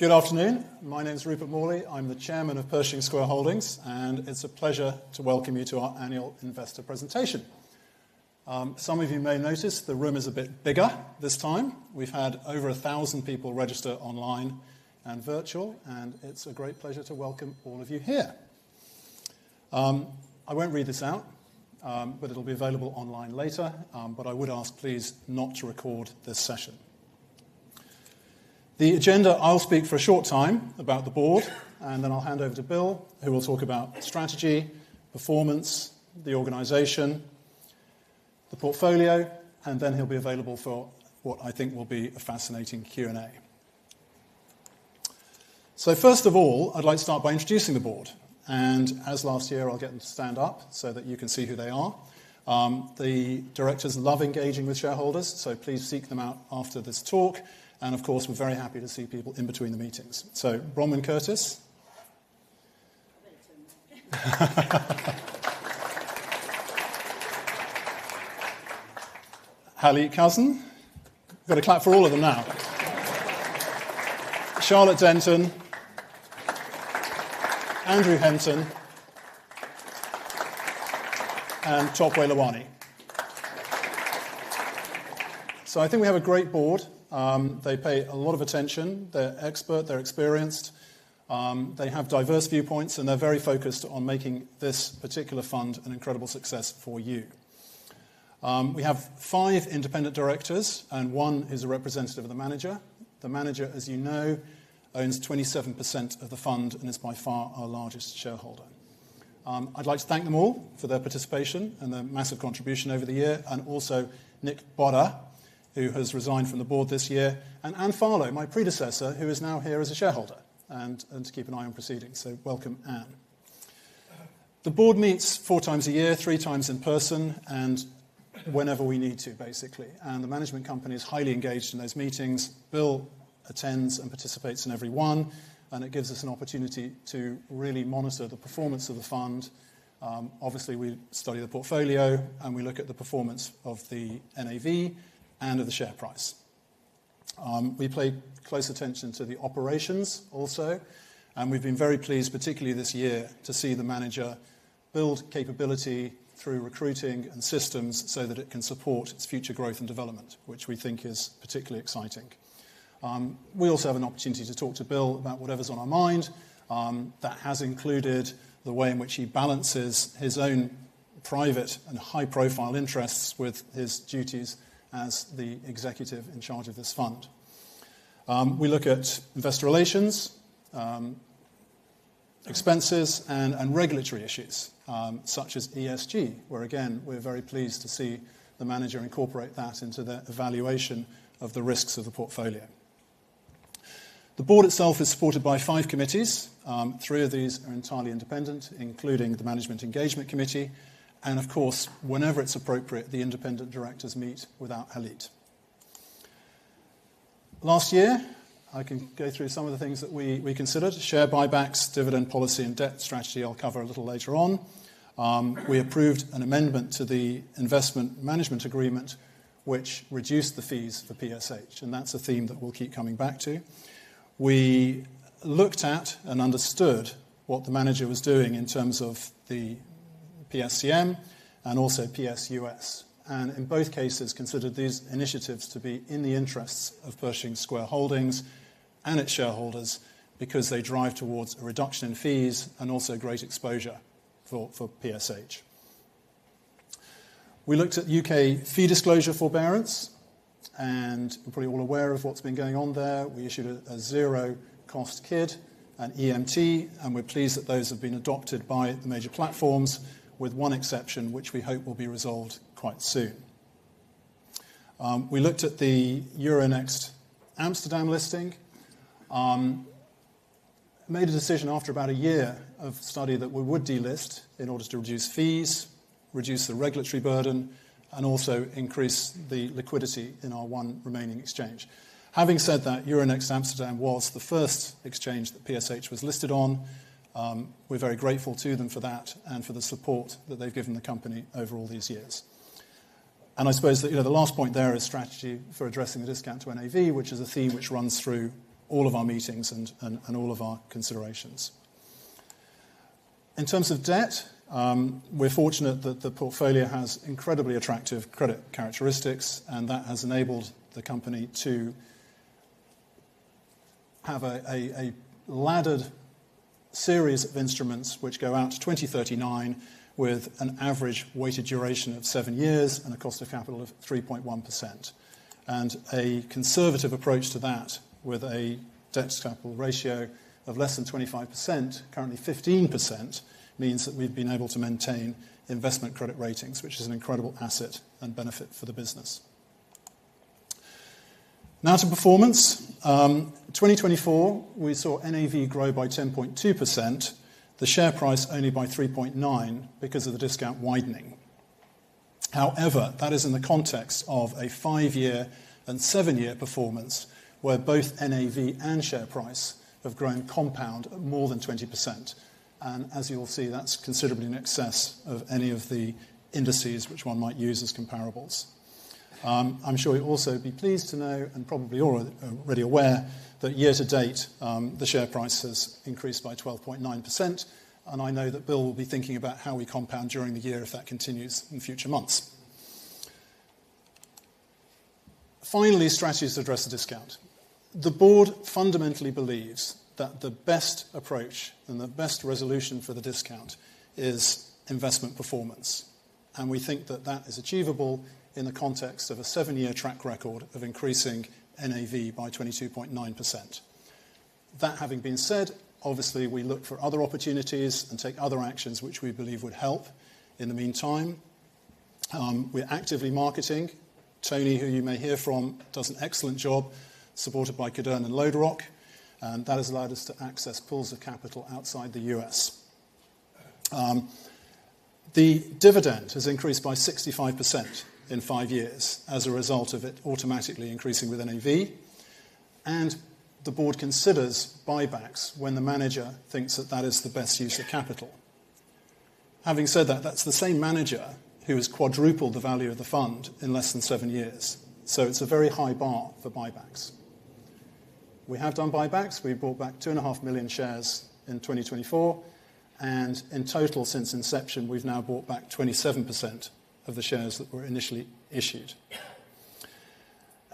Good afternoon. My name is Rupert Morley. I'm the Chairman of Pershing Square Holdings, and it's a pleasure to welcome you to our annual investor presentation. Some of you may notice the room is a bit bigger this time. We've had over 1,000 people register online and virtual, and it's a great pleasure to welcome all of you here. I won't read this out, but it'll be available online later. But I would ask, please, not to record this session. The agenda: I'll speak for a short time about the board, and then I'll hand over to Bill, who will talk about strategy, performance, the organization, the portfolio, and then he'll be available for what I think will be a fascinating Q&A. So first of all, I'd like to start by introducing the board. And as last year, I'll get them to stand up so that you can see who they are. The directors love engaging with shareholders, so please seek them out after this talk. And of course, we're very happy to see people in between the meetings. So Bronwyn Curtis. We've got to clap for all of them now. Charlotte Denton. Andrew Hentsch. And Tope Lawani. So I think we have a great board. They pay a lot of attention. They're expert. They're experienced. They have diverse viewpoints, and they're very focused on making this particular fund an incredible success for you. We have five independent directors, and one is a representative of the manager. The manager, as you know, owns 27% of the fund and is by far our largest shareholder. I'd like to thank them all for their participation and their massive contribution over the year, and also Nick Botta, who has resigned from the board this year, and Anne Farlow, my predecessor, who is now here as a shareholder and to keep an eye on proceedings. So welcome, Anne. The board meets four times a year, three times in person, and whenever we need to, basically, and the management company is highly engaged in those meetings. Bill attends and participates in every one, and it gives us an opportunity to really monitor the performance of the fund. Obviously, we study the portfolio, and we look at the performance of the NAV and of the share price. We pay close attention to the operations also, and we've been very pleased, particularly this year, to see the manager build capability through recruiting and systems so that it can support its future growth and development, which we think is particularly exciting. We also have an opportunity to talk to Bill about whatever's on our mind. That has included the way in which he balances his own private and high-profile interests with his duties as the executive in charge of this fund. We look at investor relations, expenses, and regulatory issues such as ESG, where, again, we're very pleased to see the manager incorporate that into the evaluation of the risks of the portfolio. The board itself is supported by five committees. Three of these are entirely independent, including the Management Engagement Committee, and of course, whenever it's appropriate, the independent directors meet without. Last year, I can go through some of the things that we considered: share buybacks, dividend policy, and debt strategy. I'll cover a little later on. We approved an amendment to the Investment Management Agreement, which reduced the fees for PSH, and that's a theme that we'll keep coming back to. We looked at and understood what the manager was doing in terms of the PSCM and also PSUS, and in both cases considered these initiatives to be in the interests of Pershing Square Holdings and its shareholders because they drive towards a reduction in fees and also great exposure for PSH. We looked at UK fee disclosure forbearance, and you're probably all aware of what's been going on there. We issued a zero-cost KID, an EMT, and we're pleased that those have been adopted by the major platforms, with one exception, which we hope will be resolved quite soon. We looked at the Euronext Amsterdam listing. Made a decision after about a year of study that we would delist in order to reduce fees, reduce the regulatory burden, and also increase the liquidity in our one remaining exchange. Having said that, Euronext Amsterdam was the first exchange that PSH was listed on. We're very grateful to them for that and for the support that they've given the company over all these years, and I suppose that the last point there is strategy for addressing the discount to NAV, which is a theme which runs through all of our meetings and all of our considerations. In terms of debt, we're fortunate that the portfolio has incredibly attractive credit characteristics, and that has enabled the company to have a laddered series of instruments which go out to 2039 with an average weighted duration of seven years and a cost of capital of 3.1%, and a conservative approach to that with a debt-to-capital ratio of less than 25%, currently 15%, means that we've been able to maintain investment credit ratings, which is an incredible asset and benefit for the business. Now to performance. In 2024, we saw NAV grow by 10.2%, the share price only by 3.9% because of the discount widening. However, that is in the context of a five-year and seven-year performance where both NAV and share price have grown compound at more than 20%. As you'll see, that's considerably in excess of any of the indices which one might use as comparables. I'm sure you'll also be pleased to know, and probably you're already aware, that year to date the share price has increased by 12.9%. I know that Bill will be thinking about how we compound during the year if that continues in future months. Finally, strategies to address the discount. The board fundamentally believes that the best approach and the best resolution for the discount is investment performance. And we think that that is achievable in the context of a seven-year track record of increasing NAV by 22.9%. That having been said, obviously, we look for other opportunities and take other actions which we believe would help. In the meantime, we're actively marketing. Tony, who you may hear from, does an excellent job, supported by Camarco and Loderock, and that has allowed us to access pools of capital outside the U.S. The dividend has increased by 65% in five years as a result of it automatically increasing with NAV. And the board considers buybacks when the manager thinks that that is the best use of capital. Having said that, that's the same manager who has quadrupled the value of the fund in less than seven years. So it's a very high bar for buybacks. We have done buybacks. We brought back 2.5 million shares in 2024. And in total, since inception, we've now bought back 27% of the shares that were initially issued.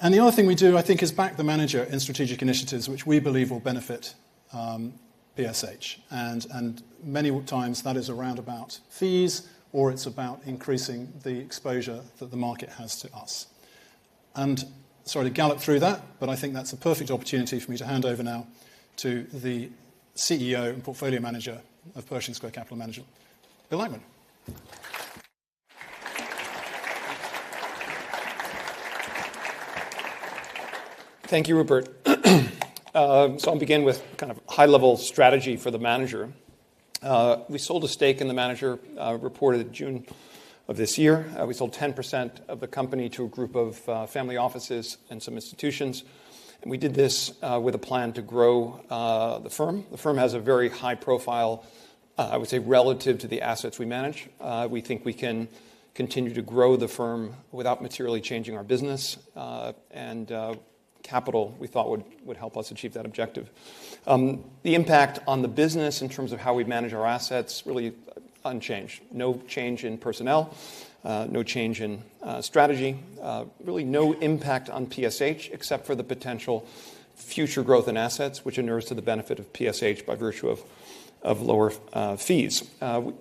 And the other thing we do, I think, is back the manager in strategic initiatives which we believe will benefit PSH. And many times that is around about fees or it's about increasing the exposure that the market has to us. And sorry to gallop through that, but I think that's a perfect opportunity for me to hand over now to the CEO and Portfolio Manager of Pershing Square Capital Management, Bill Ackman. Thank you, Rupert. So I'll begin with kind of high-level strategy for the manager. We sold a stake in the manager, reported in June of this year. We sold 10% of the company to a group of family offices and some institutions. And we did this with a plan to grow the firm. The firm has a very high profile, I would say, relative to the assets we manage. We think we can continue to grow the firm without materially changing our business. And capital we thought would help us achieve that objective. The impact on the business in terms of how we manage our assets really unchanged. No change in personnel, no change in strategy, really no impact on PSH except for the potential future growth in assets, which inures to the benefit of PSH by virtue of lower fees.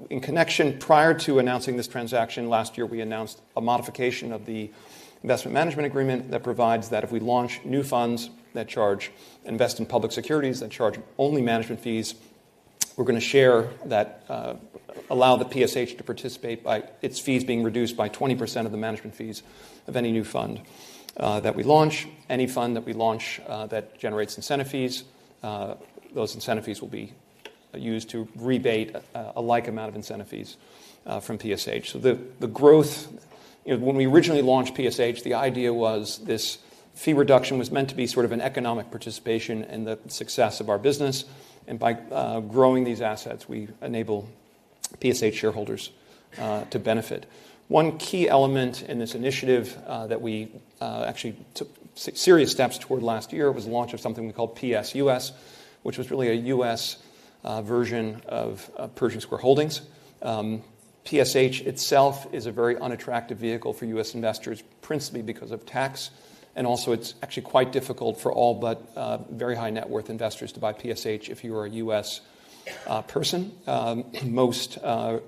In connection, prior to announcing this transaction last year, we announced a modification of the investment management agreement that provides that if we launch new funds that charge invest in public securities that charge only management fees, we're going to share that, allow the PSH to participate by its fees being reduced by 20% of the management fees of any new fund that we launch. Any fund that we launch that generates incentive fees, those incentive fees will be used to rebate a like amount of incentive fees from PSH. So the growth, when we originally launched PSH, the idea was this fee reduction was meant to be sort of an economic participation in the success of our business. And by growing these assets, we enable PSH shareholders to benefit. One key element in this initiative that we actually took serious steps toward last year was the launch of something we called PSUS, which was really a U.S. version of Pershing Square Holdings. PSH itself is a very unattractive vehicle for U.S. investors, principally because of tax. And also, it's actually quite difficult for all but very high net worth investors to buy PSH if you are a U.S. person. Most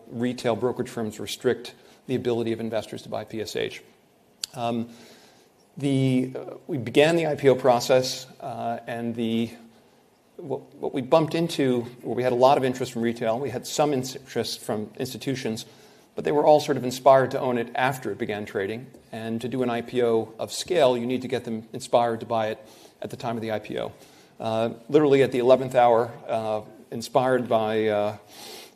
retail brokerage firms restrict the ability of investors to buy PSH. We began the IPO process, and what we bumped into, we had a lot of interest from retail. We had some interest from institutions, but they were all sort of inspired to own it after it began trading. And to do an IPO of scale, you need to get them inspired to buy it at the time of the IPO. Literally, at the 11th hour, inspired by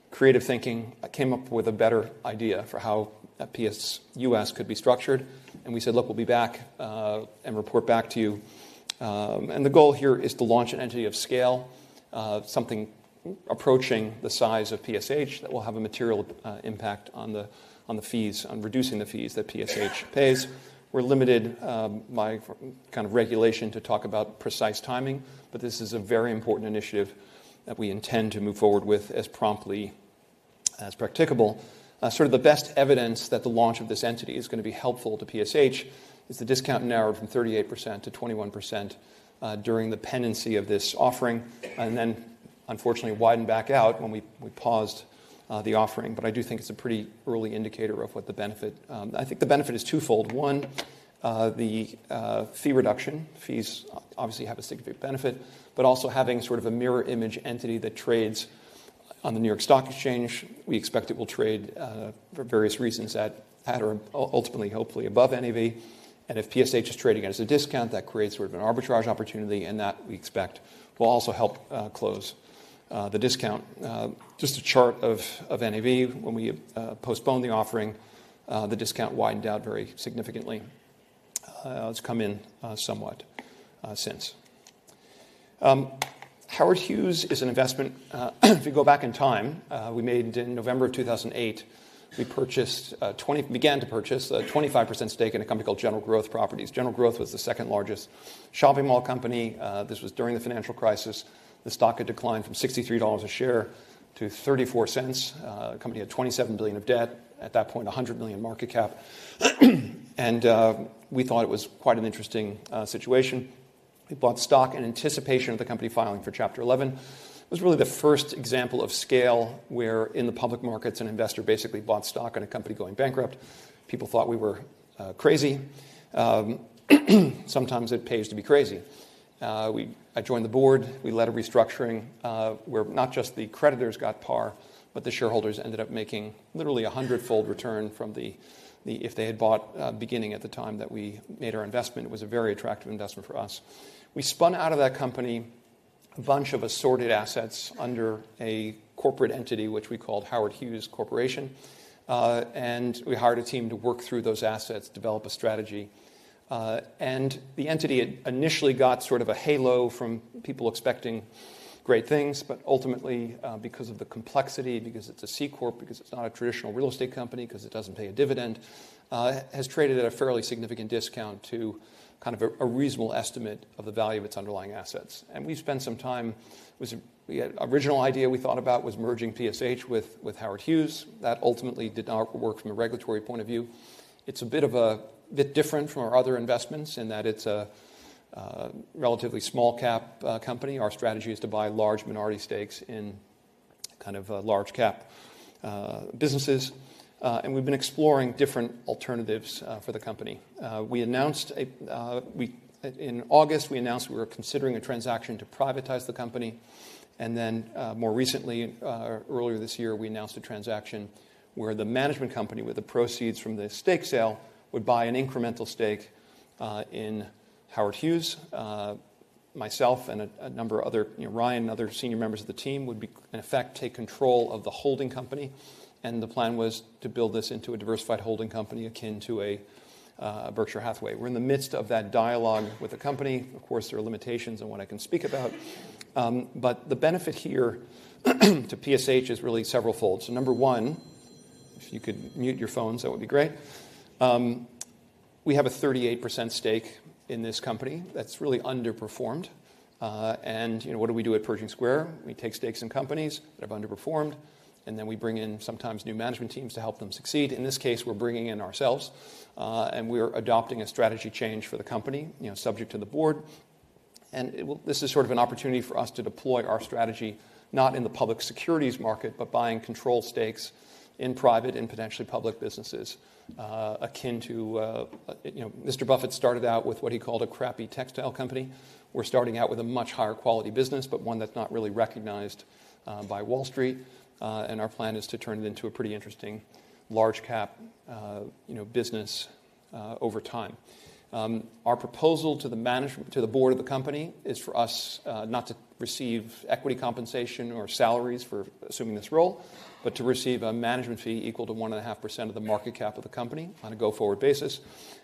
creative thinking, I came up with a better idea for how PSUS could be structured. And we said, "Look, we'll be back and report back to you." And the goal here is to launch an entity of scale, something approaching the size of PSH that will have a material impact on the fees, on reducing the fees that PSH pays. We're limited by kind of regulation to talk about precise timing, but this is a very important initiative that we intend to move forward with as promptly as practicable. Sort of the best evidence that the launch of this entity is going to be helpful to PSH is the discount narrowed from 38% to 21% during the pendency of this offering, and then unfortunately widened back out when we paused the offering. I do think it's a pretty early indicator of what the benefit is twofold. One, the fee reduction. Fees obviously have a significant benefit, but also having sort of a mirror image entity that trades on the New York Stock Exchange. We expect it will trade for various reasons at or ultimately, hopefully, above NAV. If PSH is trading at a discount, that creates sort of an arbitrage opportunity, and that we expect will also help close the discount. Just a chart of NAV. When we postponed the offering, the discount widened out very significantly. It's come in somewhat since. Howard Hughes is an investment. If you go back in time, in November 2008, we began to purchase a 25% stake in a company called General Growth Properties. General Growth was the second largest shopping mall company. This was during the financial crisis. The stock had declined from $63 a share to $0.34. The company had $27 billion of debt. At that point, $100 million market cap. And we thought it was quite an interesting situation. We bought the stock in anticipation of the company filing for Chapter 11. It was really the first example of scale where in the public markets an investor basically bought stock in a company going bankrupt. People thought we were crazy. Sometimes it pays to be crazy. I joined the board. We led a restructuring where not just the creditors got par, but the shareholders ended up making literally a hundred-fold return from the if they had bought beginning at the time that we made our investment. It was a very attractive investment for us. We spun out of that company a bunch of assorted assets under a corporate entity, which we called Howard Hughes Corporation. And we hired a team to work through those assets, develop a strategy. And the entity initially got sort of a halo from people expecting great things, but ultimately, because of the complexity, because it's a C Corp, because it's not a traditional real estate company, because it doesn't pay a dividend, has traded at a fairly significant discount to kind of a reasonable estimate of the value of its underlying assets. And we spent some time. The original idea we thought about was merging PSH with Howard Hughes. That ultimately did not work from a regulatory point of view. It's a bit different from our other investments in that it's a relatively small-cap company. Our strategy is to buy large minority stakes in kind of large-cap businesses. And we've been exploring different alternatives for the company. In August, we announced we were considering a transaction to privatize the company. And then more recently, earlier this year, we announced a transaction where the management company with the proceeds from the stake sale would buy an incremental stake in Howard Hughes. Myself and a number of others, Ryan and other senior members of the team would in effect take control of the holding company. And the plan was to build this into a diversified holding company akin to a Berkshire Hathaway. We're in the midst of that dialogue with the company. Of course, there are limitations on what I can speak about. But the benefit here to PSH is really several folds. So number one, if you could mute your phones, that would be great. We have a 38% stake in this company that's really underperformed. What do we do at Pershing Square? We take stakes in companies that have underperformed, and then we bring in sometimes new management teams to help them succeed. In this case, we're bringing in ourselves. We're adopting a strategy change for the company subject to the board. This is sort of an opportunity for us to deploy our strategy, not in the public securities market, but buying control stakes in private and potentially public businesses akin to Mr. Buffett started out with what he called a crappy textile company. We're starting out with a much higher quality business, but one that's not really recognized by Wall Street. Our plan is to turn it into a pretty interesting large-cap business over time. Our proposal to the board of the company is for us not to receive equity compensation or salaries for assuming this role, but to receive a management fee equal to 1.5% of the market cap of the company on a go-forward basis.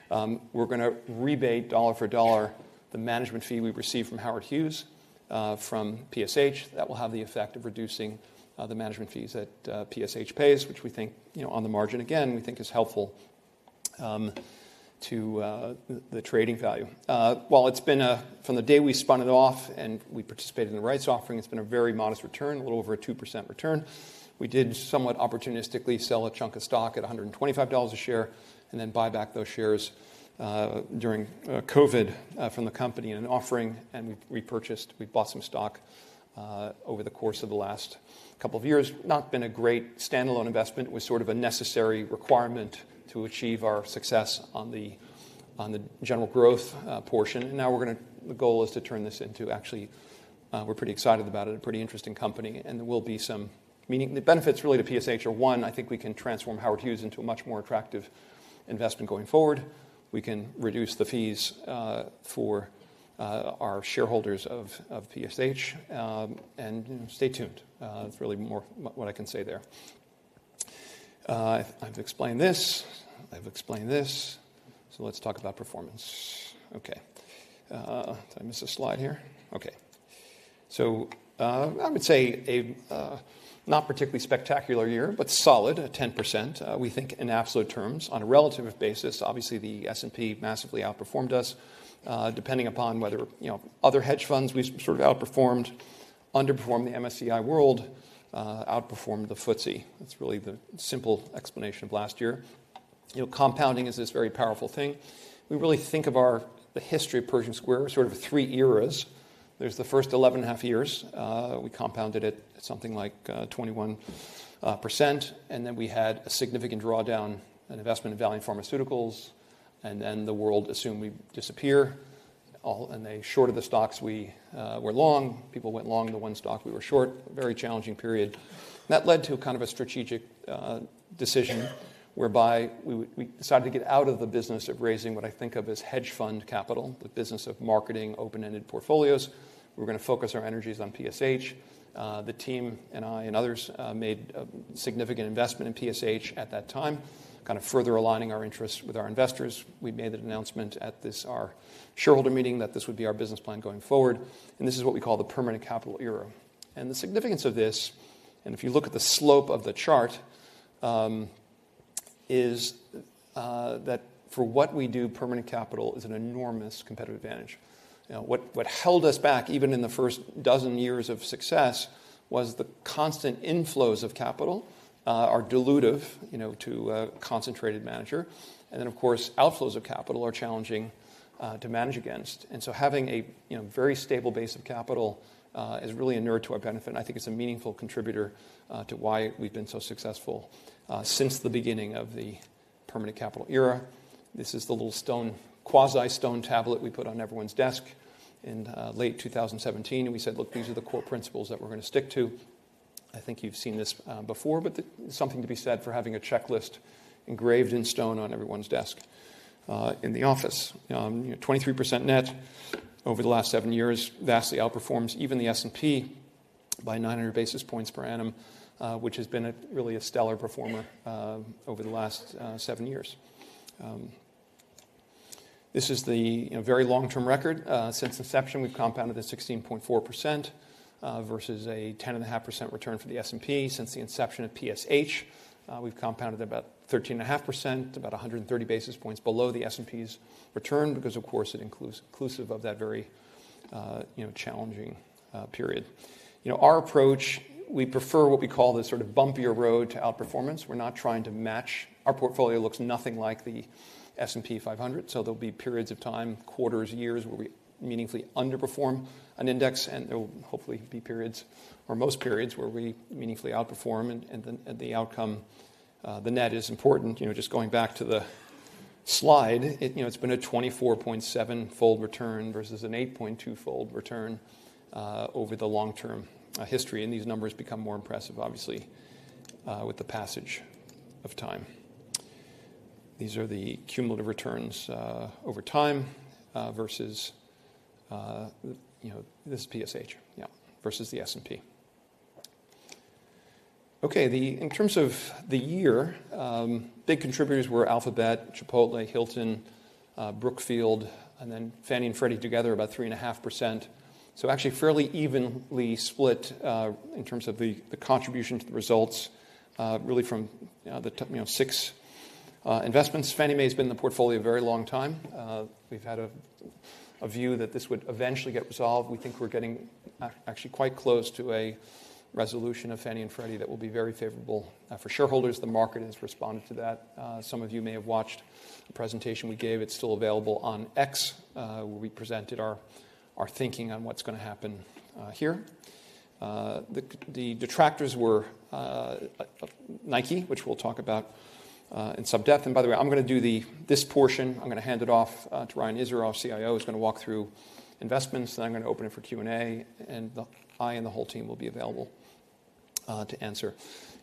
We're going to rebate dollar for dollar the management fee we received from Howard Hughes from PSH. That will have the effect of reducing the management fees that PSH pays, which we think on the margin, again, we think is helpful to the trading value. While it's been from the day we spun it off and we participated in the rights offering, it's been a very modest return, a little over a 2% return. We did somewhat opportunistically sell a chunk of stock at $125 a share and then buy back those shares during COVID from the company in an offering. And we repurchased. We bought some stock over the course of the last couple of years. Not been a great standalone investment. It was sort of a necessary requirement to achieve our success on the General Growth portion. And now we're going to the goal is to turn this into actually we're pretty excited about it, a pretty interesting company. And there will be some meaningful benefits related to PSH. One, I think we can transform Howard Hughes into a much more attractive investment going forward. We can reduce the fees for our shareholders of PSH. And stay tuned. That's really more what I can say there. I've explained this. I've explained this. So let's talk about performance. Okay. Did I miss a slide here? Okay. So I would say a not particularly spectacular year, but solid, 10%. We think in absolute terms. On a relative basis, obviously the S&P massively outperformed us. Depending upon whether other hedge funds we sort of outperformed, underperformed the MSCI World, outperformed the FTSE. That's really the simple explanation of last year. Compounding is this very powerful thing. We really think of the history of Pershing Square as sort of three eras. There's the first 11 and a half years. We compounded it at something like 21%. And then we had a significant drawdown, an investment in Valeant Pharmaceuticals. And then the world assumed we'd disappear. And they shorted the stocks we were long. People went long in the one stock we were short. Very challenging period. That led to kind of a strategic decision whereby we decided to get out of the business of raising what I think of as hedge fund capital, the business of marketing open-ended portfolios. We were going to focus our energies on PSH. The team and I and others made a significant investment in PSH at that time, kind of further aligning our interests with our investors. We made an announcement at our shareholder meeting that this would be our business plan going forward. And this is what we call the permanent capital era. And the significance of this, and if you look at the slope of the chart, is that for what we do, permanent capital is an enormous competitive advantage. What held us back even in the first dozen years of success was the constant inflows of capital are dilutive to a concentrated manager. And then, of course, outflows of capital are challenging to manage against. And so having a very stable base of capital is really inured to our benefit. I think it's a meaningful contributor to why we've been so successful since the beginning of the permanent capital era. This is the little stone, quasi-stone tablet we put on everyone's desk in late 2017. And we said, "Look, these are the core principles that we're going to stick to." I think you've seen this before, but something to be said for having a checklist engraved in stone on everyone's desk in the office. 23% net over the last seven years vastly outperforms even the S&P by 900 basis points per annum, which has been really a stellar performer over the last seven years. This is the very long-term record. Since inception, we've compounded at 16.4% versus a 10.5% return for the S&P since the inception of PSH. We've compounded about 13.5%, about 130 basis points below the S&P's return because, of course, it includes, inclusive of that very challenging period. Our approach, we prefer what we call the sort of bumpier road to outperformance. We're not trying to match. Our portfolio looks nothing like the S&P 500. So there'll be periods of time, quarters, years where we meaningfully underperform an index. And there will hopefully be periods or most periods where we meaningfully outperform. And the outcome, the net is important. Just going back to the slide, it's been a 24.7-fold return versus an 8.2-fold return over the long-term history. And these numbers become more impressive, obviously, with the passage of time. These are the cumulative returns over time versus this PSH, yeah, versus the S&P. Okay. In terms of the year, big contributors were Alphabet, Chipotle, Hilton, Brookfield, and then Fannie and Freddie together about 3.5%. So actually fairly evenly split in terms of the contribution to the results, really from the six investments. Fannie Mae has been in the portfolio a very long time. We've had a view that this would eventually get resolved. We think we're getting actually quite close to a resolution of Fannie and Freddie that will be very favorable for shareholders. The market has responded to that. Some of you may have watched the presentation we gave. It's still available on X where we presented our thinking on what's going to happen here. The detractors were Nike, which we'll talk about in some depth. And by the way, I'm going to do this portion. I'm going to hand it off to Ryan Israel, our CIO. He's going to walk through investments. Then I'm going to open it for Q&A. And I and the whole team will be available to answer.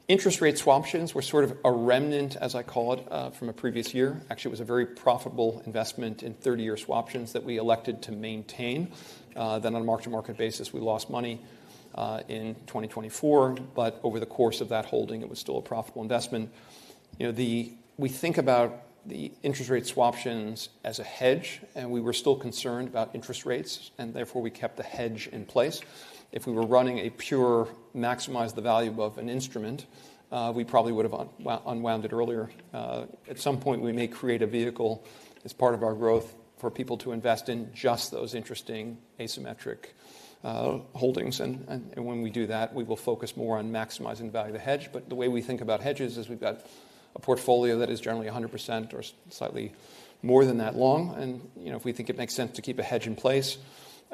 Interest rate swap options, we're sort of a remnant, as I call it, from a previous year. Actually, it was a very profitable investment in 30-year swap options that we elected to maintain. Then, on a mark-to-market basis, we lost money in 2024. But over the course of that holding, it was still a profitable investment. We think about the interest rate swap options as a hedge. And we were still concerned about interest rates. And therefore, we kept the hedge in place. If we were running a pure maximized value above an instrument, we probably would have unwound it earlier. At some point, we may create a vehicle as part of our growth for people to invest in just those interesting asymmetric holdings. And when we do that, we will focus more on maximizing the value of the hedge. But the way we think about hedges is we've got a portfolio that is generally 100% or slightly more than that long. If we think it makes sense to keep a hedge in place,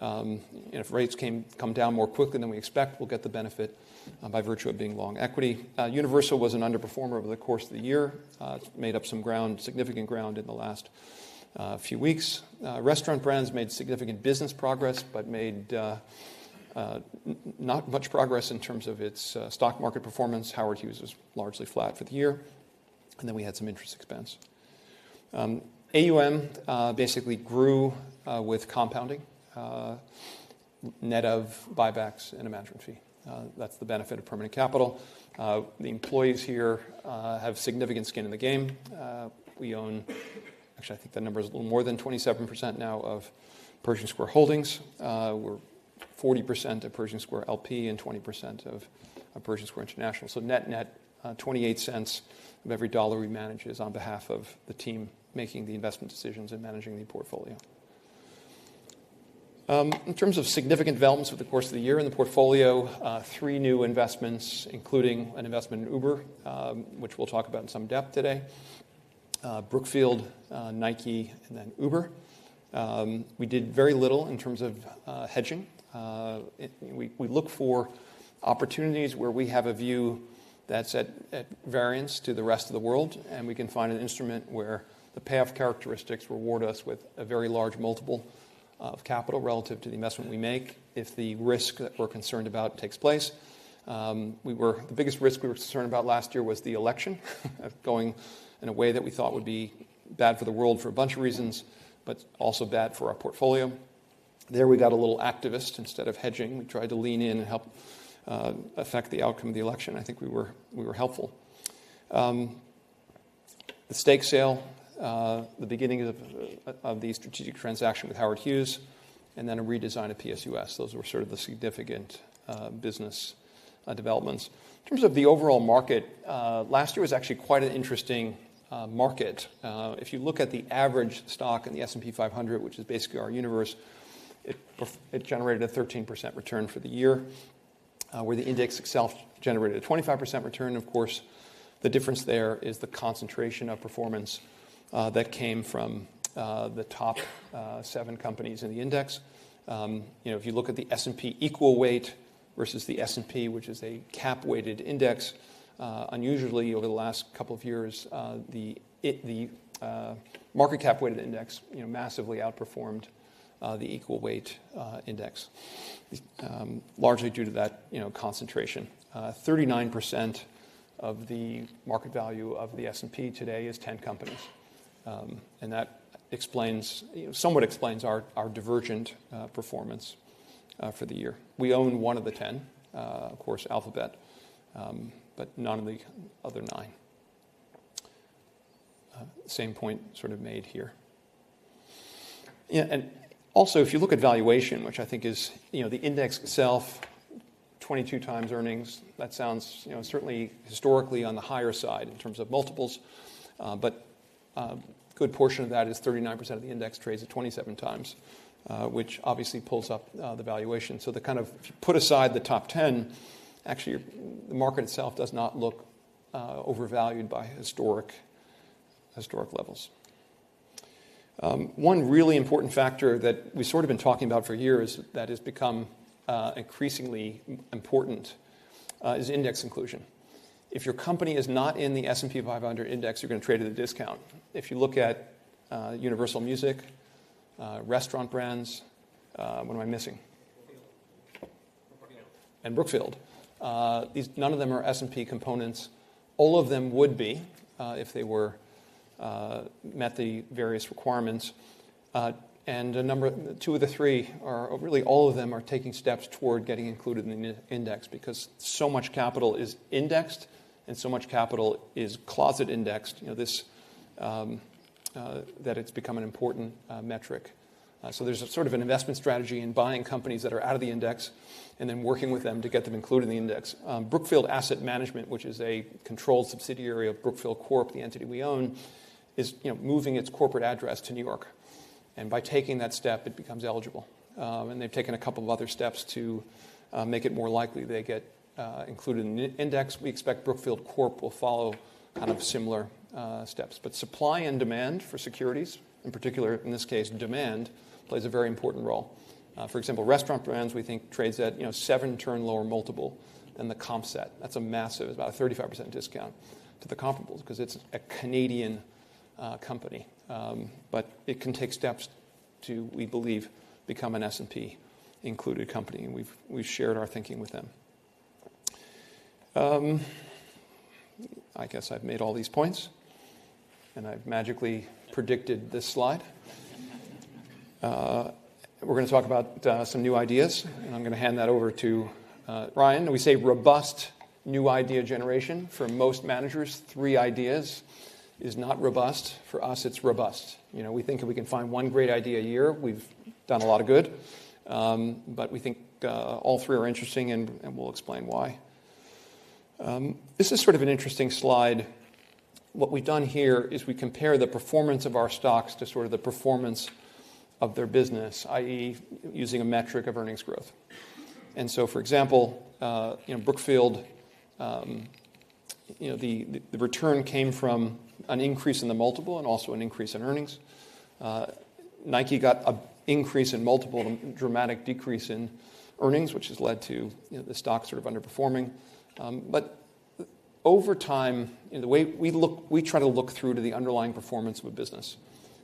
if rates come down more quickly than we expect, we'll get the benefit by virtue of being long equity. Universal was an underperformer over the course of the year. It's made up some significant ground in the last few weeks. Restaurant Brands made significant business progress, but made not much progress in terms of its stock market performance. Howard Hughes was largely flat for the year. And then we had some interest expense. AUM basically grew with compounding, net of buybacks and a management fee. That's the benefit of permanent capital. The employees here have significant skin in the game. We own, actually, I think the number is a little more than 27% now of Pershing Square Holdings. We're 40% of Pershing Square LP and 20% of Pershing Square International. So net-net, $0.28 of every dollar we manage is on behalf of the team making the investment decisions and managing the portfolio. In terms of significant developments over the course of the year in the portfolio, three new investments, including an investment in Uber, which we'll talk about in some depth today: Brookfield, Nike, and then Uber. We did very little in terms of hedging. We look for opportunities where we have a view that's at variance to the rest of the world, and we can find an instrument where the payoff characteristics reward us with a very large multiple of capital relative to the investment we make if the risk that we're concerned about takes place. The biggest risk we were concerned about last year was the election going in a way that we thought would be bad for the world for a bunch of reasons, but also bad for our portfolio. There we got a little activist instead of hedging. We tried to lean in and help affect the outcome of the election. I think we were helpful. The stake sale, the beginning of the strategic transaction with Howard Hughes, and then a redesign of PSUS. Those were sort of the significant business developments. In terms of the overall market, last year was actually quite an interesting market. If you look at the average stock in the S&P 500, which is basically our universe, it generated a 13% return for the year, where the index itself generated a 25% return. Of course, the difference there is the concentration of performance that came from the top seven companies in the index. If you look at the S&P equal weight versus the S&P, which is a cap-weighted index, unusually over the last couple of years, the market cap-weighted index massively outperformed the equal weight index, largely due to that concentration. 39% of the market value of the S&P today is 10 companies. And that somewhat explains our divergent performance for the year. We own one of the 10, of course, Alphabet, but none of the other nine. Same point sort of made here. And also, if you look at valuation, which I think is the index itself, 22 times earnings, that sounds certainly historically on the higher side in terms of multiples. But a good portion of that is 39% of the index trades at 27 times, which obviously pulls up the valuation. So kind of if you put aside the top 10, actually the market itself does not look overvalued by historic levels. One really important factor that we've sort of been talking about for years that has become increasingly important is index inclusion. If your company is not in the S&P 500 index, you're going to trade at a discount. If you look at Universal Music, Restaurant Brands, what am I missing? Brookfield. Brookfield. None of them are S&P components. All of them would be if they met the various requirements. Two of the three are. Really all of them are taking steps toward getting included in the index because so much capital is indexed and so much capital is closet indexed that it's become an important metric. There's sort of an investment strategy in buying companies that are out of the index and then working with them to get them included in the index. Brookfield Asset Management, which is a controlled subsidiary of Brookfield Corp, the entity we own, is moving its corporate address to New York. By taking that step, it becomes eligible. They've taken a couple of other steps to make it more likely they get included in the index. We expect Brookfield Corp will follow kind of similar steps. But supply and demand for securities, in particular in this case, demand plays a very important role. For example, Restaurant Brands, we think trades at seven turn lower multiple than the comp set. That's a massive, about a 35% discount to the comparables because it's a Canadian company. But it can take steps to, we believe, become an S&P included company. And we've shared our thinking with them. I guess I've made all these points. And I've magically predicted this slide. We're going to talk about some new ideas. And I'm going to hand that over to Ryan. We say robust new idea generation for most managers. Three ideas is not robust. For us, it's robust. We think we can find one great idea a year. We've done a lot of good. But we think all three are interesting. And we'll explain why. This is sort of an interesting slide. What we've done here is we compare the performance of our stocks to sort of the performance of their business, i.e., using a metric of earnings growth, and so, for example, Brookfield, the return came from an increase in the multiple and also an increase in earnings. Nike got an increase in multiple and a dramatic decrease in earnings, which has led to the stock sort of underperforming, but over time, we try to look through to the underlying performance of a business.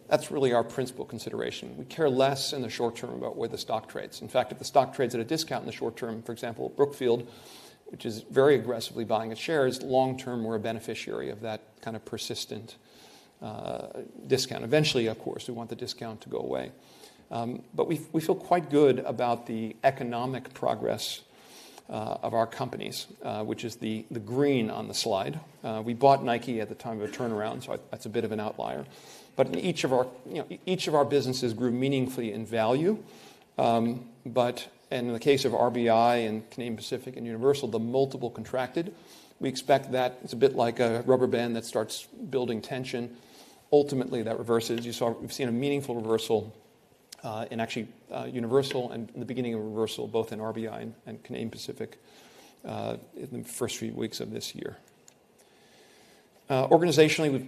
That's really our principal consideration. We care less in the short term about where the stock trades. In fact, if the stock trades at a discount in the short term, for example, Brookfield, which is very aggressively buying its shares, long term we're a beneficiary of that kind of persistent discount. Eventually, of course, we want the discount to go away. But we feel quite good about the economic progress of our companies, which is the green on the slide. We bought Nike at the time of a turnaround. So that's a bit of an outlier. But each of our businesses grew meaningfully in value. And in the case of RBI and Canadian Pacific and Universal, the multiple contracted. We expect that it's a bit like a rubber band that starts building tension. Ultimately, that reverses. We've seen a meaningful reversal in actually Universal and the beginning of reversal, both in RBI and Canadian Pacific in the first few weeks of this year. Organizationally,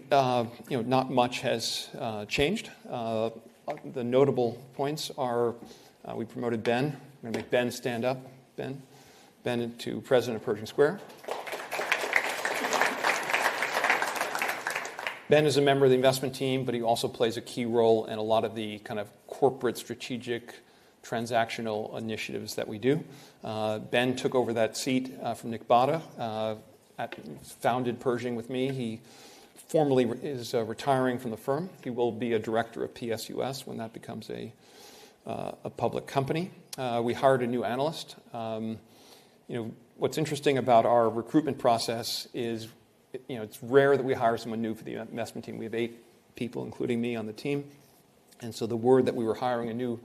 not much has changed. The notable points are we promoted Ben. I'm going to make Ben stand up. Ben, Ben to President of Pershing Square. Ben is a member of the investment team, but he also plays a key role in a lot of the kind of corporate strategic transactional initiatives that we do. Ben took over that seat from Nick Botta, founded Pershing with me. He formally is retiring from the firm. He will be a director of PSUS when that becomes a public company. We hired a new analyst. What's interesting about our recruitment process is it's rare that we hire someone new for the investment team. We have eight people, including me, on the team. And so the word that we were hiring a new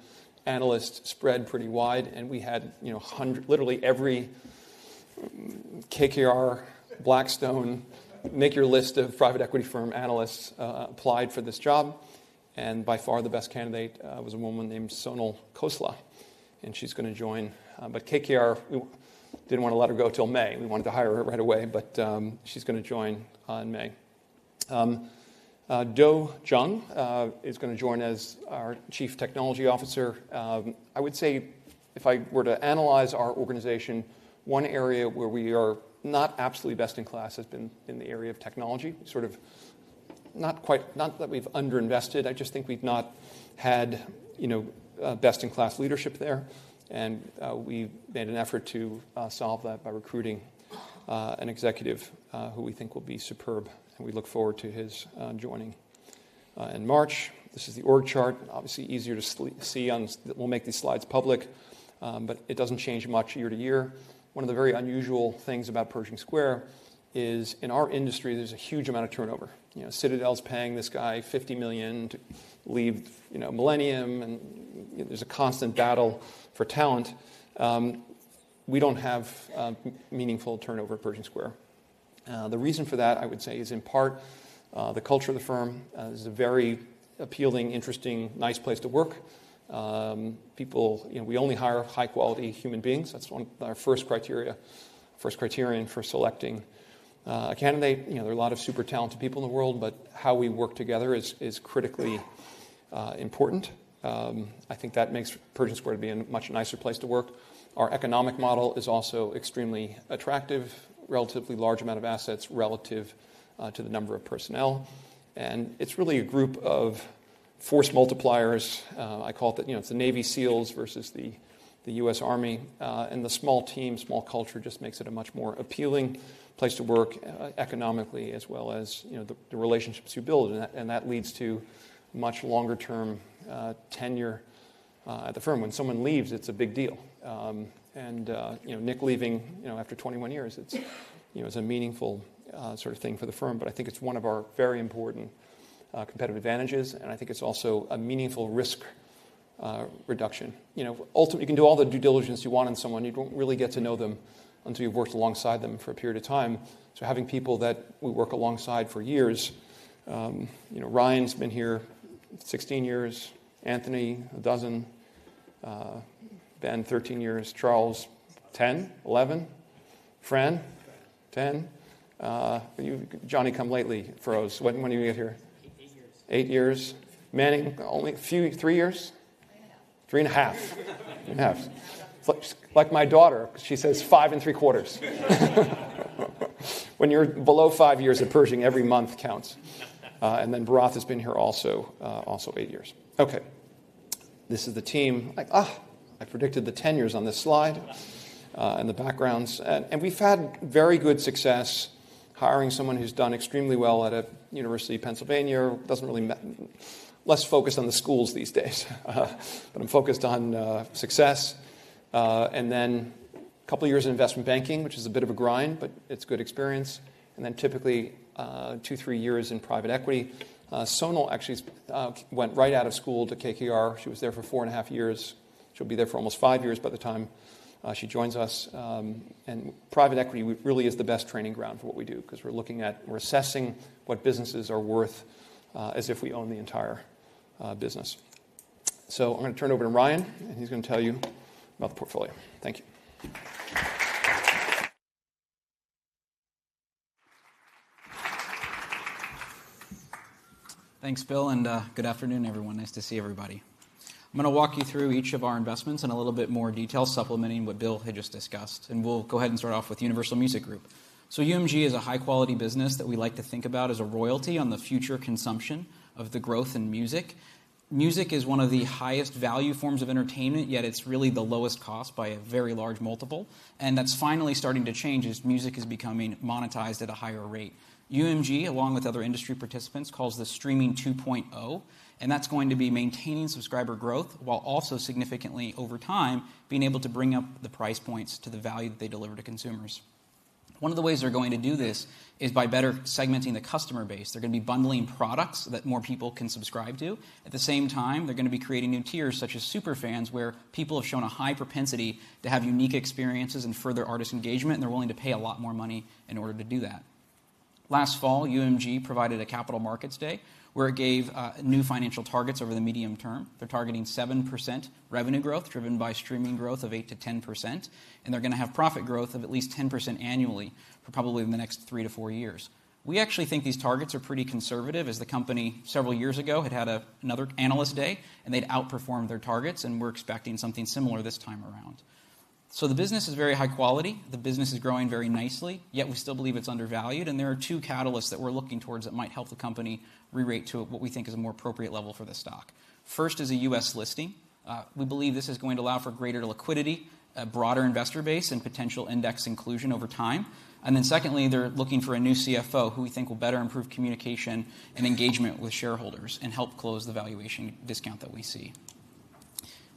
analyst spread pretty wide. And we had literally every KKR, Blackstone, make your list of private equity firm analysts applied for this job. And by far, the best candidate was a woman named Sonal Khosla. And she's going to join. But KKR didn't want to let her go until May. We wanted to hire her right away. But she's going to join in May. Doeon Jung is going to join as our Chief Technology Officer. I would say if I were to analyze our organization, one area where we are not absolutely best in class has been in the area of technology. Sort of not that we've underinvested. I just think we've not had best-in-class leadership there. And we've made an effort to solve that by recruiting an executive who we think will be superb. And we look forward to his joining in March. This is the org chart. Obviously, easier to see now. We'll make these slides public. But it doesn't change much year to year. One of the very unusual things about Pershing Square is in our industry, there's a huge amount of turnover. Citadel's paying this guy $50 million to leave Millennium. And there's a constant battle for talent. We don't have meaningful turnover at Pershing Square. The reason for that, I would say, is in part the culture of the firm. It's a very appealing, interesting, nice place to work. We only hire high-quality human beings. That's one of our first criteria for selecting a candidate. There are a lot of super talented people in the world. But how we work together is critically important. I think that makes Pershing Square to be a much nicer place to work. Our economic model is also extremely attractive, relatively large amount of assets relative to the number of personnel. And it's really a group of force multipliers. I call it the Navy SEALs versus the U.S. Army. The small team, small culture just makes it a much more appealing place to work economically as well as the relationships you build. That leads to much longer-term tenure at the firm. When someone leaves, it's a big deal. Nick leaving after 21 years, it's a meaningful sort of thing for the firm. I think it's one of our very important competitive advantages. I think it's also a meaningful risk reduction. Ultimately, you can do all the due diligence you want in someone. You don't really get to know them until you've worked alongside them for a period of time. So having people that we work alongside for years, Ryan's been here 16 years, Anthony a dozen, Ben 13 years, Charles 10, 11, Fran 10. Johnny come lately, Feroz. When did you get here? Eight years. Eight years. Manning, only three years? Three and a half. Three and a half. Like my daughter, she says five and three quarters. When you're below five years at Pershing, every month counts. And then Bharath has been here also eight years. OK. This is the team. I predicted the tenures on this slide and the backgrounds. And we've had very good success hiring someone who's done extremely well at a University of Pennsylvania. Less focused on the schools these days. But I'm focused on success. And then a couple of years in investment banking, which is a bit of a grind, but it's good experience. And then typically two, three years in private equity. Sonal actually went right out of school to KKR. She was there for four and a half years. She'll be there for almost five years by the time she joins us. And private equity really is the best training ground for what we do because we're looking at and we're assessing what businesses are worth as if we own the entire business. So I'm going to turn it over to Ryan. And he's going to tell you about the portfolio. Thank you. Thanks, Bill. And good afternoon, everyone. Nice to see everybody. I'm going to walk you through each of our investments in a little bit more detail, supplementing what Bill had just discussed. And we'll go ahead and start off with Universal Music Group. So UMG is a high-quality business that we like to think about as a royalty on the future consumption of the growth in music. Music is one of the highest value forms of entertainment, yet it's really the lowest cost by a very large multiple. And that's finally starting to change as music is becoming monetized at a higher rate. UMG, along with other industry participants, calls this streaming 2.0. And that's going to be maintaining subscriber growth while also significantly, over time, being able to bring up the price points to the value that they deliver to consumers. One of the ways they're going to do this is by better segmenting the customer base. They're going to be bundling products that more people can subscribe to. At the s ame time, they're going to be creating new tiers such as super fans where people have shown a high propensity to have unique experiences and further artist engagement, and they're willing to pay a lot more money in order to do that. Last fall, UMG provided a capital markets day where it gave new financial targets over the medium term. They're targeting 7% revenue growth driven by streaming growth of 8% - 10%. And they're going to have profit growth of at least 10% annually for probably the next three to four years. We actually think these targets are pretty conservative as the company several years ago had had another analyst day, and they'd outperformed their targets. We're expecting something similar this time around. So the business is very high quality. The business is growing very nicely. Yet we still believe it's undervalued. And there are two catalysts that we're looking towards that might help the company re-rate to what we think is a more appropriate level for the stock. First is a U.S. listing. We believe this is going to allow for greater liquidity, a broader investor base, and potential index inclusion over time. And then secondly, they're looking for a new CFO who we think will better improve communication and engagement with shareholders and help close the valuation discount that we see.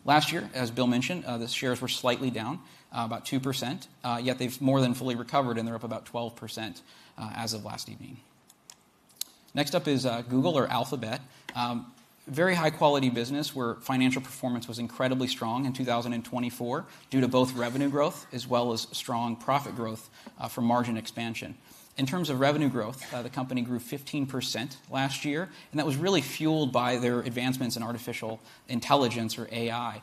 Last year, as Bill mentioned, the shares were slightly down, about 2%. Yet they've more than fully recovered. And they're up about 12% as of last evening. Next up is Google or Alphabet. Very high-quality business where financial performance was incredibly strong in 2024 due to both revenue growth as well as strong profit growth for margin expansion. In terms of revenue growth, the company grew 15% last year, and that was really fueled by their advancements in artificial intelligence or AI.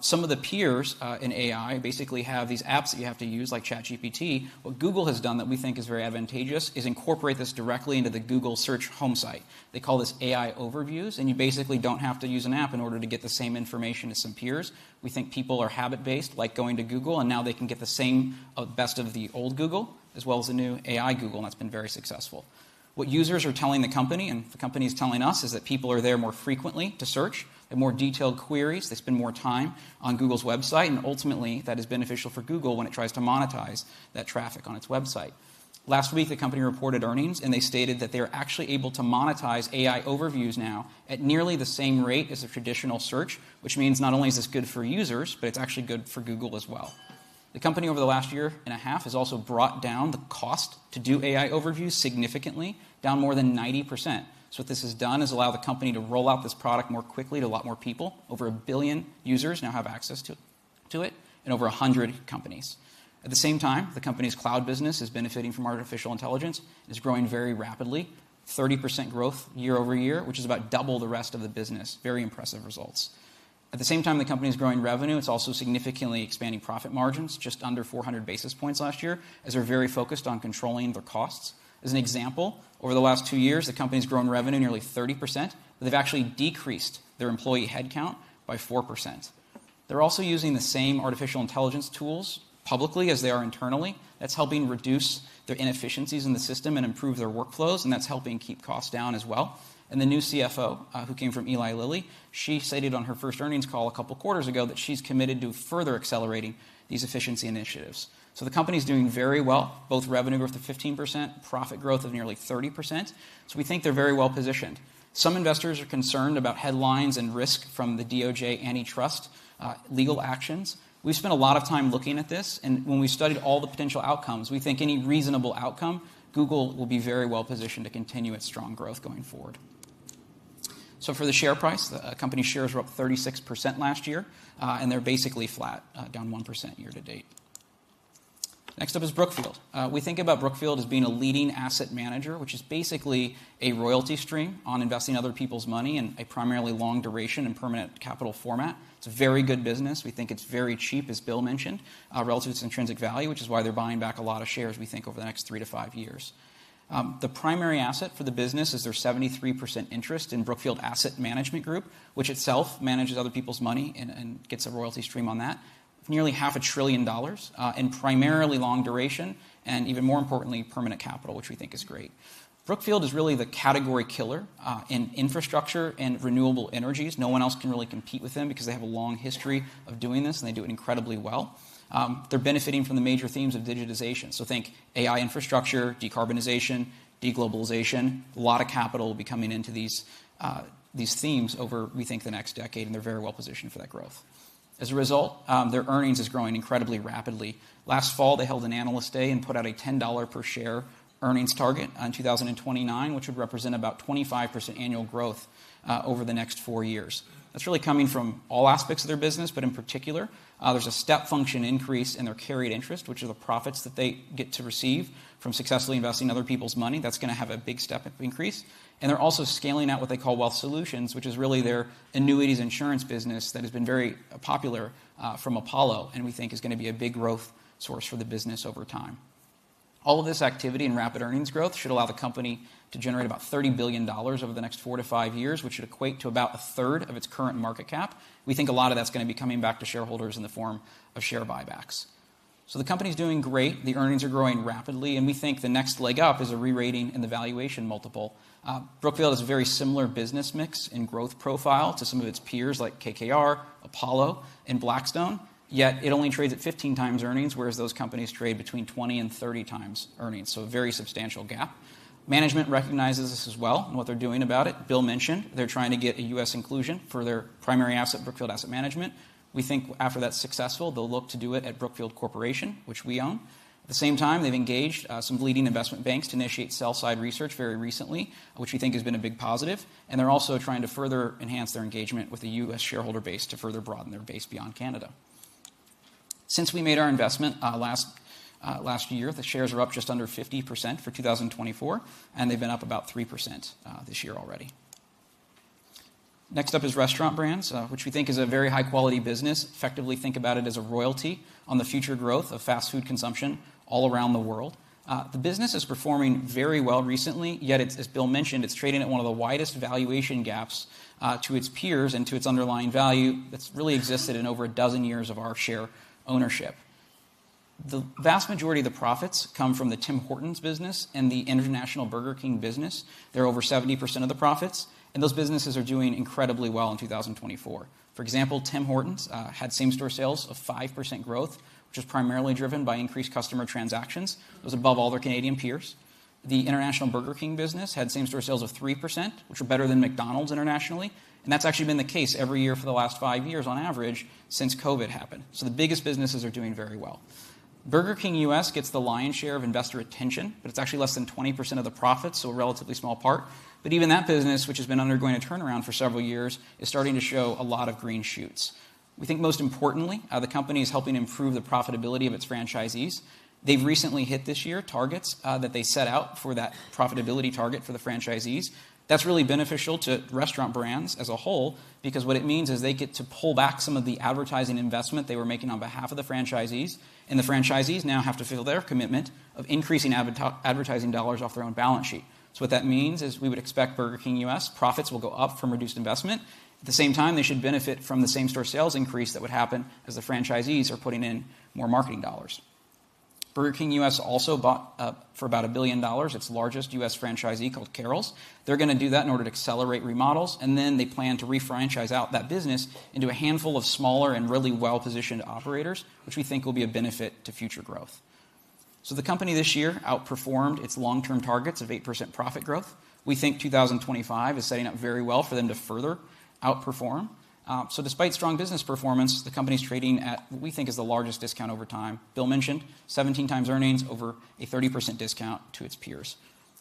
Some of the peers in AI basically have these apps that you have to use like ChatGPT. What Google has done that we think is very advantageous is incorporate this directly into the Google search home site. They call this AI Overviews. You basically don't have to use an app in order to get the same information as some peers. We think people are habit-based, like going to Google. Now they can get the same best of the old Google as well as the new AI Google. That's been very successful. What users are telling the company and the company is telling us is that people are there more frequently to search, have more detailed queries. They spend more time on Google's website. And ultimately, that is beneficial for Google when it tries to monetize that traffic on its website. Last week, the company reported earnings. And they stated that they're actually able to monetize AI Overviews now at nearly the same rate as a traditional search, which means not only is this good for users, but it's actually good for Google as well. The company over the last year and a half has also brought down the cost to do AI Overviews significantly, down more than 90%. So what this has done is allow the company to roll out this product more quickly to a lot more people. Over a billion users now have access to it and over 100 companies. At the same time, the company's cloud business is benefiting from artificial intelligence. It's growing very rapidly, 30% growth year over year, which is about double the rest of the business. Very impressive results. At the same time, the company is growing revenue. It's also significantly expanding profit margins, just under 400 basis points last year, as they're very focused on controlling their costs. As an example, over the last two years, the company has grown revenue nearly 30%. But they've actually decreased their employee headcount by 4%. They're also using the same artificial intelligence tools publicly as they are internally. That's helping reduce their inefficiencies in the system and improve their workflows, and that's helping keep costs down as well. The new CFO, who came from Eli Lilly, stated on her first earnings call a couple of quarters ago that she's committed to further accelerating these efficiency initiatives. The company is doing very well, both revenue growth of 15%, profit growth of nearly 30%. We think they're very well positioned. Some investors are concerned about headlines and risk from the DOJ antitrust legal actions. We spent a lot of time looking at this. When we studied all the potential outcomes, we think any reasonable outcome, Google will be very well positioned to continue its strong growth going forward. For the share price, the company's shares were up 36% last year. They're basically flat, down 1% year to date. Next up is Brookfield. We think about Brookfield as being a leading asset manager, which is basically a royalty stream on investing other people's money in a primarily long duration and permanent capital format. It's a very good business. We think it's very cheap, as Bill mentioned, relative to its intrinsic value, which is why they're buying back a lot of shares, we think, over the next three to five years. The primary asset for the business is their 73% interest in Brookfield Asset Management, which itself manages other people's money and gets a royalty stream on that, nearly $500 billion in primarily long duration and, even more importantly, permanent capital, which we think is great. Brookfield is really the category killer in infrastructure and renewable energies. No one else can really compete with them because they have a long history of doing this. They do it incredibly well. They're benefiting from the major themes of digitization. So think AI infrastructure, decarbonization, deglobalization. A lot of capital will be coming into these themes over, we think, the next decade. And they're very well positioned for that growth. As a result, their earnings are growing incredibly rapidly. Last fall, they held an analyst day and put out a $10 per share earnings target in 2029, which would represent about 25% annual growth over the next four years. That's really coming from all aspects of their business. But in particular, there's a step function increase in their carried interest, which are the profits that they get to receive from successfully investing other people's money. That's going to have a big step increase. And they're also scaling out what they call Wealth Solutions, which is really their annuities insurance business that has been very popular from Apollo. And we think is going to be a big growth source for the business over time. All of this activity and rapid earnings growth should allow the company to generate about $30 billion over the next four to five years, which should equate to about a third of its current market cap. We think a lot of that's going to be coming back to shareholders in the form of share buybacks. So the company is doing great. The earnings are growing rapidly. And we think the next leg up is a re-rating in the valuation multiple. Brookfield has a very similar business mix and growth profile to some of its peers like KKR, Apollo, and Blackstone. Yet it only trades at 15 times earnings, whereas those companies trade between 20 and 30 times earnings. So a very substantial gap. Management recognizes this as well and what they're doing about it. Bill mentioned they're trying to get a US inclusion for their primary asset, Brookfield Asset Management. We think after that's successful, they'll look to do it at Brookfield Corporation, which we own. At the same time, they've engaged some leading investment banks to initiate sell-side research very recently, which we think has been a big positive, and they're also trying to further enhance their engagement with a US shareholder base to further broaden their base beyond Canada. Since we made our investment last year, the shares are up just under 50% for 2024, and they've been up about 3% this year already. Next up is Restaurant Brands, which we think is a very high-quality business. Effectively, think about it as a royalty on the future growth of fast food consumption all around the world. The business is performing very well recently. Yet, as Bill mentioned, it's trading at one of the widest valuation gaps to its peers and to its underlying value that's really existed in over a dozen years of our share ownership. The vast majority of the profits come from the Tim Hortons business and the International Burger King business. They're over 70% of the profits. And those businesses are doing incredibly well in 2024. For example, Tim Hortons had same-store sales of 5% growth, which was primarily driven by increased customer transactions. It was above all their Canadian peers. The International Burger King business had same-store sales of 3%, which were better than McDonald's internationally. And that's actually been the case every year for the last five years on average since COVID happened. So the biggest businesses are doing very well. Burger King US gets the lion's share of investor attention. But it's actually less than 20% of the profits, so a relatively small part. Even that business, which has been undergoing a turnaround for several years, is starting to show a lot of green shoots. We think most importantly, the company is helping improve the profitability of its franchisees. They've recently hit this year's targets that they set out for that profitability target for the franchisees. That's really beneficial to Restaurant Brands as a whole because what it means is they get to pull back some of the advertising investment they were making on behalf of the franchisees. And the franchisees now have to feel their commitment of increasing advertising dollars off their own balance sheet. So what that means is we would expect Burger King U.S. profits will go up from reduced investment. At the same time, they should benefit from the same-store sales increase that would happen as the franchisees are putting in more marketing dollars. Burger King U.S. also bought up for about $1 billion its largest U.S. franchisee called Carrols. They're going to do that in order to accelerate remodels. And then they plan to refranchise out that business into a handful of smaller and really well-positioned operators, which we think will be a benefit to future growth. So the company this year outperformed its long-term targets of 8% profit growth. We think 2025 is setting up very well for them to further outperform. So despite strong business performance, the company is trading at what we think is the largest discount over time. Bill mentioned 17 times earnings over a 30% discount to its peers.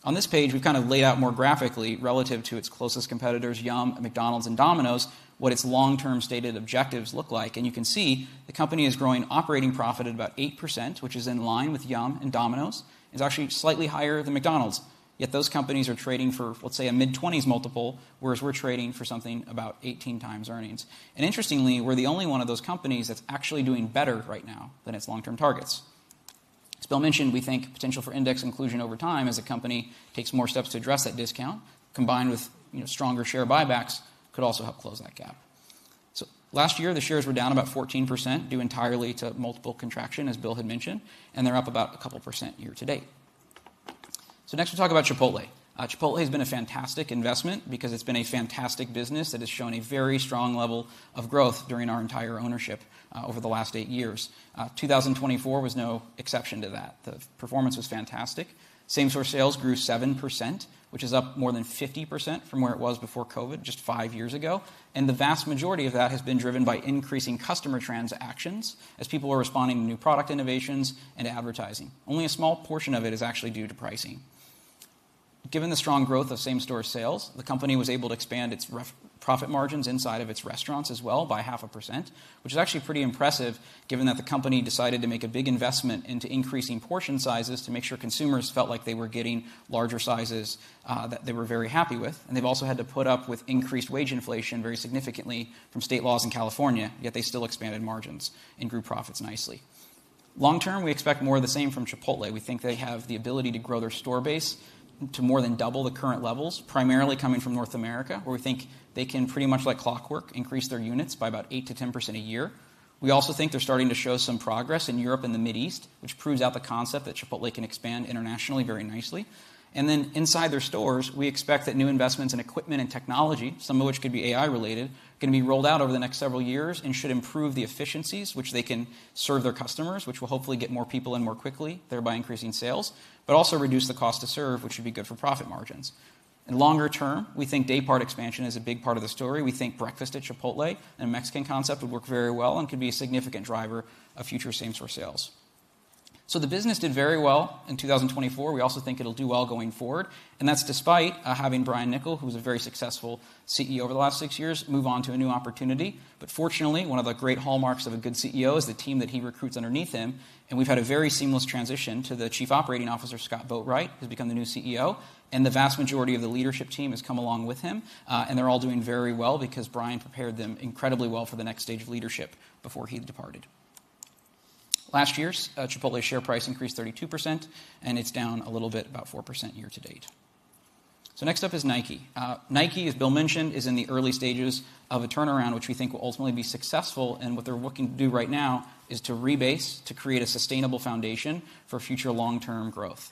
On this page, we've kind of laid out more graphically relative to its closest competitors, Yum, McDonald's, and Domino's, what its long-term stated objectives look like, and you can see the company is growing operating profit at about 8%, which is in line with Yum and Domino's. It's actually slightly higher than McDonald's. Yet those companies are trading for, let's say, a mid-20s multiple, whereas we're trading for something about 18 times earnings, and interestingly, we're the only one of those companies that's actually doing better right now than its long-term targets. As Bill mentioned, we think potential for index inclusion over time as the company takes more steps to address that discount, combined with stronger share buybacks, could also help close that gap, so last year, the shares were down about 14% due entirely to multiple contraction, as Bill had mentioned. They're up about a couple% year to date. Next, we'll talk about Chipotle. Chipotle has been a fantastic investment because it's been a fantastic business that has shown a very strong level of growth during our entire ownership over the last eight years. 2024 was no exception to that. The performance was fantastic. Same-store sales grew 7%, which is up more than 50% from where it was before COVID, just five years ago. The vast majority of that has been driven by increasing customer transactions as people are responding to new product innovations and advertising. Only a small portion of it is actually due to pricing. Given the strong growth of same-store sales, the company was able to expand its profit margins inside of its restaurants as well by 0.5%, which is actually pretty impressive given that the company decided to make a big investment into increasing portion sizes to make sure consumers felt like they were getting larger sizes that they were very happy with, and they've also had to put up with increased wage inflation very significantly from state laws in California. Yet they still expanded margins and grew profits nicely. Long-term, we expect more of the same from Chipotle. We think they have the ability to grow their store base to more than double the current levels, primarily coming from North America, where we think they can pretty much like clockwork increase their units by about 8% - 10% a year. We also think they're starting to show some progress in Europe and the Middle East, which proves out the concept that Chipotle can expand internationally very nicely. And then inside their stores, we expect that new investments in equipment and technology, some of which could be AI-related, are going to be rolled out over the next several years and should improve the efficiencies, which they can serve their customers, which will hopefully get more people in more quickly, thereby increasing sales, but also reduce the cost to serve, which would be good for profit margins. In longer term, we think daypart expansion is a big part of the story. We think breakfast at Chipotle and a Mexican concept would work very well and could be a significant driver of future same-store sales. So the business did very well in 2024. We also think it'll do well going forward. And that's despite having Brian Niccol, who was a very successful CEO over the last six years, move on to a new opportunity. But fortunately, one of the great hallmarks of a good CEO is the team that he recruits underneath him. And we've had a very seamless transition to the chief operating officer, Scott Boatwright, who's become the new CEO. And the vast majority of the leadership team has come along with him. And they're all doing very well because Brian prepared them incredibly well for the next stage of leadership before he departed. Last year, Chipotle's share price increased 32%. And it's down a little bit, about 4% year to date. So next up is Nike. Nike, as Bill mentioned, is in the early stages of a turnaround, which we think will ultimately be successful. What they're looking to do right now is to rebase to create a sustainable foundation for future long-term growth.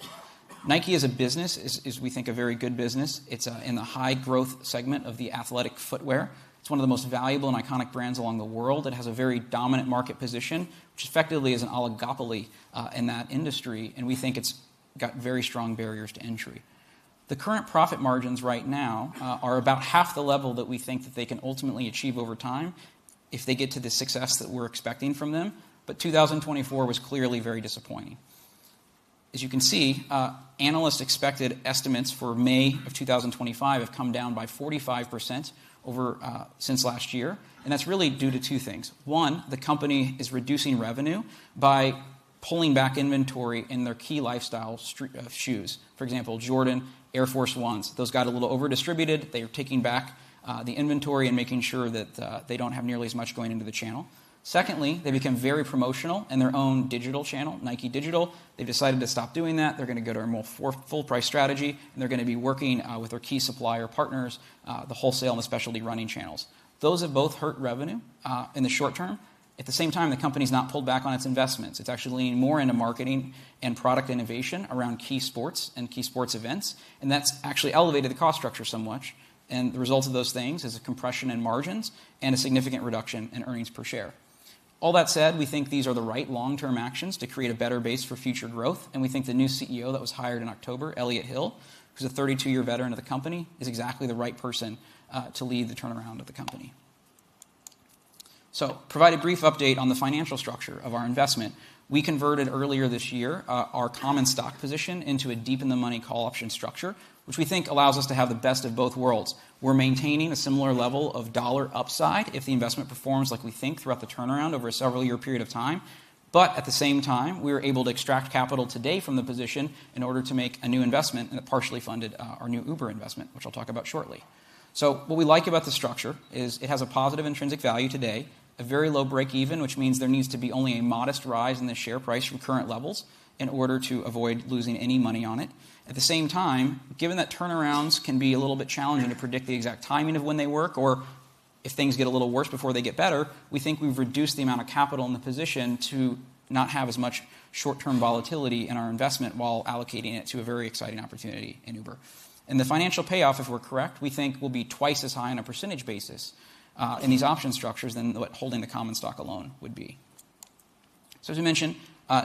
Nike as a business is, we think, a very good business. It's in the high-growth segment of the athletic footwear. It's one of the most valuable and iconic brands in the world. It has a very dominant market position, which effectively is an oligopoly in that industry. We think it's got very strong barriers to entry. The current profit margins right now are about half the level that we think that they can ultimately achieve over time if they get to the success that we're expecting from them. But 2024 was clearly very disappointing. As you can see, analysts' expected estimates for May of 2025 have come down by 45% since last year. That's really due to two things. One, the company is reducing revenue by pulling back inventory in their key lifestyle shoes. For example, Jordan, Air Force 1s, those got a little overdistributed. They are taking back the inventory and making sure that they don't have nearly as much going into the channel. Secondly, they became very promotional in their own digital channel, Nike Digital. They've decided to stop doing that. They're going to go to a more full-price strategy. And they're going to be working with their key supplier partners, the wholesale and the specialty running channels. Those have both hurt revenue in the short term. At the same time, the company has not pulled back on its investments. It's actually leaning more into marketing and product innovation around key sports and key sports events. And that's actually elevated the cost structure so much. The result of those things is a compression in margins and a significant reduction in earnings per share. All that said, we think these are the right long-term actions to create a better base for future growth. We think the new CEO that was hired in October, Elliott Hill, who's a 32-year veteran of the company, is exactly the right person to lead the turnaround of the company. Provide a brief update on the financial structure of our investment. We converted earlier this year our common stock position into a deep-in-the-money call option structure, which we think allows us to have the best of both worlds. We're maintaining a similar level of dollar upside if the investment performs like we think throughout the turnaround over a several-year period of time. But at the same time, we were able to extract capital today from the position in order to make a new investment that partially funded our new Uber investment, which I'll talk about shortly. So what we like about the structure is it has a positive intrinsic value today, a very low break-even, which means there needs to be only a modest rise in the share price from current levels in order to avoid losing any money on it. At the same time, given that turnarounds can be a little bit challenging to predict the exact timing of when they work or if things get a little worse before they get better, we think we've reduced the amount of capital in the position to not have as much short-term volatility in our investment while allocating it to a very exciting opportunity in Uber. And the financial payoff, if we're correct, we think will be twice as high on a percentage basis in these option structures than what holding the common stock alone would be. So as we mentioned,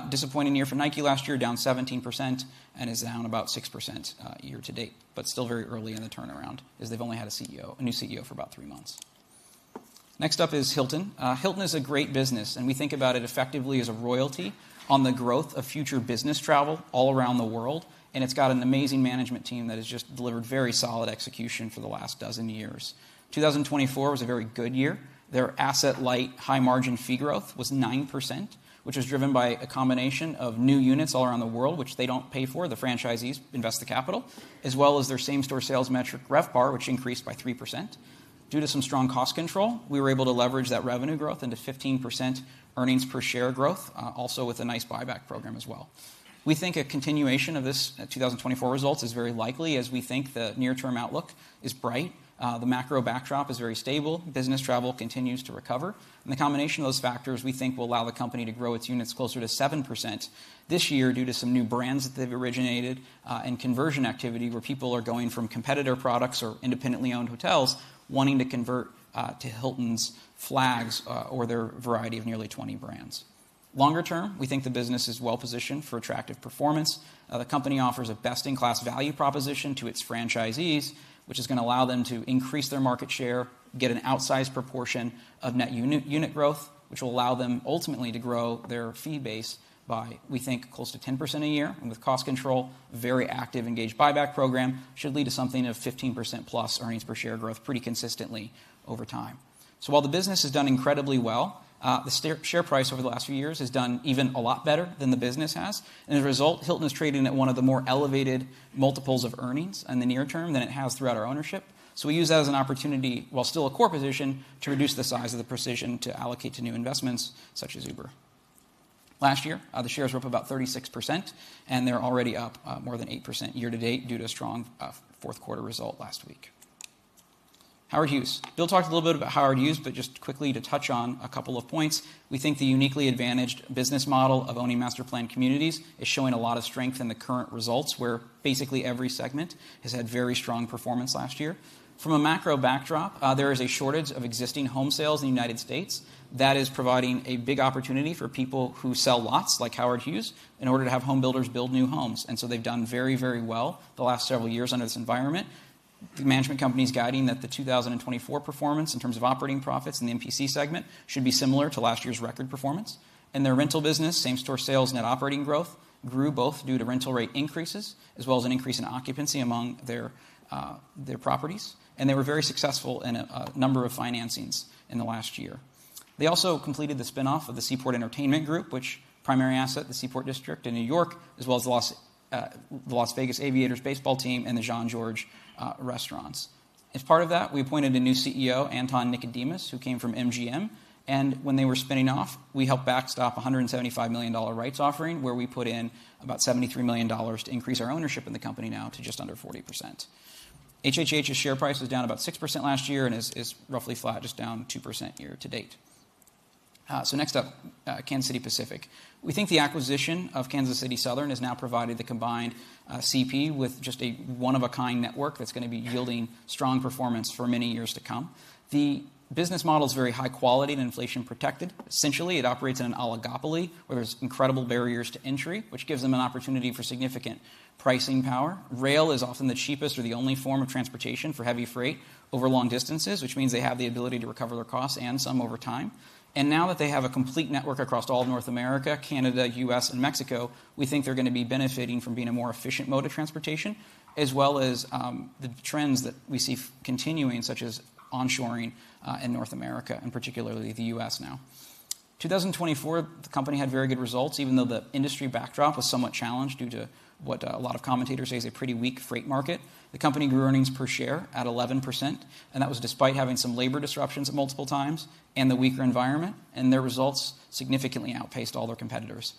disappointing year for Nike last year, down 17% and is down about 6% year to date. But still very early in the turnaround as they've only had a new CEO for about three months. Next up is Hilton. Hilton is a great business. And we think about it effectively as a royalty on the growth of future business travel all around the world. And it's got an amazing management team that has just delivered very solid execution for the last dozen years. 2024 was a very good year. Their asset-light, high-margin fee growth was 9%, which was driven by a combination of new units all around the world, which they don't pay for. The franchisees invest the capital, as well as their same-store sales metric, RevPAR, which increased by 3%. Due to some strong cost control, we were able to leverage that revenue growth into 15% earnings per share growth, also with a nice buyback program as well. We think a continuation of this 2024 results is very likely as we think the near-term outlook is bright. The macro backdrop is very stable. Business travel continues to recover, and the combination of those factors, we think, will allow the company to grow its units closer to 7% this year due to some new brands that they've originated and conversion activity where people are going from competitor products or independently owned hotels wanting to convert to Hilton's flags or their variety of nearly 20 brands. Longer term, we think the business is well-positioned for attractive performance. The company offers a best-in-class value proposition to its franchisees, which is going to allow them to increase their market share, get an outsized proportion of net unit growth, which will allow them ultimately to grow their fee base by, we think, close to 10% a year, and with cost control, a very active, engaged buyback program should lead to something of 15% plus earnings per share growth pretty consistently over time, so while the business has done incredibly well, the share price over the last few years has done even a lot better than the business has, and as a result, Hilton is trading at one of the more elevated multiples of earnings in the near term than it has throughout our ownership. We use that as an opportunity, while still a core position, to reduce the size of the position to allocate to new investments such as Uber. Last year, the shares were up about 36%. They're already up more than 8% year to date due to a strong fourth-quarter result last week. Howard Hughes. Bill talked a little bit about Howard Hughes, but just quickly to touch on a couple of points. We think the uniquely advantaged business model of owning master planned communities is showing a lot of strength in the current results where basically every segment has had very strong performance last year. From a macro backdrop, there is a shortage of existing home sales in the United States. That is providing a big opportunity for people who sell lots, like Howard Hughes, in order to have home builders build new homes. And so they've done very, very well the last several years under this environment. The management company is guiding that the 2024 performance in terms of operating profits in the MPC segment should be similar to last year's record performance. And their rental business, same-store sales net operating growth, grew both due to rental rate increases as well as an increase in occupancy among their properties. And they were very successful in a number of financings in the last year. They also completed the spinoff of the Seaport Entertainment Group, which primary asset the Seaport District in New York, as well as the Las Vegas Aviators baseball team and the Jean-Georges restaurants. As part of that, we appointed a new CEO, Anton Nikodemus, who came from MGM. And when they were spinning off, we helped backstop a $175 million rights offering where we put in about $73 million to increase our ownership in the company now to just under 40%. HHH's share price was down about 6% last year and is roughly flat, just down 2% year to date. So next up, Canadian Pacific. We think the acquisition of Kansas City Southern has now provided the combined CP with just a one-of-a-kind network that's going to be yielding strong performance for many years to come. The business model is very high quality and inflation protected. Essentially, it operates in an oligopoly where there's incredible barriers to entry, which gives them an opportunity for significant pricing power. Rail is often the cheapest or the only form of transportation for heavy freight over long distances, which means they have the ability to recover their costs and some over time. Now that they have a complete network across all of North America, Canada, U.S., and Mexico, we think they're going to be benefiting from being a more efficient mode of transportation, as well as the trends that we see continuing, such as onshoring in North America and particularly the U.S. now. 2024, the company had very good results, even though the industry backdrop was somewhat challenged due to what a lot of commentators say is a pretty weak freight market. The company grew earnings per share at 11%. That was despite having some labor disruptions multiple times and the weaker environment. Their results significantly outpaced all their competitors.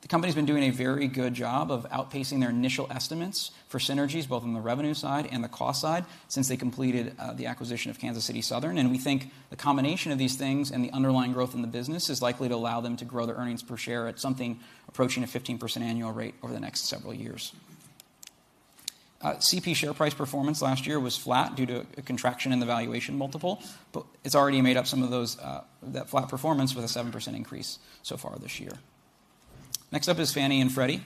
The company has been doing a very good job of outpacing their initial estimates for synergies, both on the revenue side and the cost side, since they completed the acquisition of Kansas City Southern. And we think the combination of these things and the underlying growth in the business is likely to allow them to grow their earnings per share at something approaching a 15% annual rate over the next several years. CP share price performance last year was flat due to a contraction in the valuation multiple. But it's already made up some of that flat performance with a 7% increase so far this year. Next up is Fannie and Freddie.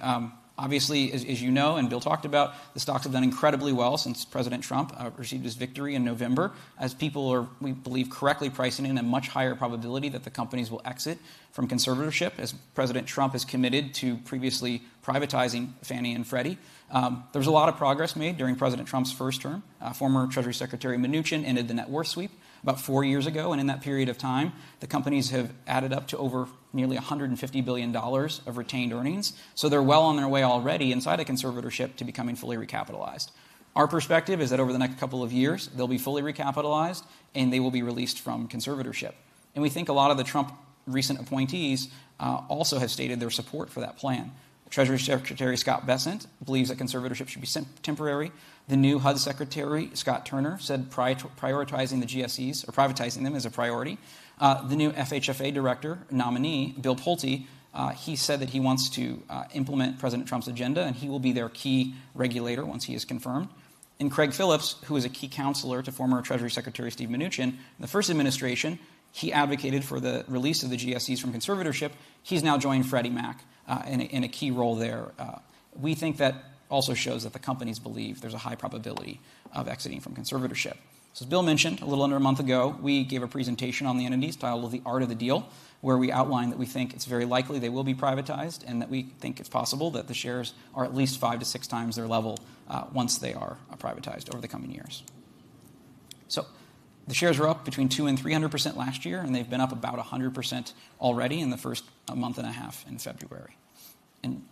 Obviously, as you know and Bill talked about, the stocks have done incredibly well since President Trump received his victory in November, as people are, we believe, correctly pricing in a much higher probability that the companies will exit from conservatorship, as President Trump is committed to previously privatizing Fannie and Freddie. There was a lot of progress made during President Trump's first term. Former Treasury Secretary Mnuchin ended the net worth sweep about four years ago. And in that period of time, the companies have added up to over nearly $150 billion of retained earnings. So they're well on their way already inside of conservatorship to becoming fully recapitalized. Our perspective is that over the next couple of years, they'll be fully recapitalized and they will be released from conservatorship. And we think a lot of the Trump's recent appointees also have stated their support for that plan. Treasury Secretary Scott Bessent believes that conservatorship should be temporary. The new HUD Secretary, Scott Turner, said prioritizing the GSEs or privatizing them as a priority. The new FHFA director nominee, Bill Pulte, he said that he wants to implement President Trump's agenda and he will be their key regulator once he is confirmed. And Craig Phillips, who is a key counselor to former Treasury Secretary Steve Mnuchin, in the first administration, he advocated for the release of the GSEs from conservatorship. He's now joined Freddie Mac in a key role there. We think that also shows that the companies believe there's a high probability of exiting from conservatorship. So as Bill mentioned, a little under a month ago, we gave a presentation on the entities titled The Art of the Deal, where we outlined that we think it's very likely they will be privatized and that we think it's possible that the shares are at least five to six times their level once they are privatized over the coming years. So the shares were up between 2% and 300% last year. And they've been up about 100% already in the first month and a half in January and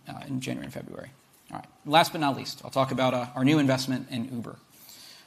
February. All right. Last but not least, I'll talk about our new investment in Uber.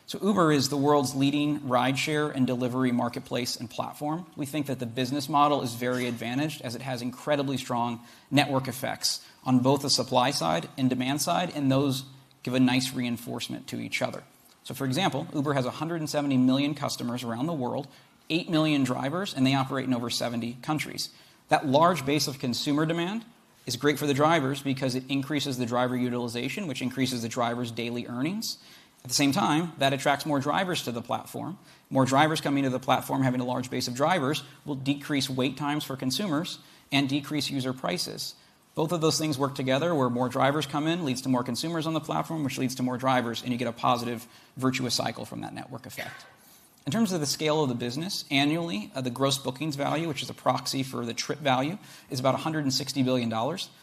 So Uber is the world's leading rideshare and delivery marketplace and platform. We think that the business model is very advantaged as it has incredibly strong network effects on both the supply side and demand side. And those give a nice reinforcement to each other. So for example, Uber has 170 million customers around the world, eight million drivers, and they operate in over 70 countries. That large base of consumer demand is great for the drivers because it increases the driver utilization, which increases the driver's daily earnings. At the same time, that attracts more drivers to the platform. More drivers coming to the platform, having a large base of drivers, will decrease wait times for consumers and decrease user prices. Both of those things work together where more drivers come in leads to more consumers on the platform, which leads to more drivers. And you get a positive, virtuous cycle from that network effect. In terms of the scale of the business, annually, the gross bookings value, which is a proxy for the trip value, is about $160 billion.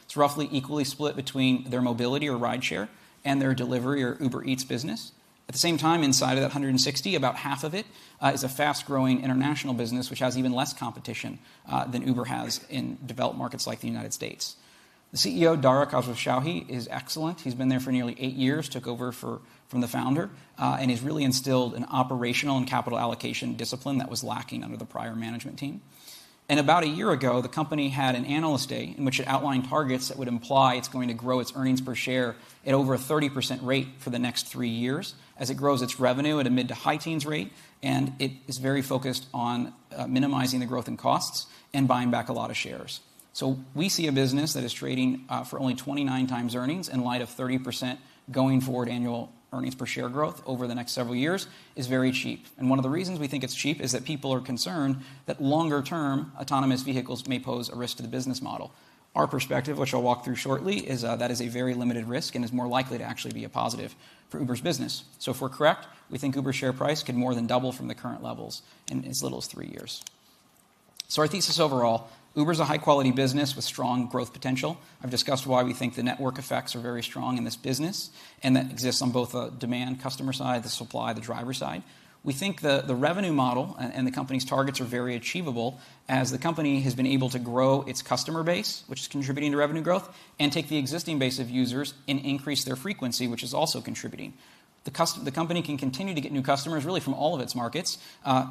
It's roughly equally split between their mobility or rideshare and their delivery or Uber Eats business. At the same time, inside of that 160, about half of it is a fast-growing international business, which has even less competition than Uber has in developed markets like the United States. The CEO, Dara Khosrowshahi, is excellent. He's been there for nearly eight years, took over from the founder, and has really instilled an operational and capital allocation discipline that was lacking under the prior management team. And about a year ago, the company had an analyst day in which it outlined targets that would imply it's going to grow its earnings per share at over a 30% rate for the next three years as it grows its revenue at a mid- to high-teens rate. It is very focused on minimizing the growth in costs and buying back a lot of shares. We see a business that is trading for only 29 times earnings in light of 30% going forward annual earnings per share growth over the next several years. It is very cheap. One of the reasons we think it's cheap is that people are concerned that longer-term autonomous vehicles may pose a risk to the business model. Our perspective, which I'll walk through shortly, is that a very limited risk and is more likely to actually be a positive for Uber's business. If we're correct, we think Uber's share price could more than double from the current levels in as little as three years. Our thesis overall, Uber is a high-quality business with strong growth potential. I've discussed why we think the network effects are very strong in this business and that exists on both the demand customer side, the supply, the driver side. We think the revenue model and the company's targets are very achievable as the company has been able to grow its customer base, which is contributing to revenue growth, and take the existing base of users and increase their frequency, which is also contributing. The company can continue to get new customers really from all of its markets.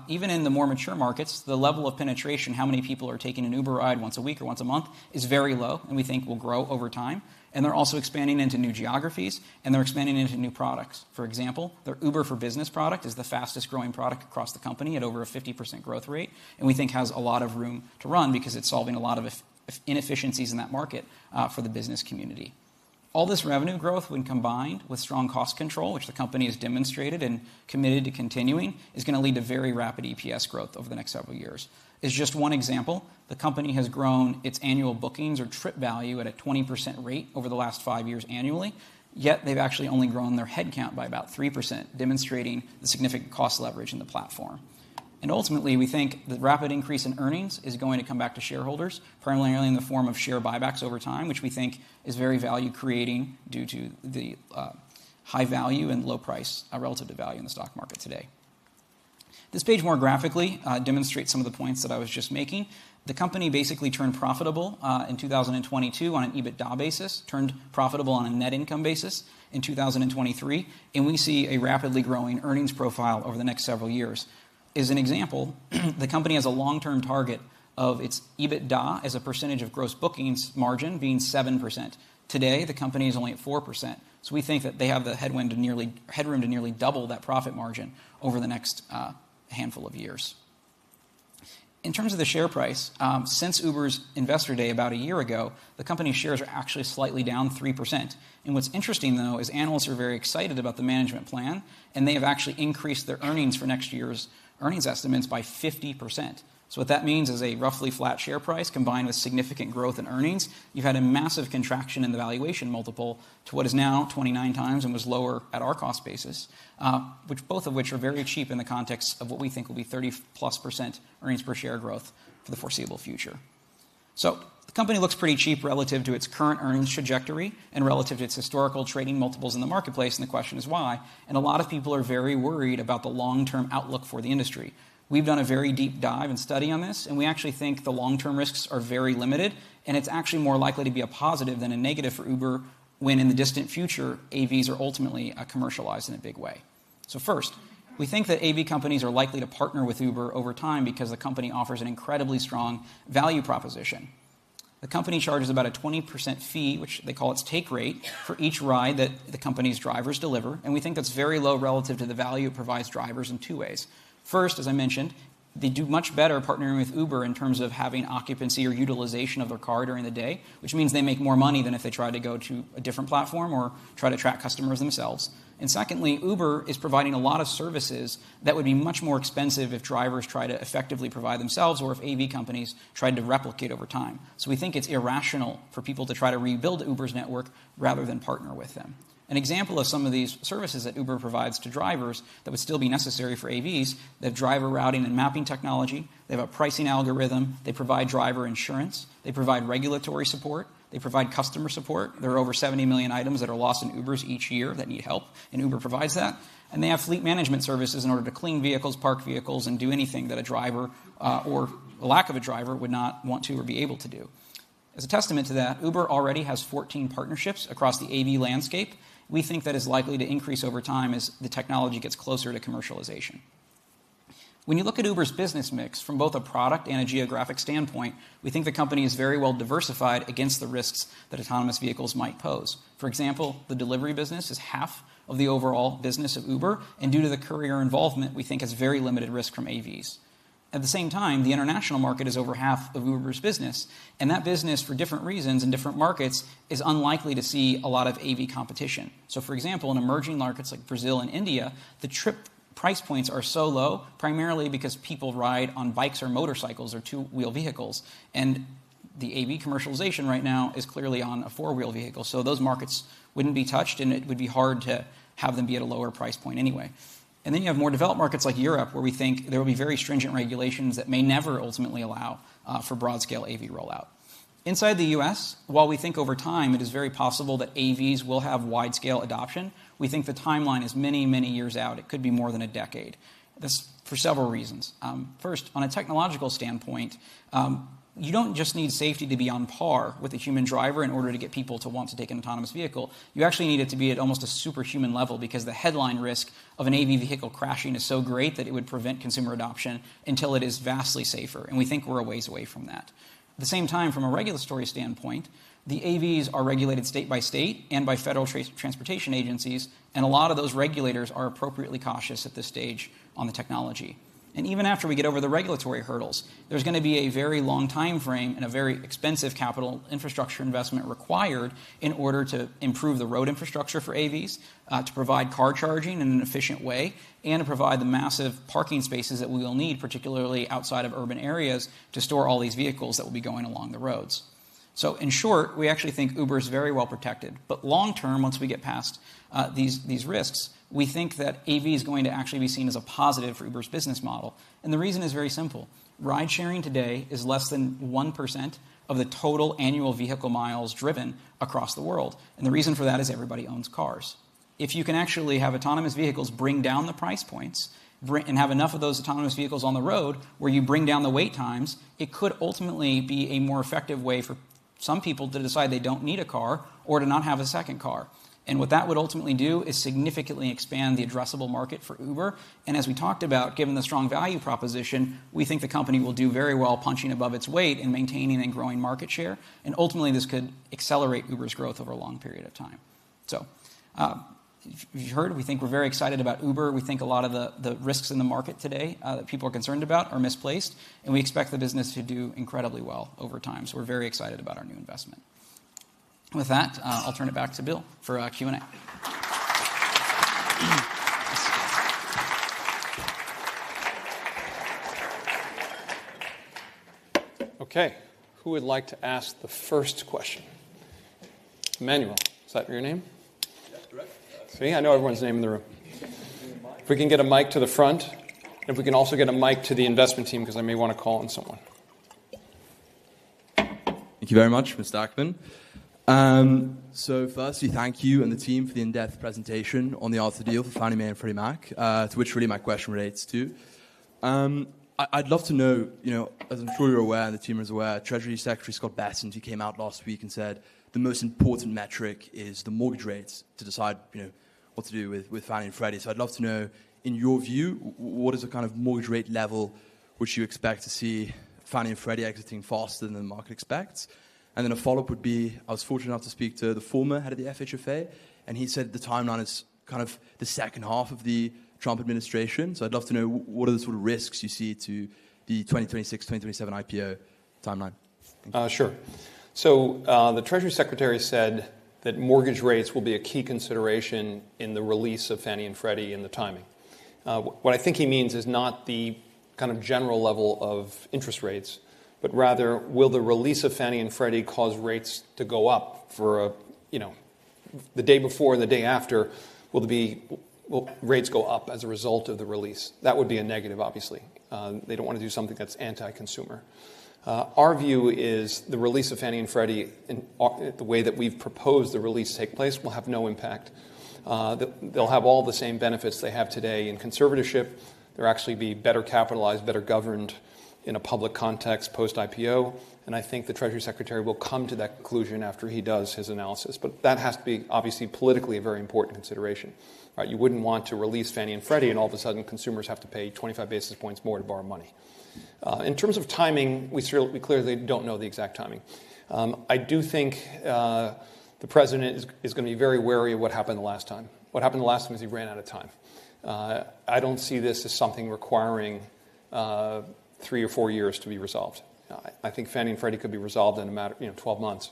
Even in the more mature markets, the level of penetration, how many people are taking an Uber ride once a week or once a month, is very low and we think will grow over time, and they're also expanding into new geographies and they're expanding into new products. For example, their Uber for Business product is the fastest growing product across the company at over a 50% growth rate, and we think has a lot of room to run because it's solving a lot of inefficiencies in that market for the business community. All this revenue growth, when combined with strong cost control, which the company has demonstrated and committed to continuing, is going to lead to very rapid EPS growth over the next several years. As just one example, the company has grown its annual bookings or trip value at a 20% rate over the last five years annually. Yet they've actually only grown their headcount by about 3%, demonstrating the significant cost leverage in the platform. Ultimately, we think the rapid increase in earnings is going to come back to shareholders, primarily in the form of share buybacks over time, which we think is very value-creating due to the high value and low price relative to value in the stock market today. This page more graphically demonstrates some of the points that I was just making. The company basically turned profitable in 2022 on an EBITDA basis, turned profitable on a net income basis in 2023. We see a rapidly growing earnings profile over the next several years. As an example, the company has a long-term target of its EBITDA as a percentage of gross bookings margin being 7%. Today, the company is only at 4%. We think that they have the headroom to nearly double that profit margin over the next handful of years. In terms of the share price, since Uber's investor day about a year ago, the company's shares are actually slightly down 3%. And what's interesting, though, is analysts are very excited about the management plan. And they have actually increased their earnings for next year's earnings estimates by 50%. So what that means is a roughly flat share price combined with significant growth in earnings. You've had a massive contraction in the valuation multiple to what is now 29 times and was lower at our cost basis, both of which are very cheap in the context of what we think will be 30+% earnings per share growth for the foreseeable future. So the company looks pretty cheap relative to its current earnings trajectory and relative to its historical trading multiples in the marketplace. And the question is why. And a lot of people are very worried about the long-term outlook for the industry. We've done a very deep dive and study on this. And we actually think the long-term risks are very limited. And it's actually more likely to be a positive than a negative for Uber when in the distant future, AVs are ultimately commercialized in a big way. So first, we think that AV companies are likely to partner with Uber over time because the company offers an incredibly strong value proposition. The company charges about a 20% fee, which they call its take rate, for each ride that the company's drivers deliver. And we think that's very low relative to the value it provides drivers in two ways. First, as I mentioned, they do much better partnering with Uber in terms of having occupancy or utilization of their car during the day, which means they make more money than if they tried to go to a different platform or try to attract customers themselves. And secondly, Uber is providing a lot of services that would be much more expensive if drivers tried to effectively provide themselves or if AV companies tried to replicate over time. So we think it's irrational for people to try to rebuild Uber's network rather than partner with them. An example of some of these services that Uber provides to drivers that would still be necessary for AVs is their driver routing and mapping technology. They have a pricing algorithm. They provide driver insurance. They provide regulatory support. They provide customer support. There are over 70 million items that are lost in Ubers each year that need help, and Uber provides that, and they have fleet management services in order to clean vehicles, park vehicles, and do anything that a driver or lack of a driver would not want to or be able to do. As a testament to that, Uber already has 14 partnerships across the AV landscape. We think that is likely to increase over time as the technology gets closer to commercialization. When you look at Uber's business mix from both a product and a geographic standpoint, we think the company is very well diversified against the risks that autonomous vehicles might pose. For example, the delivery business is half of the overall business of Uber, and due to the courier involvement, we think it's very limited risk from AVs. At the same time, the international market is over half of Uber's business. That business, for different reasons in different markets, is unlikely to see a lot of AV competition. For example, in emerging markets like Brazil and India, the trip price points are so low primarily because people ride on bikes or motorcycles or two-wheel vehicles. The AV commercialization right now is clearly on a four-wheel vehicle. Those markets wouldn't be touched. It would be hard to have them be at a lower price point anyway. Then you have more developed markets like Europe, where we think there will be very stringent regulations that may never ultimately allow for broad-scale AV rollout. Inside the US, while we think over time it is very possible that AVs will have wide-scale adoption, we think the timeline is many, many years out. It could be more than a decade. That's for several reasons. First, on a technological standpoint, you don't just need safety to be on par with a human driver in order to get people to want to take an autonomous vehicle. You actually need it to be at almost a superhuman level because the headline risk of an AV vehicle crashing is so great that it would prevent consumer adoption until it is vastly safer. And we think we're a ways away from that. At the same time, from a regulatory standpoint, the AVs are regulated state by state and by federal transportation agencies. And a lot of those regulators are appropriately cautious at this stage on the technology. And even after we get over the regulatory hurdles, there's going to be a very long time frame and a very expensive capital infrastructure investment required in order to improve the road infrastructure for AVs, to provide car charging in an efficient way, and to provide the massive parking spaces that we will need, particularly outside of urban areas, to store all these vehicles that will be going along the roads. So in short, we actually think Uber is very well protected. But long-term, once we get past these risks, we think that AV is going to actually be seen as a positive for Uber's business model. And the reason is very simple. Ridesharing today is less than 1% of the total annual vehicle miles driven across the world. And the reason for that is everybody owns cars. If you can actually have autonomous vehicles bring down the price points and have enough of those autonomous vehicles on the road where you bring down the wait times, it could ultimately be a more effective way for some people to decide they don't need a car or to not have a second car. And what that would ultimately do is significantly expand the addressable market for Uber. And as we talked about, given the strong value proposition, we think the company will do very well punching above its weight and maintaining and growing market share. And ultimately, this could accelerate Uber's growth over a long period of time. So as you heard, we think we're very excited about Uber. We think a lot of the risks in the market today that people are concerned about are misplaced. And we expect the business to do incredibly well over time. So we're very excited about our new investment. With that, I'll turn it back to Bill for Q&A. OK. Who would like to ask the first question? Emmanuel, is that your name? Yep, correct. See, I know everyone's name in the room. If we can get a mic to the front, and if we can also get a mic to the investment team because I may want to call on someone. Thank you very much, Mr. Ackman. So firstly, thank you and the team for the in-depth presentation on the art of the deal for Fannie Mae and Freddie Mac, to which really my question relates to. I'd love to know, as I'm sure you're aware and the team is aware, Treasury Secretary Scott Bessent, who came out last week and said the most important metric is the mortgage rates to decide what to do with Fannie and Freddie. So I'd love to know, in your view, what is the kind of mortgage rate level which you expect to see Fannie and Freddie exiting faster than the market expects? And then a follow-up would be, I was fortunate enough to speak to the former head of the FHFA, and he said the timeline is kind of the second half of the Trump administration. So I'd love to know, what are the sort of risks you see to the 2026 - 2027 IPO timeline? Sure. So the Treasury Secretary said that mortgage rates will be a key consideration in the release of Fannie and Freddie and the timing. What I think he means is not the kind of general level of interest rates, but rather, will the release of Fannie and Freddie cause rates to go up for the day before and the day after? Will rates go up as a result of the release? That would be a negative, obviously. They don't want to do something that's anti-consumer. Our view is the release of Fannie and Freddie in the way that we've proposed the release take place will have no impact. They'll have all the same benefits they have today in conservatorship. They'll actually be better capitalized, better governed in a public context post-IPO, and I think the Treasury Secretary will come to that conclusion after he does his analysis. But that has to be, obviously, politically a very important consideration. You wouldn't want to release Fannie and Freddie and all of a sudden consumers have to pay 25 basis points more to borrow money. In terms of timing, we clearly don't know the exact timing. I do think the President is going to be very wary of what happened the last time. What happened the last time is he ran out of time. I don't see this as something requiring three or four years to be resolved. I think Fannie and Freddie could be resolved in a matter of 12 months.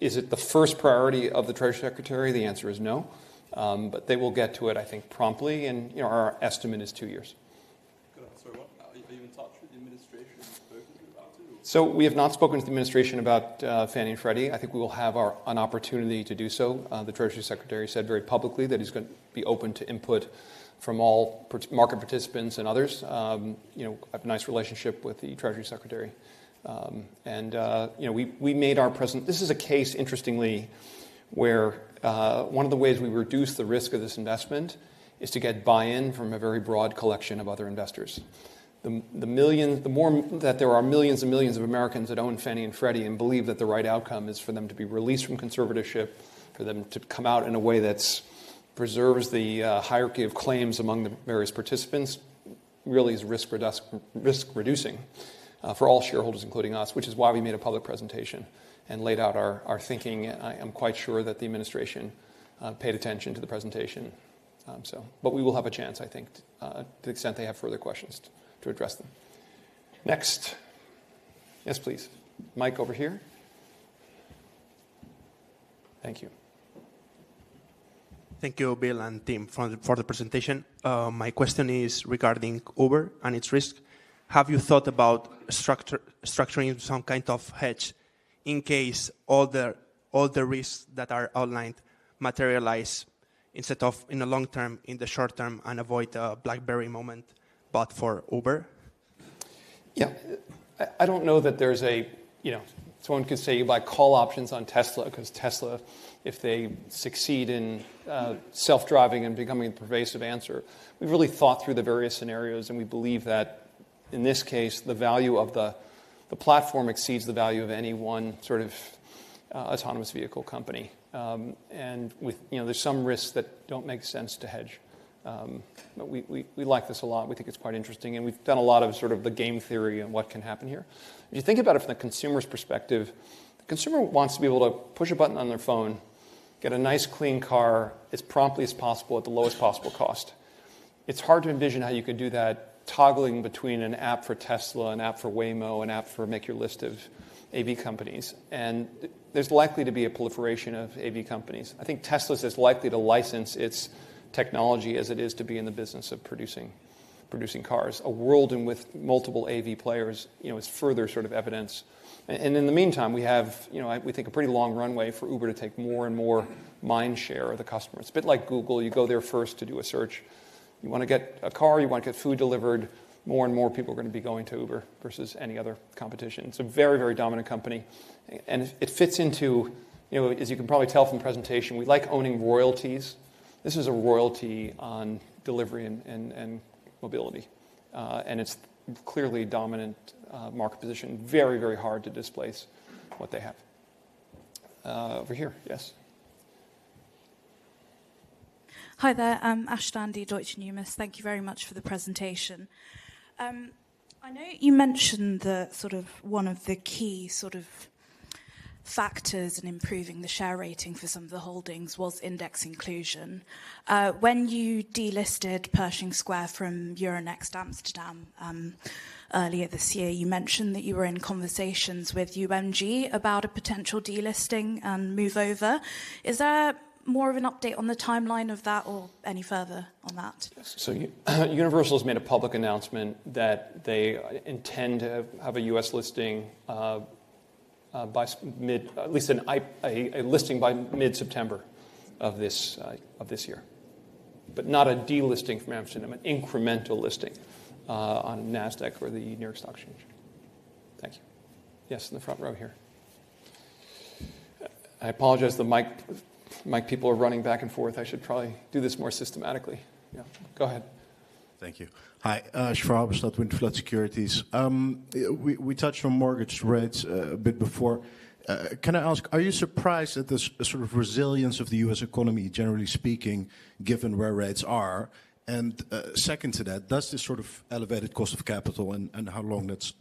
Is it the first priority of the Treasury Secretary? The answer is no. But they will get to it, I think, promptly. And our estimate is two years. Sorry, what? Are you in touch with the administration and spoken to about it? We have not spoken to the administration about Fannie and Freddie. I think we will have an opportunity to do so. The Treasury Secretary said very publicly that he's going to be open to input from all market participants and others. I have a nice relationship with the Treasury Secretary. And we made our presentation. This is a case, interestingly, where one of the ways we reduce the risk of this investment is to get buy-in from a very broad collection of other investors. The more that there are millions and millions of Americans that own Fannie and Freddie and believe that the right outcome is for them to be released from conservatorship, for them to come out in a way that preserves the hierarchy of claims among the various participants, really is risk-reducing for all shareholders, including us, which is why we made a public presentation and laid out our thinking. And I am quite sure that the administration paid attention to the presentation. But we will have a chance, I think, to the extent they have further questions to address them. Next. Yes, please. Mic over here. Thank you. Thank you, Bill and team, for the presentation. My question is regarding Uber and its risk. Have you thought about structuring some kind of hedge in case all the risks that are outlined materialize instead of in the long term, in the short term, and avoid a BlackBerry moment but for Uber? Yeah. I don't know that there's someone who could say you buy call options on Tesla because Tesla, if they succeed in self-driving and becoming the pervasive answer. We've really thought through the various scenarios. And we believe that in this case, the value of the platform exceeds the value of any one sort of autonomous vehicle company. And there's some risks that don't make sense to hedge. But we like this a lot. We think it's quite interesting. And we've done a lot of sort of the game theory on what can happen here. If you think about it from the consumer's perspective, the consumer wants to be able to push a button on their phone, get a nice clean car as promptly as possible at the lowest possible cost. It's hard to envision how you could do that toggling between an app for Tesla, an app for Waymo, an app for make your list of AV companies. And there's likely to be a proliferation of AV companies. I think Tesla is as likely to license its technology as it is to be in the business of producing cars. A world with multiple AV players is further sort of evidence. And in the meantime, we have, we think, a pretty long runway for Uber to take more and more mind share of the customers. A bit like Google. You go there first to do a search. You want to get a car. You want to get food delivered. More and more people are going to be going to Uber versus any other competition. It's a very, very dominant company. It fits into, as you can probably tell from the presentation, we like owning royalties. This is a royalty on delivery and mobility. It's clearly a dominant market position. Very, very hard to displace what they have. Over here. Yes. Hi there. I'm Ashwin Pillay, Deutsche Numis. Thank you very much for the presentation. I know you mentioned that sort of one of the key sort of factors in improving the share rating for some of the holdings was index inclusion. When you delisted Pershing Square from Euronext Amsterdam earlier this year, you mentioned that you were in conversations with UMG about a potential delisting and move over. Is there more of an update on the timeline of that or any further on that? Universal has made a public announcement that they intend to have a U.S. listing, at least by mid-September of this year, but not a delisting from Amsterdam, an incremental listing on NASDAQ or the New York Stock Exchange. Thank you. Yes, in the front row here. I apologize that mic people are running back and forth. I should probably do this more systematically. Yeah, go ahead. Thank you. Hi. Shravan from SaltLight Capital. We touched on mortgage rates a bit before. Can I ask, are you surprised at the sort of resilience of the U.S. economy, generally speaking, given where rates are? And second to that, does this sort of elevated cost of capital and how long that's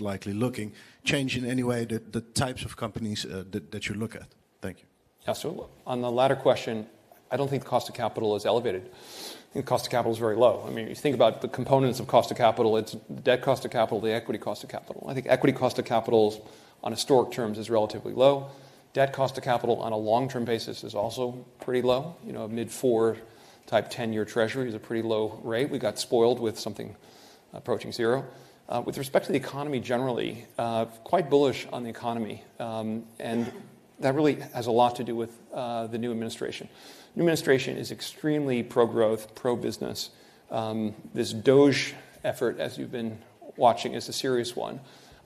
likely looking change in any way the types of companies that you look at? Thank you. Yeah. So on the latter question, I don't think the cost of capital is elevated. I think the cost of capital is very low. I mean, you think about the components of cost of capital. It's debt cost of capital, the equity cost of capital. I think equity cost of capital on historic terms is relatively low. Debt cost of capital on a long-term basis is also pretty low. A mid-4 type 10-year Treasury is a pretty low rate. We got spoiled with something approaching zero. With respect to the economy generally, quite bullish on the economy. And that really has a lot to do with the new administration. The new administration is extremely pro-growth, pro-business. This DOGE effort, as you've been watching, is a serious one.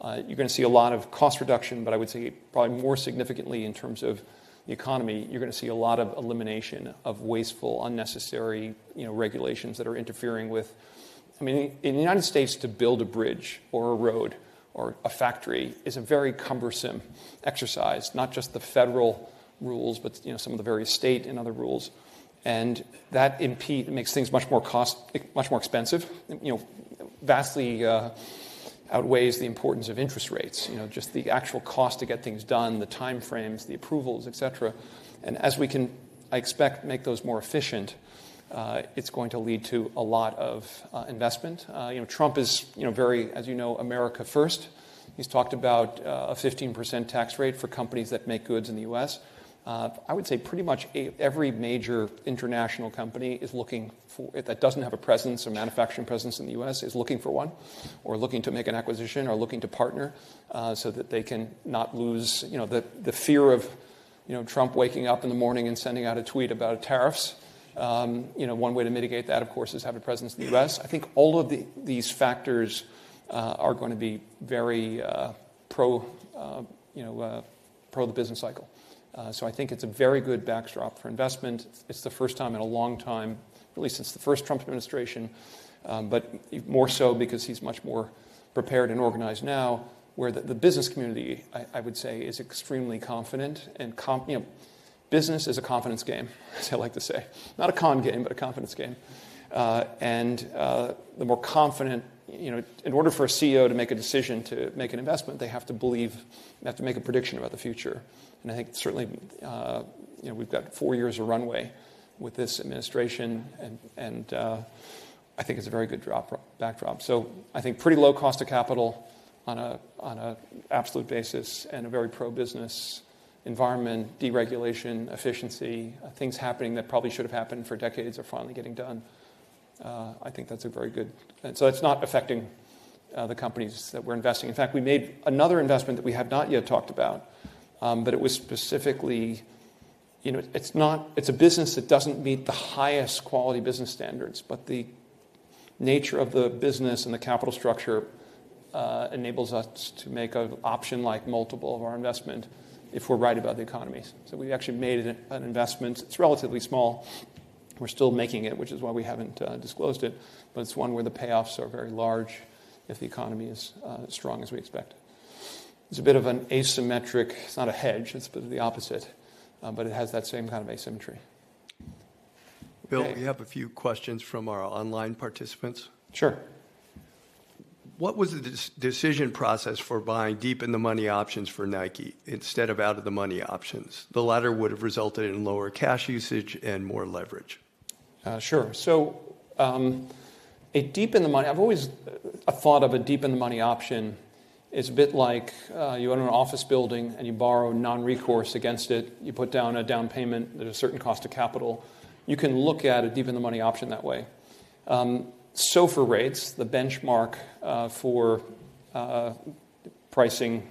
You're going to see a lot of cost reduction, but I would say probably more significantly in terms of the economy, you're going to see a lot of elimination of wasteful, unnecessary regulations that are interfering with, I mean, in the United States, to build a bridge or a road or a factory is a very cumbersome exercise, not just the federal rules, but some of the various state and other rules. And that impedes, makes things much more expensive, vastly outweighs the importance of interest rates, just the actual cost to get things done, the time frames, the approvals, et cetera. And as we can, I expect, make those more efficient, it's going to lead to a lot of investment. Trump is very, as you know, America first. He's talked about a 15% tax rate for companies that make goods in the U.S. I would say pretty much every major international company that doesn't have a presence or manufacturing presence in the U.S. is looking for one or looking to make an acquisition or looking to partner so that they can lose the fear of Trump waking up in the morning and sending out a tweet about tariffs. One way to mitigate that, of course, is having a presence in the U.S. I think all of these factors are going to be very pro the business cycle. So I think it's a very good backstop for investment. It's the first time in a long time, at least since the first Trump administration, but more so because he's much more prepared and organized now, where the business community, I would say, is extremely confident, and business is a confidence game, as I like to say. Not a con game, but a confidence game, and the more confident, in order for a CEO to make a decision to make an investment, they have to believe, they have to make a prediction about the future, and I think certainly we've got four years of runway with this administration, and I think it's a very good backdrop, so I think pretty low cost of capital on an absolute basis and a very pro-business environment, deregulation, efficiency, things happening that probably should have happened for decades are finally getting done. I think that's a very good, and so that's not affecting the companies that we're investing. In fact, we made another investment that we have not yet talked about, but it was specifically a business that doesn't meet the highest quality business standards. But the nature of the business and the capital structure enables us to make an option-like multiple of our investment if we're right about the economies. So we actually made an investment. It's relatively small. We're still making it, which is why we haven't disclosed it. But it's one where the payoffs are very large if the economy is strong as we expect. It's a bit of an asymmetric. It's not a hedge. It's a bit of the opposite. But it has that same kind of asymmetry. Bill, we have a few questions from our online participants. Sure. What was the decision process for buying deep-in-the-money options for Nike instead of out-of-the-money options? The latter would have resulted in lower cash usage and more leverage. Sure. So a deep in the money option, I've always thought of a deep in the money option as a bit like you own an office building and you borrow non-recourse against it. You put down a down payment. There's a certain cost of capital. You can look at a deep in the money option that way. SOFR rates, the benchmark for pricing,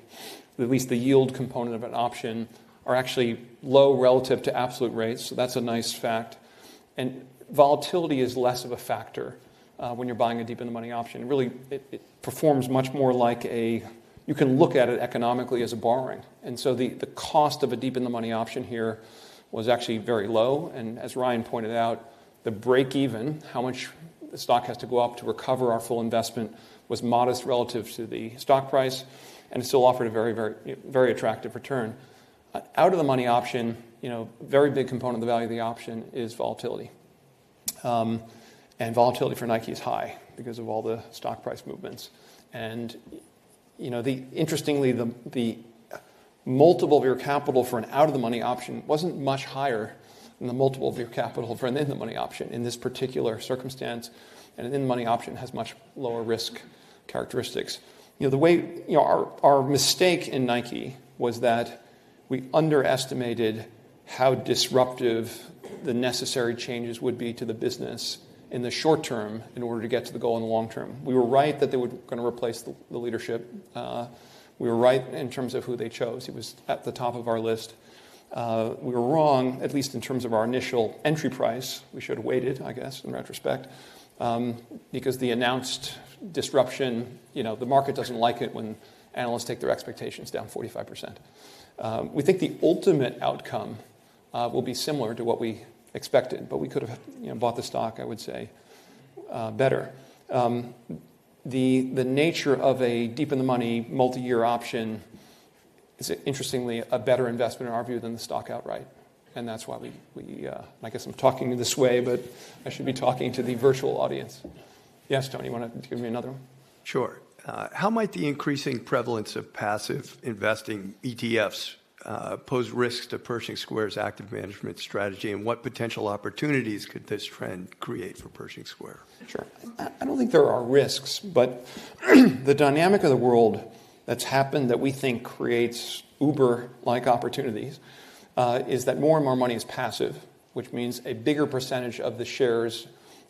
at least the yield component of an option, are actually low relative to absolute rates. So that's a nice fact. And volatility is less of a factor when you're buying a deep in the money option. Really, it performs much more like you can look at it economically as a borrowing. And so the cost of a deep in the money option here was actually very low. As Ryan pointed out, the break-even, how much the stock has to go up to recover our full investment, was modest relative to the stock price. It still offered a very, very attractive return. Out of the money option, a very big component of the value of the option is volatility. Volatility for Nike is high because of all the stock price movements. Interestingly, the multiple of your capital for an out of the money option wasn't much higher than the multiple of your capital for an in the money option in this particular circumstance. An in the money option has much lower risk characteristics. The way our mistake in Nike was that we underestimated how disruptive the necessary changes would be to the business in the short term in order to get to the goal in the long term. We were right that they were going to replace the leadership. We were right in terms of who they chose. It was at the top of our list. We were wrong, at least in terms of our initial entry price. We should have waited, I guess, in retrospect, because the announced disruption, the market doesn't like it when analysts take their expectations down 45%. We think the ultimate outcome will be similar to what we expected. But we could have bought the stock, I would say, better. The nature of a deep-in-the-money multi-year option is, interestingly, a better investment, in our view, than the stock outright. And that's why we, I guess I'm talking this way, but I should be talking to the virtual audience. Yes, Tony, you want to give me another one? Sure. How might the increasing prevalence of passive investing ETFs pose risks to Pershing Square's active management strategy? And what potential opportunities could this trend create for Pershing Square? Sure. I don't think there are risks. But the dynamic of the world that's happened that we think creates Uber-like opportunities is that more and more money is passive, which means a bigger percentage of the shares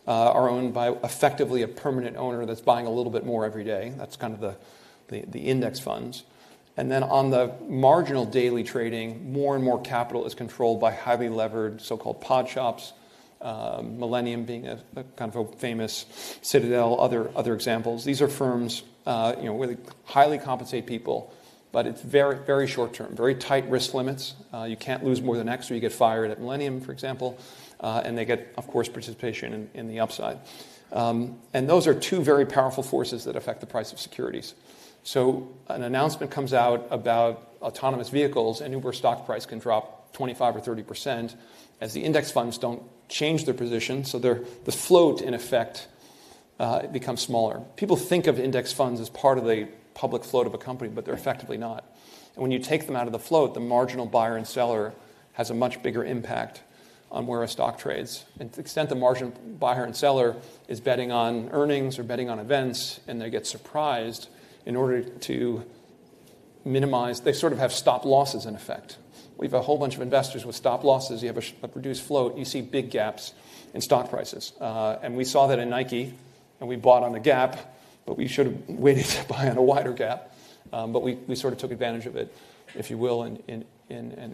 are owned by effectively a permanent owner that's buying a little bit more every day. That's kind of the index funds. And then on the marginal daily trading, more and more capital is controlled by highly levered so-called pod shops, Millennium being a kind of a famous Citadel, other examples. These are firms where they highly compensate people. But it's very short term, very tight risk limits. You can't lose more than X or you get fired at Millennium, for example. And they get, of course, participation in the upside. And those are two very powerful forces that affect the price of securities. So an announcement comes out about autonomous vehicles. An Uber stock price can drop 25% or 30% as the index funds don't change their position. So the float, in effect, becomes smaller. People think of index funds as part of the public float of a company, but they're effectively not. And when you take them out of the float, the marginal buyer and seller has a much bigger impact on where a stock trades. And to the extent the marginal buyer and seller is betting on earnings or betting on events and they get surprised, in order to minimize, they sort of have stop losses, in effect. We have a whole bunch of investors with stop losses. You have a reduced float. You see big gaps in stock prices. And we saw that in Nike. And we bought on the gap. But we should have waited to buy on a wider gap. But we sort of took advantage of it, if you will, in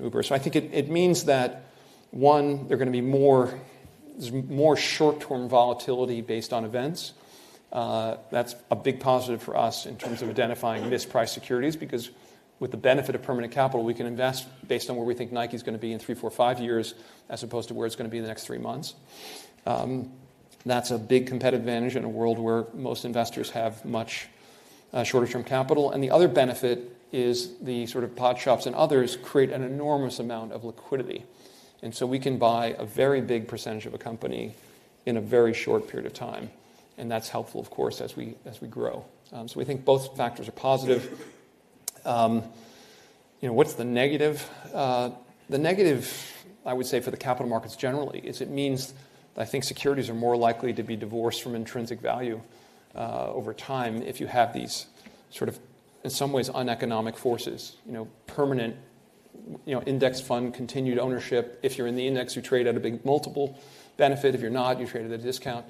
Uber. So I think it means that, one, there are going to be more short-term volatility based on events. That's a big positive for us in terms of identifying mispriced securities. Because with the benefit of permanent capital, we can invest based on where we think Nike is going to be in three, four, five years as opposed to where it's going to be in the next three months. That's a big competitive advantage in a world where most investors have much shorter-term capital. And the other benefit is the sort of pod shops and others create an enormous amount of liquidity. And so we can buy a very big percentage of a company in a very short period of time. And that's helpful, of course, as we grow. So we think both factors are positive. What's the negative? The negative, I would say, for the capital markets generally is it means that I think securities are more likely to be divorced from intrinsic value over time if you have these sort of, in some ways, uneconomic forces. Permanent index fund continued ownership, if you're in the index, you trade at a big multiple. Benefit, if you're not, you trade at a discount.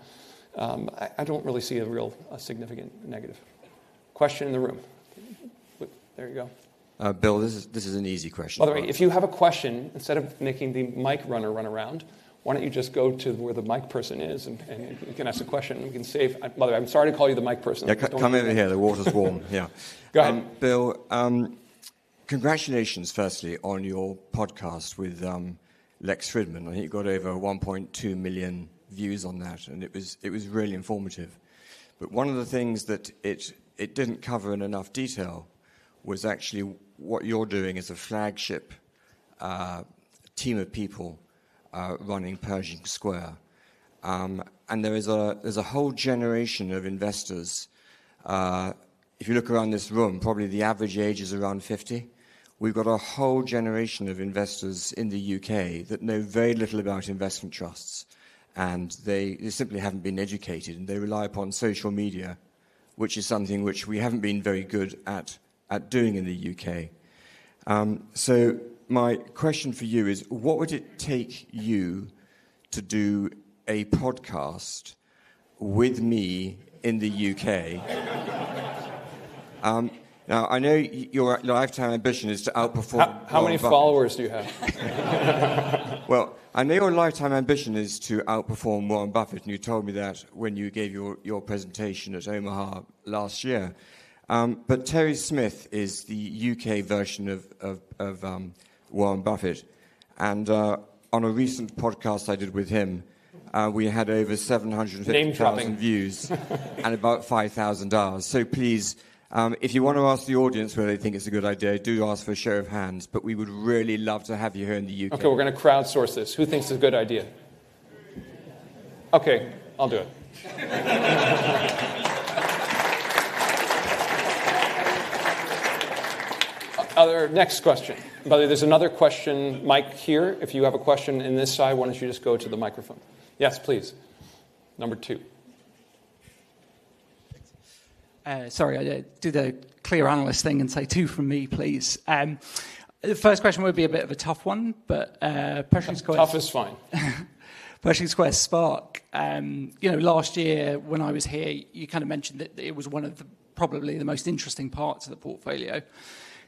I don't really see a real significant negative. Question in the room? There you go. Bill, this is an easy question. By the way, if you have a question, instead of making the mic runner run around, why don't you just go to where the mic person is and you can ask a question. We can save. By the way, I'm sorry to call you the mic person. Come in here. The water's warm. Yeah. Go ahead. Bill, congratulations, firstly, on your podcast with Lex Fridman. I think you got over 1.2 million views on that. And it was really informative. But one of the things that it didn't cover in enough detail was actually what you're doing as a flagship team of people running Pershing Square. And there's a whole generation of investors. If you look around this room, probably the average age is around 50. We've got a whole generation of investors in the U.K. that know very little about investment trusts. And they simply haven't been educated. And they rely upon social media, which is something which we haven't been very good at doing in the U.K. So my question for you is, what would it take you to do a podcast with me in the U.K.? Now, I know your lifetime ambition is to outperform Warren Buffett. How many followers do you have? Well, I know your lifetime ambition is to outperform Warren Buffett. And you told me that when you gave your presentation at Omaha last year. But Terry Smith is the UK version of Warren Buffett. And on a recent podcast I did with him, we had over 750,000 views and about $5,000. So please, if you want to ask the audience whether they think it's a good idea, do ask for a show of hands. But we would really love to have you here in the UK. OK, we're going to crowdsource this. Who thinks it's a good idea? OK, I'll do it. Next question. By the way, there's another question mic here. If you have a question in this side, why don't you just go to the microphone? Yes, please. Number two. Sorry, I do the clear analyst thing and say two from me, please. The first question would be a bit of a tough one. But Pershing Square. Tough is fine. Pershing Square SPARC. Last year, when I was here, you kind of mentioned that it was one of probably the most interesting parts of the portfolio.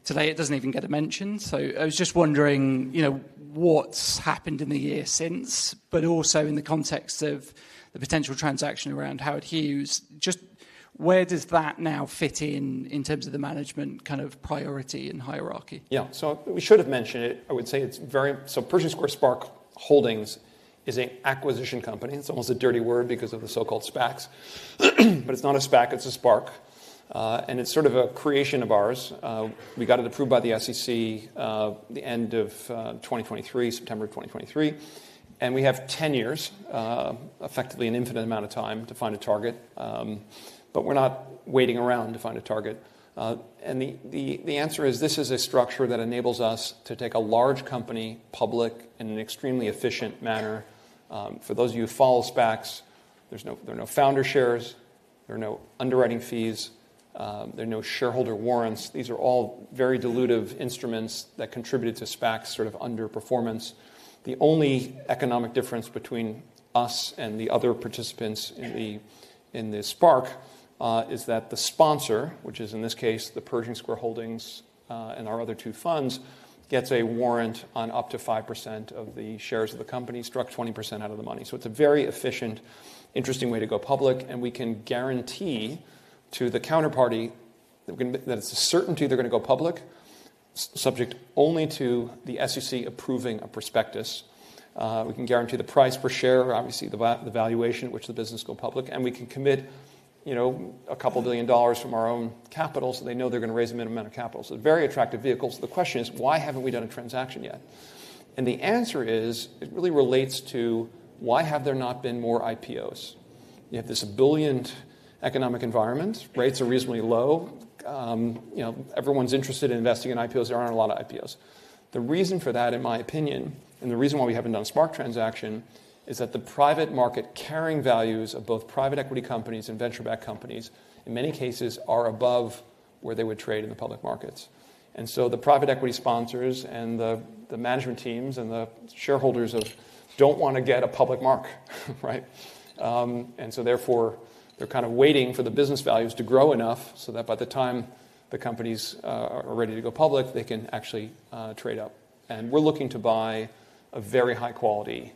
Today, it doesn't even get mentioned. So I was just wondering what's happened in the year since, but also in the context of the potential transaction around Howard Hughes. Just where does that now fit in in terms of the management kind of priority and hierarchy? Yeah. So we should have mentioned it. I would say it's very so Pershing Square SPARC Holdings is an acquisition company. It's almost a dirty word because of the so-called SPACs. But it's not a SPAC. It's a SPARC. And it's sort of a creation of ours. We got it approved by the SEC at the end of 2023, September 2023. And we have 10 years, effectively an infinite amount of time, to find a target. But we're not waiting around to find a target. And the answer is this is a structure that enables us to take a large company public in an extremely efficient manner. For those of you who follow SPACs, there are no founder shares. There are no underwriting fees. There are no shareholder warrants. These are all very dilutive instruments that contributed to SPACs' sort of underperformance. The only economic difference between us and the other participants in the SPARK is that the sponsor, which is in this case the Pershing Square Holdings and our other two funds, gets a warrant on up to 5% of the shares of the company, struck 20% out of the money. So it's a very efficient, interesting way to go public. And we can guarantee to the counterparty that it's a certainty they're going to go public, subject only to the SEC approving a prospectus. We can guarantee the price per share, obviously the valuation at which the business goes public. And we can commit $2 billion from our own capital so they know they're going to raise a minimum amount of capital. So very attractive vehicles. The question is, why haven't we done a transaction yet? The answer is it really relates to why have there not been more IPOs? You have this benign economic environment. Rates are reasonably low. Everyone's interested in investing in IPOs. There aren't a lot of IPOs. The reason for that, in my opinion, and the reason why we haven't done a Spark transaction, is that the private market carrying values of both private equity companies and venture-backed companies, in many cases, are above where they would trade in the public markets. And so the private equity sponsors and the management teams and the shareholders don't want to get a public mark. And so therefore, they're kind of waiting for the business values to grow enough so that by the time the companies are ready to go public, they can actually trade up. And we're looking to buy a very high-quality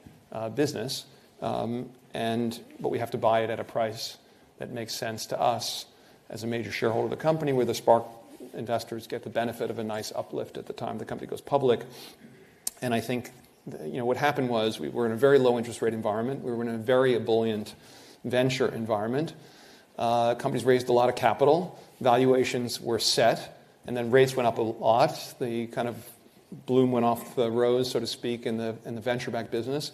business. But we have to buy it at a price that makes sense to us as a major shareholder of the company where the Spark investors get the benefit of a nice uplift at the time the company goes public. And I think what happened was we were in a very low interest rate environment. We were in a very ebullient venture environment. Companies raised a lot of capital. Valuations were set. And then rates went up a lot. The kind of bloom went off the rose, so to speak, in the venture-backed business.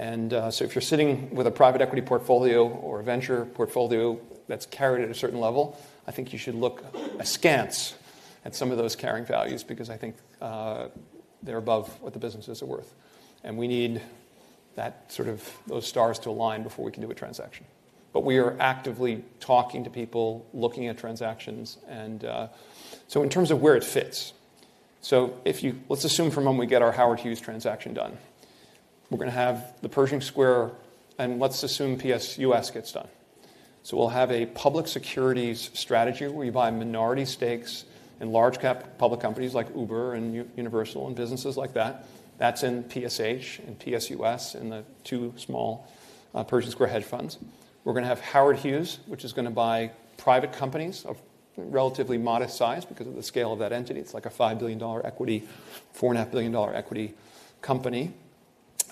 And so if you're sitting with a private equity portfolio or a venture portfolio that's carried at a certain level, I think you should look askance at some of those carrying values because I think they're above what the businesses are worth. And we need that sort of those stars to align before we can do a transaction. But we are actively talking to people, looking at transactions. And so in terms of where it fits, so let's assume for a moment we get our Howard Hughes transaction done. We're going to have the Pershing Square, and let's assume PSUS gets done. So we'll have a public securities strategy where you buy minority stakes in large-cap public companies like Uber and Universal and businesses like that. That's in PSH and PSUS and the two small Pershing Square hedge funds. We're going to have Howard Hughes, which is going to buy private companies of relatively modest size because of the scale of that entity. It's like a $5 billion equity, $4.5 billion equity company.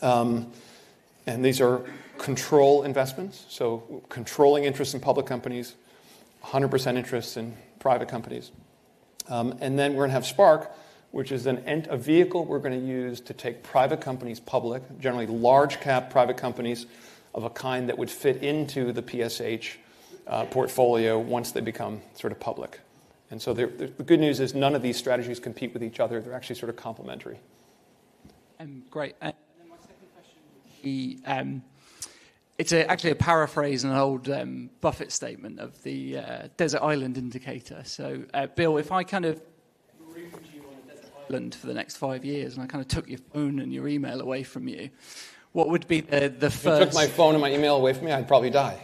And these are control investments. So controlling interest in public companies, 100% interest in private companies. And then we're going to have Spark, which is a vehicle we're going to use to take private companies public, generally large-cap private companies of a kind that would fit into the PSH portfolio once they become sort of public. And so the good news is none of these strategies compete with each other. They're actually sort of complementary. Great. And then my second question would be it's actually a paraphrase and an old Buffett statement of the desert island indicator. So Bill, if I kind of. You're routinely on a desert island for the next five years. And I kind of took your phone and your email away from you. What would be the first. If you took my phone and my email away from me, I'd probably die.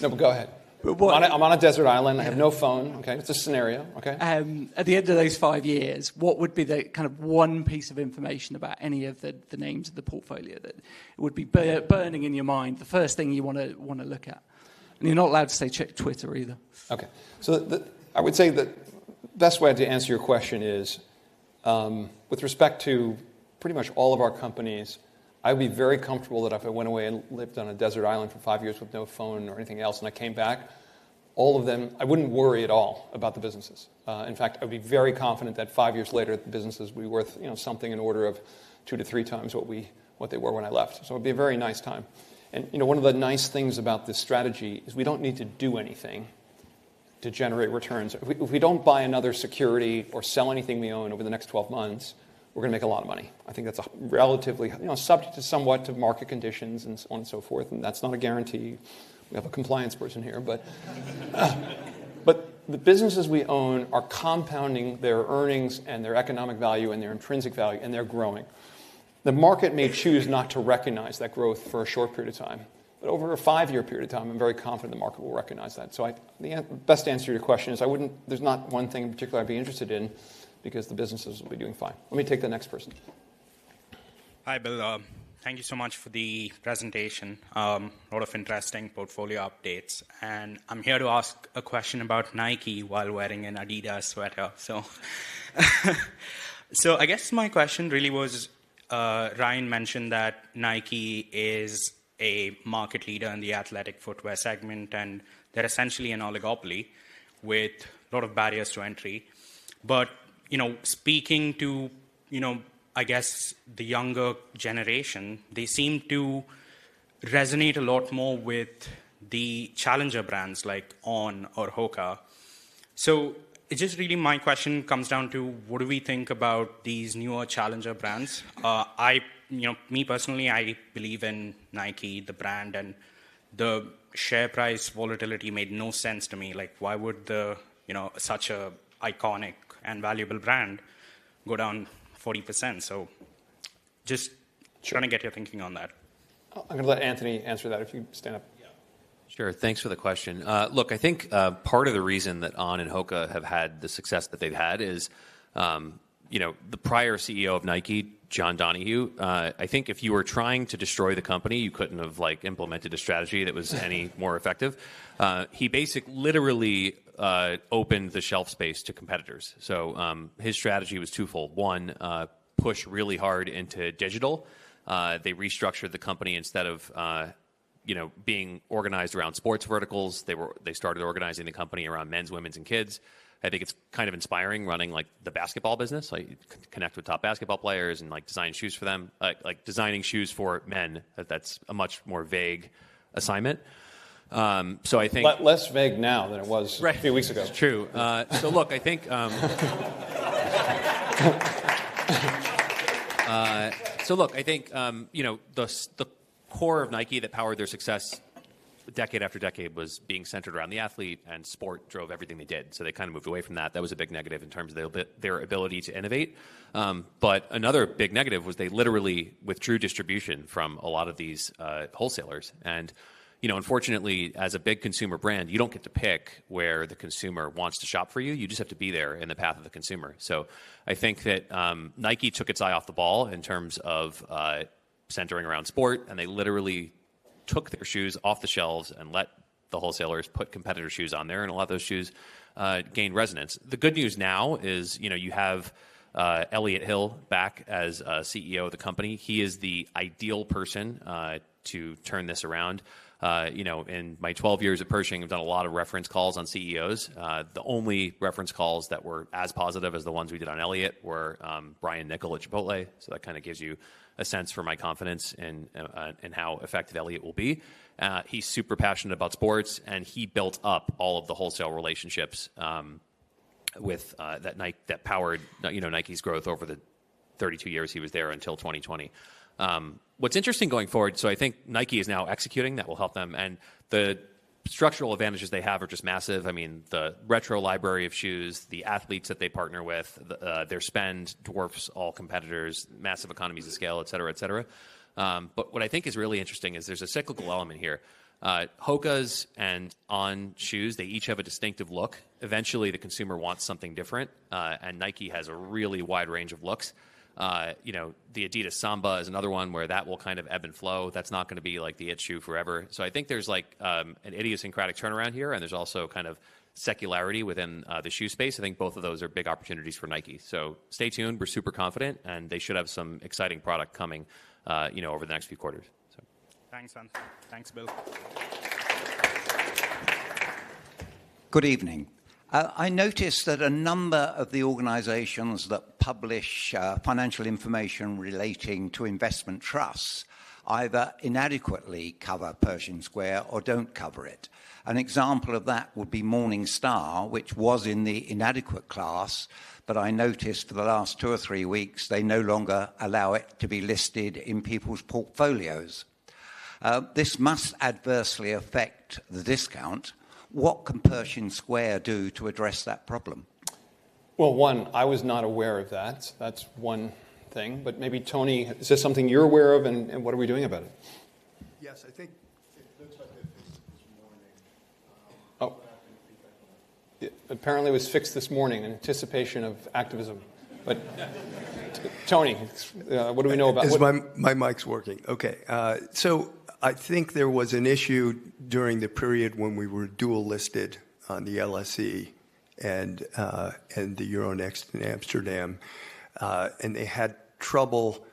No, but go ahead. I'm on a desert island. I have no phone. It's a scenario. At the end of those five years, what would be the kind of one piece of information about any of the names of the portfolio that would be burning in your mind, the first thing you want to look at? And you're not allowed to say check Twitter either. OK. So I would say the best way to answer your question is with respect to pretty much all of our companies. I would be very comfortable that if I went away and lived on a desert island for five years with no phone or anything else and I came back, all of them, I wouldn't worry at all about the businesses. In fact, I would be very confident that five years later, the businesses would be worth something in order of two to three times what they were when I left. So it would be a very nice time. And one of the nice things about this strategy is we don't need to do anything to generate returns. If we don't buy another security or sell anything we own over the next 12 months, we're going to make a lot of money. I think that's relatively subject to somewhat of market conditions and so on and so forth. And that's not a guarantee. We have a compliance person here. But the businesses we own are compounding their earnings and their economic value and their intrinsic value. And they're growing. The market may choose not to recognize that growth for a short period of time. But over a five-year period of time, I'm very confident the market will recognize that. So the best answer to your question is there's not one thing in particular I'd be interested in because the businesses will be doing fine. Let me take the next person. Hi, Bill. Thank you so much for the presentation. A lot of interesting portfolio updates, and I'm here to ask a question about Nike while wearing an Adidas sweater. So I guess my question really was Ryan mentioned that Nike is a market leader in the athletic footwear segment, and they're essentially an oligopoly with a lot of barriers to entry. But speaking to, I guess, the younger generation, they seem to resonate a lot more with the challenger brands like On or Hoka. So it just really my question comes down to what do we think about these newer challenger brands? Me personally, I believe in Nike, the brand. And the share price volatility made no sense to me. Why would such an iconic and valuable brand go down 40%? So just trying to get your thinking on that. I'm going to let Anthony answer that if you stand up. Sure. Thanks for the question. Look, I think part of the reason that On and Hoka have had the success that they've had is the prior CEO of Nike, John Donahoe. I think if you were trying to destroy the company, you couldn't have implemented a strategy that was any more effective. He basically literally opened the shelf space to competitors. So his strategy was twofold. One, push really hard into digital. They restructured the company instead of being organized around sports verticals. They started organizing the company around men, women, and kids. I think it's kind of inspiring running the basketball business. I connect with top basketball players and design shoes for them. Designing shoes for men, that's a much more vague assignment. So I think. But less vague now than it was a few weeks ago. That's true. So look, I think the core of Nike that powered their success decade after decade was being centered around the athlete. And sport drove everything they did, so they kind of moved away from that. That was a big negative in terms of their ability to innovate, but another big negative was they literally withdrew distribution from a lot of these wholesalers. And unfortunately, as a big consumer brand, you don't get to pick where the consumer wants to shop for you. You just have to be there in the path of the consumer, so I think that Nike took its eye off the ball in terms of centering around sport. And they literally took their shoes off the shelves and let the wholesalers put competitor shoes on there. And a lot of those shoes gained resonance. The good news now is you have Elliott Hill back as CEO of the company. He is the ideal person to turn this around. In my 12 years at Pershing, I've done a lot of reference calls on CEOs. The only reference calls that were as positive as the ones we did on Elliot were Brian Niccol at Chipotle. So that kind of gives you a sense for my confidence in how effective Elliot will be. He's super passionate about sports. And he built up all of the wholesale relationships that powered Nike's growth over the 32 years he was there until 2020. What's interesting going forward, so I think Nike is now executing. That will help them. And the structural advantages they have are just massive. I mean, the retro library of shoes, the athletes that they partner with, their spend dwarfs all competitors, massive economies of scale, et cetera, et cetera. But what I think is really interesting is there's a cyclical element here. Hoka's and On shoes, they each have a distinctive look. Eventually, the consumer wants something different. And Nike has a really wide range of looks. The Adidas Samba is another one where that will kind of ebb and flow. That's not going to be like the it shoe forever. So I think there's an idiosyncratic turnaround here. And there's also kind of secular within the shoe space. I think both of those are big opportunities for Nike. So stay tuned. We're super confident. And they should have some exciting product coming over the next few quarters. Thanks, Anthony. Thanks, Bill. Good evening. I noticed that a number of the organizations that publish financial information relating to investment trusts either inadequately cover Pershing Square or don't cover it. An example of that would be Morningstar, which was in the inadequate class. But I noticed for the last two or three weeks, they no longer allow it to be listed in people's portfolios. This must adversely affect the discount. What can Pershing Square do to address that problem? One, I was not aware of that. That's one thing. But maybe Tony, is this something you're aware of? And what are we doing about it? Yes, I think it looks like they fixed it this morning. Oh. I don't have any feedback on that. Apparently, it was fixed this morning in anticipation of activism. But Tony, what do we know about that? Because my mic's working. OK. So I think there was an issue during the period when we were dual-listed on the LSE and the Euronext in Amsterdam, and they had trouble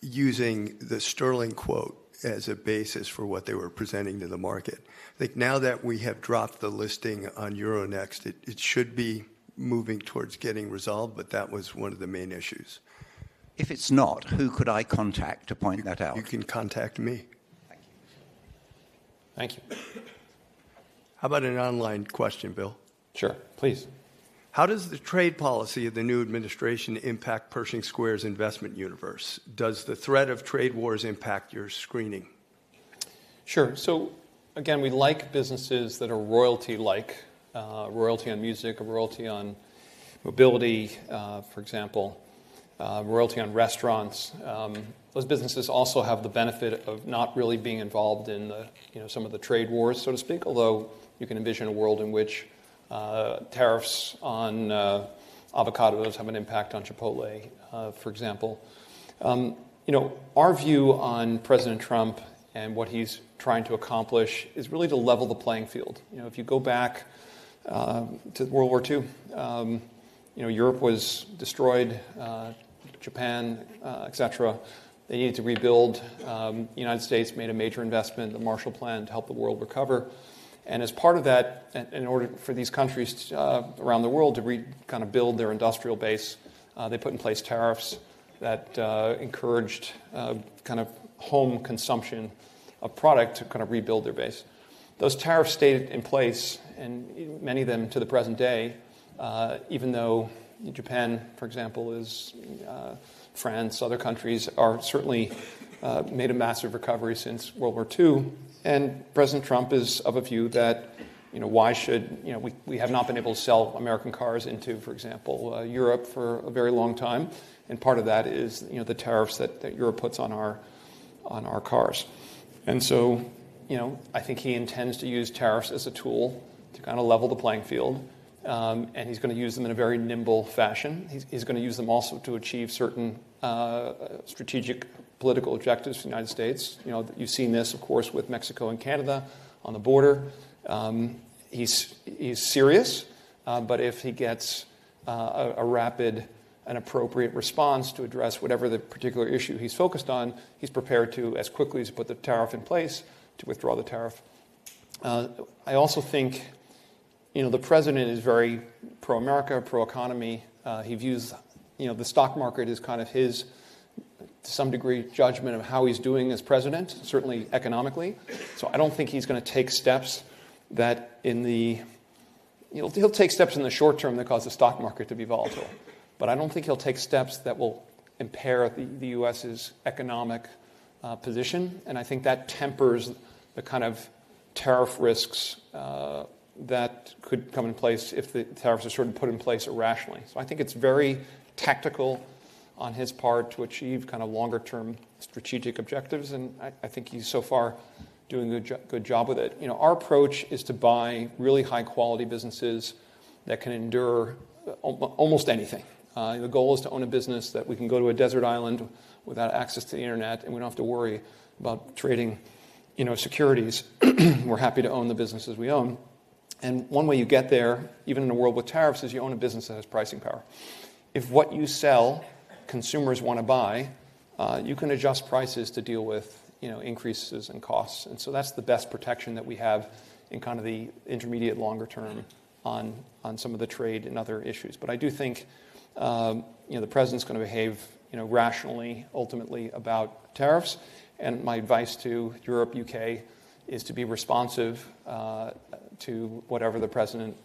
using the sterling quote as a basis for what they were presenting to the market. I think now that we have dropped the listing on Euronext, it should be moving towards getting resolved, but that was one of the main issues. If it's not, who could I contact to point that out? You can contact me. Thank you How about an online question, Bill? Sure. Please. How does the trade policy of the new administration impact Pershing Square's investment universe? Does the threat of trade wars impact your screening? Sure. So again, we like businesses that are royalty-like, royalty on music, a royalty on mobility, for example, royalty on restaurants. Those businesses also have the benefit of not really being involved in some of the trade wars, so to speak, although you can envision a world in which tariffs on avocados have an impact on Chipotle, for example. Our view on President Trump and what he's trying to accomplish is really to level the playing field. If you go back to World War II, Europe was destroyed, Japan, et cetera. They needed to rebuild. The United States made a major investment, the Marshall Plan, to help the world recover, and as part of that, in order for these countries around the world to kind of build their industrial base, they put in place tariffs that encouraged kind of home consumption of product to kind of rebuild their base. Those tariffs stayed in place, and many of them to the present day, even though Japan, for example, France, other countries have certainly made a massive recovery since World War II. President Trump is of a view that why should we have not been able to sell American cars into, for example, Europe for a very long time? Part of that is the tariffs that Europe puts on our cars. So I think he intends to use tariffs as a tool to kind of level the playing field. He's going to use them in a very nimble fashion. He's going to use them also to achieve certain strategic political objectives for the United States. You've seen this, of course, with Mexico and Canada on the border. He's serious. But if he gets a rapid and appropriate response to address whatever the particular issue he's focused on, he's prepared to, as quickly as he puts the tariff in place, withdraw the tariff. I also think the president is very pro-America, pro-economy. He views the stock market as kind of his, to some degree, judgment of how he's doing as president, certainly economically. So I don't think he's going to take steps that he'll take in the short term that cause the stock market to be volatile. But I don't think he'll take steps that will impair the U.S.'s economic position. And I think that tempers the kind of tariff risks that could come in place if the tariffs are sort of put in place irrationally. So I think it's very tactical on his part to achieve kind of longer-term strategic objectives. And I think he's so far doing a good job with it. Our approach is to buy really high-quality businesses that can endure almost anything. The goal is to own a business that we can go to a desert island without access to the internet. And we don't have to worry about trading securities. We're happy to own the businesses we own. And one way you get there, even in a world with tariffs, is you own a business that has pricing power. If what you sell consumers want to buy, you can adjust prices to deal with increases in costs. And so that's the best protection that we have in kind of the intermediate longer term on some of the trade and other issues. But I do think the president's going to behave rationally, ultimately, about tariffs. And my advice to Europe, UK, is to be responsive to whatever the president's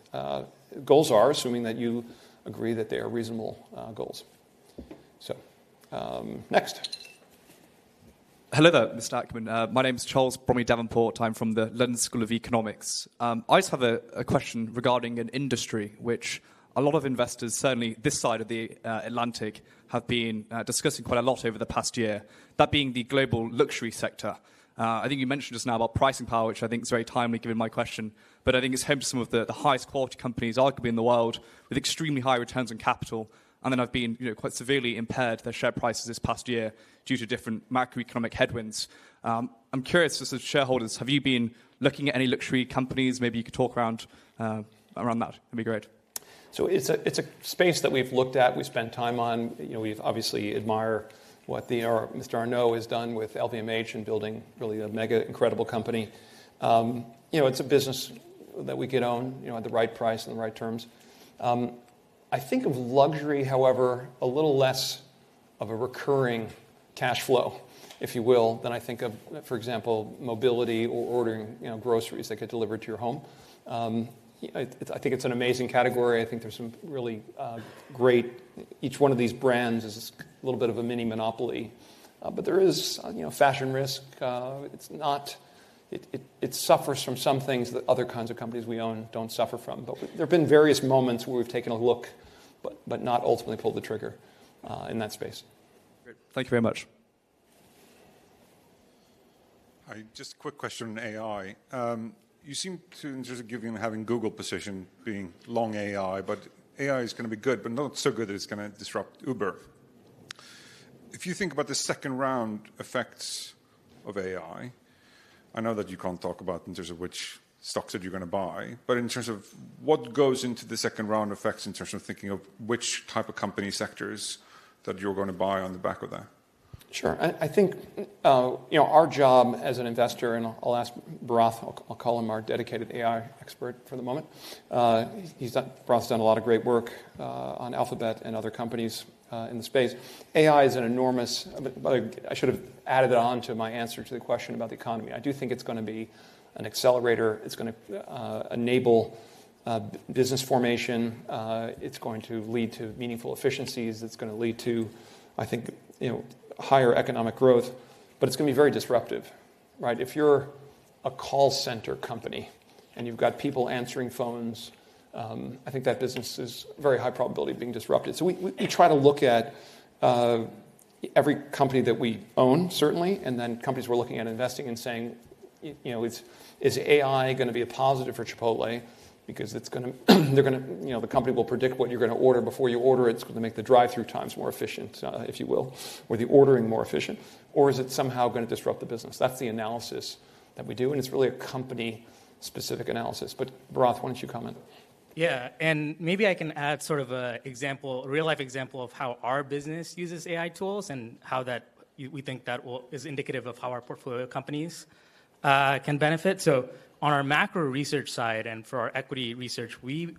goals are, assuming that you agree that they are reasonable goals. So next. Hello, there, Mr. Ackman. My name's Charles Bromley Davenport. I'm from the London School of Economics. I just have a question regarding an industry which a lot of investors, certainly this side of the Atlantic, have been discussing quite a lot over the past year, that being the global luxury sector. I think you mentioned just now about pricing power, which I think is very timely given my question. But I think it's home to some of the highest-quality companies, arguably, in the world, with extremely high returns on capital. And they have been quite severely impaired, their share prices this past year due to different macroeconomic headwinds. I'm curious, just as shareholders, have you been looking at any luxury companies? Maybe you could talk around that. That'd be great. So it's a space that we've looked at. We spend time on. We obviously admire what Mr. Arnault has done with LVMH in building really a mega incredible company. It's a business that we could own at the right price and the right terms. I think of luxury, however, a little less of a recurring cash flow, if you will, than I think of, for example, mobility or ordering groceries that get delivered to your home. I think it's an amazing category. I think there's some really great each one of these brands is a little bit of a mini monopoly. But there is fashion risk. It suffers from some things that other kinds of companies we own don't suffer from. But there have been various moments where we've taken a look, but not ultimately pulled the trigger in that space. Thank you very much. Hi. Just a quick question on AI. You seem to, in terms of having Google position being long AI, but AI is going to be good, but not so good that it's going to disrupt Uber. If you think about the second round effects of AI, I know that you can't talk about in terms of which stocks that you're going to buy. But in terms of what goes into the second round effects in terms of thinking of which type of company sectors that you're going to buy on the back of that? Sure. I think our job as an investor, and I'll ask Bharath. I'll call him our dedicated AI expert for the moment. Bharath has done a lot of great work on Alphabet and other companies in the space. AI is an enormous. I should have added it on to my answer to the question about the economy. I do think it's going to be an accelerator. It's going to enable business formation. It's going to lead to meaningful efficiencies. It's going to lead to, I think, higher economic growth. But it's going to be very disruptive. If you're a call center company and you've got people answering phones, I think that business is very high probability of being disrupted. So we try to look at every company that we own, certainly, and then companies we're looking at investing in saying, is AI going to be a positive for Chipotle? Because they're going to, the company will predict what you're going to order before you order it. It's going to make the drive-through times more efficient, if you will, or the ordering more efficient. Or is it somehow going to disrupt the business? That's the analysis that we do, and it's really a company-specific analysis, but Bharath, why don't you comment? Yeah. And maybe I can add sort of a real-life example of how our business uses AI tools and how we think that is indicative of how our portfolio of companies can benefit. So on our macro research side and for our equity research, we've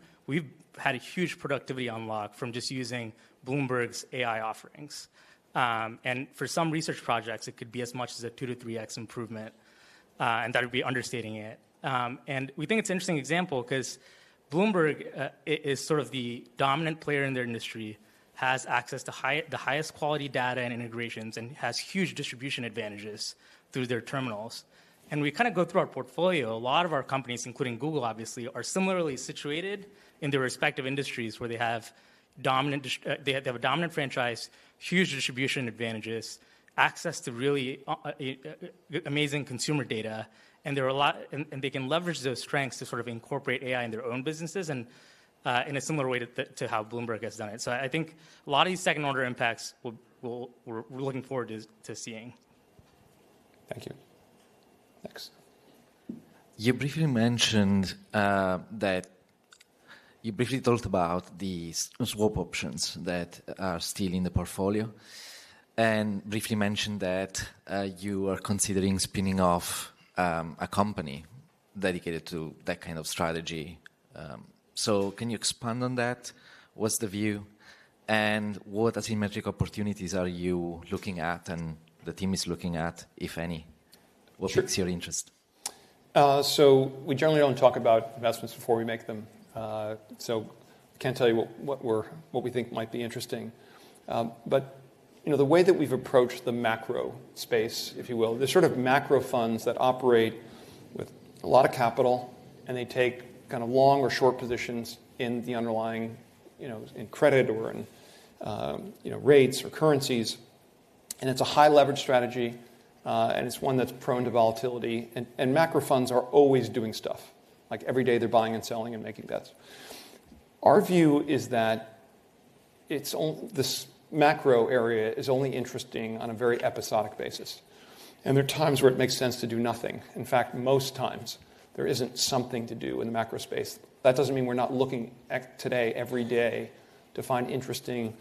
had a huge productivity unlock from just using Bloomberg's AI offerings. And for some research projects, it could be as much as a 2-3x improvement. And that would be understating it. And we think it's an interesting example because Bloomberg, as sort of the dominant player in their industry, has access to the highest quality data and integrations and has huge distribution advantages through their terminals. And we kind of go through our portfolio. A lot of our companies, including Google, obviously, are similarly situated in their respective industries where they have a dominant franchise, huge distribution advantages, access to really amazing consumer data, and they can leverage those strengths to sort of incorporate AI in their own businesses in a similar way to how Bloomberg has done it, so I think a lot of these second-order impacts we're looking forward to seeing. Thank you. Next. You briefly mentioned that you briefly talked about the swaptions that are still in the portfolio and briefly mentioned that you are considering spinning off a company dedicated to that kind of strategy. So can you expand on that? What's the view? And what asymmetric opportunities are you looking at and the team is looking at, if any? What piques your interest? So we generally don't talk about investments before we make them. So I can't tell you what we think might be interesting. But the way that we've approached the macro space, if you will, there's sort of macro funds that operate with a lot of capital. And they take kind of long or short positions in the underlying in credit or in rates or currencies. And it's a high-leverage strategy. And it's one that's prone to volatility. And macro funds are always doing stuff. Like every day, they're buying and selling and making bets. Our view is that this macro area is only interesting on a very episodic basis. And there are times where it makes sense to do nothing. In fact, most times, there isn't something to do in the macro space. That doesn't mean we're not looking today every day to find interesting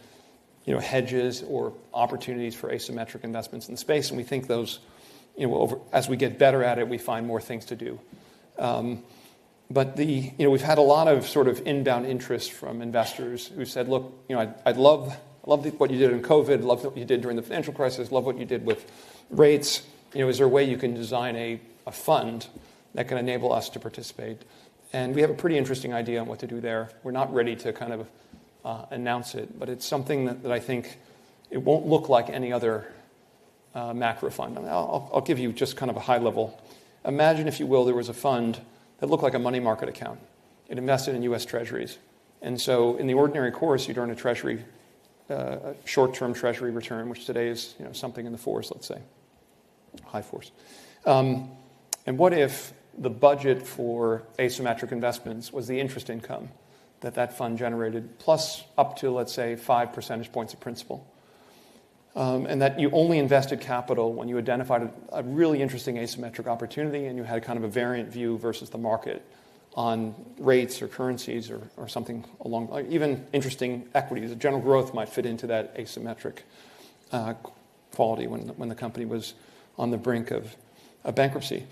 hedges or opportunities for asymmetric investments in the space. And we think those, as we get better at it, we find more things to do. But we've had a lot of sort of inbound interest from investors who said, look, I love what you did in COVID. I love what you did during the financial crisis. I love what you did with rates. Is there a way you can design a fund that can enable us to participate? And we have a pretty interesting idea on what to do there. We're not ready to kind of announce it. But it's something that I think it won't look like any other macro fund. I'll give you just kind of a high level. Imagine, if you will, there was a fund that looked like a money market account. It invested in U.S. Treasuries, and so in the ordinary course, you'd earn a short-term Treasury return, which today is something in the fours, let's say, high fours, and what if the budget for asymmetric investments was the interest income that that fund generated, plus up to, let's say, 5 percentage points of principal, and that you only invested capital when you identified a really interesting asymmetric opportunity and you had kind of a variant view versus the market on rates or currencies or something along even interesting equities. General Growth might fit into that asymmetric quality when the company was on the brink of a bankruptcy,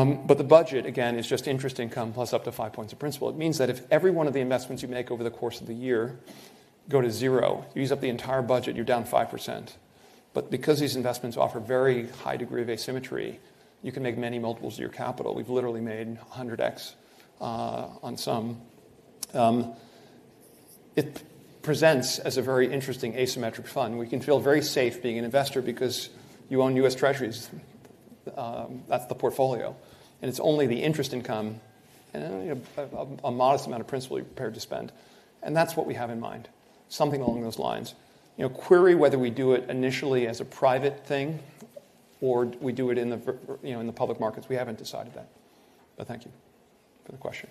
but the budget, again, is just interest income plus up to 5 points of principal. It means that if every one of the investments you make over the course of the year go to zero, you use up the entire budget, you're down 5%, but because these investments offer very high degree of asymmetry, you can make many multiples of your capital. We've literally made 100x on some. It presents as a very interesting asymmetric fund. We can feel very safe being an investor because you own U.S. Treasuries. That's the portfolio, and it's only the interest income and a modest amount of principal you're prepared to spend, and that's what we have in mind, something along those lines. Query whether we do it initially as a private thing or we do it in the public markets. We haven't decided that, but thank you for the question.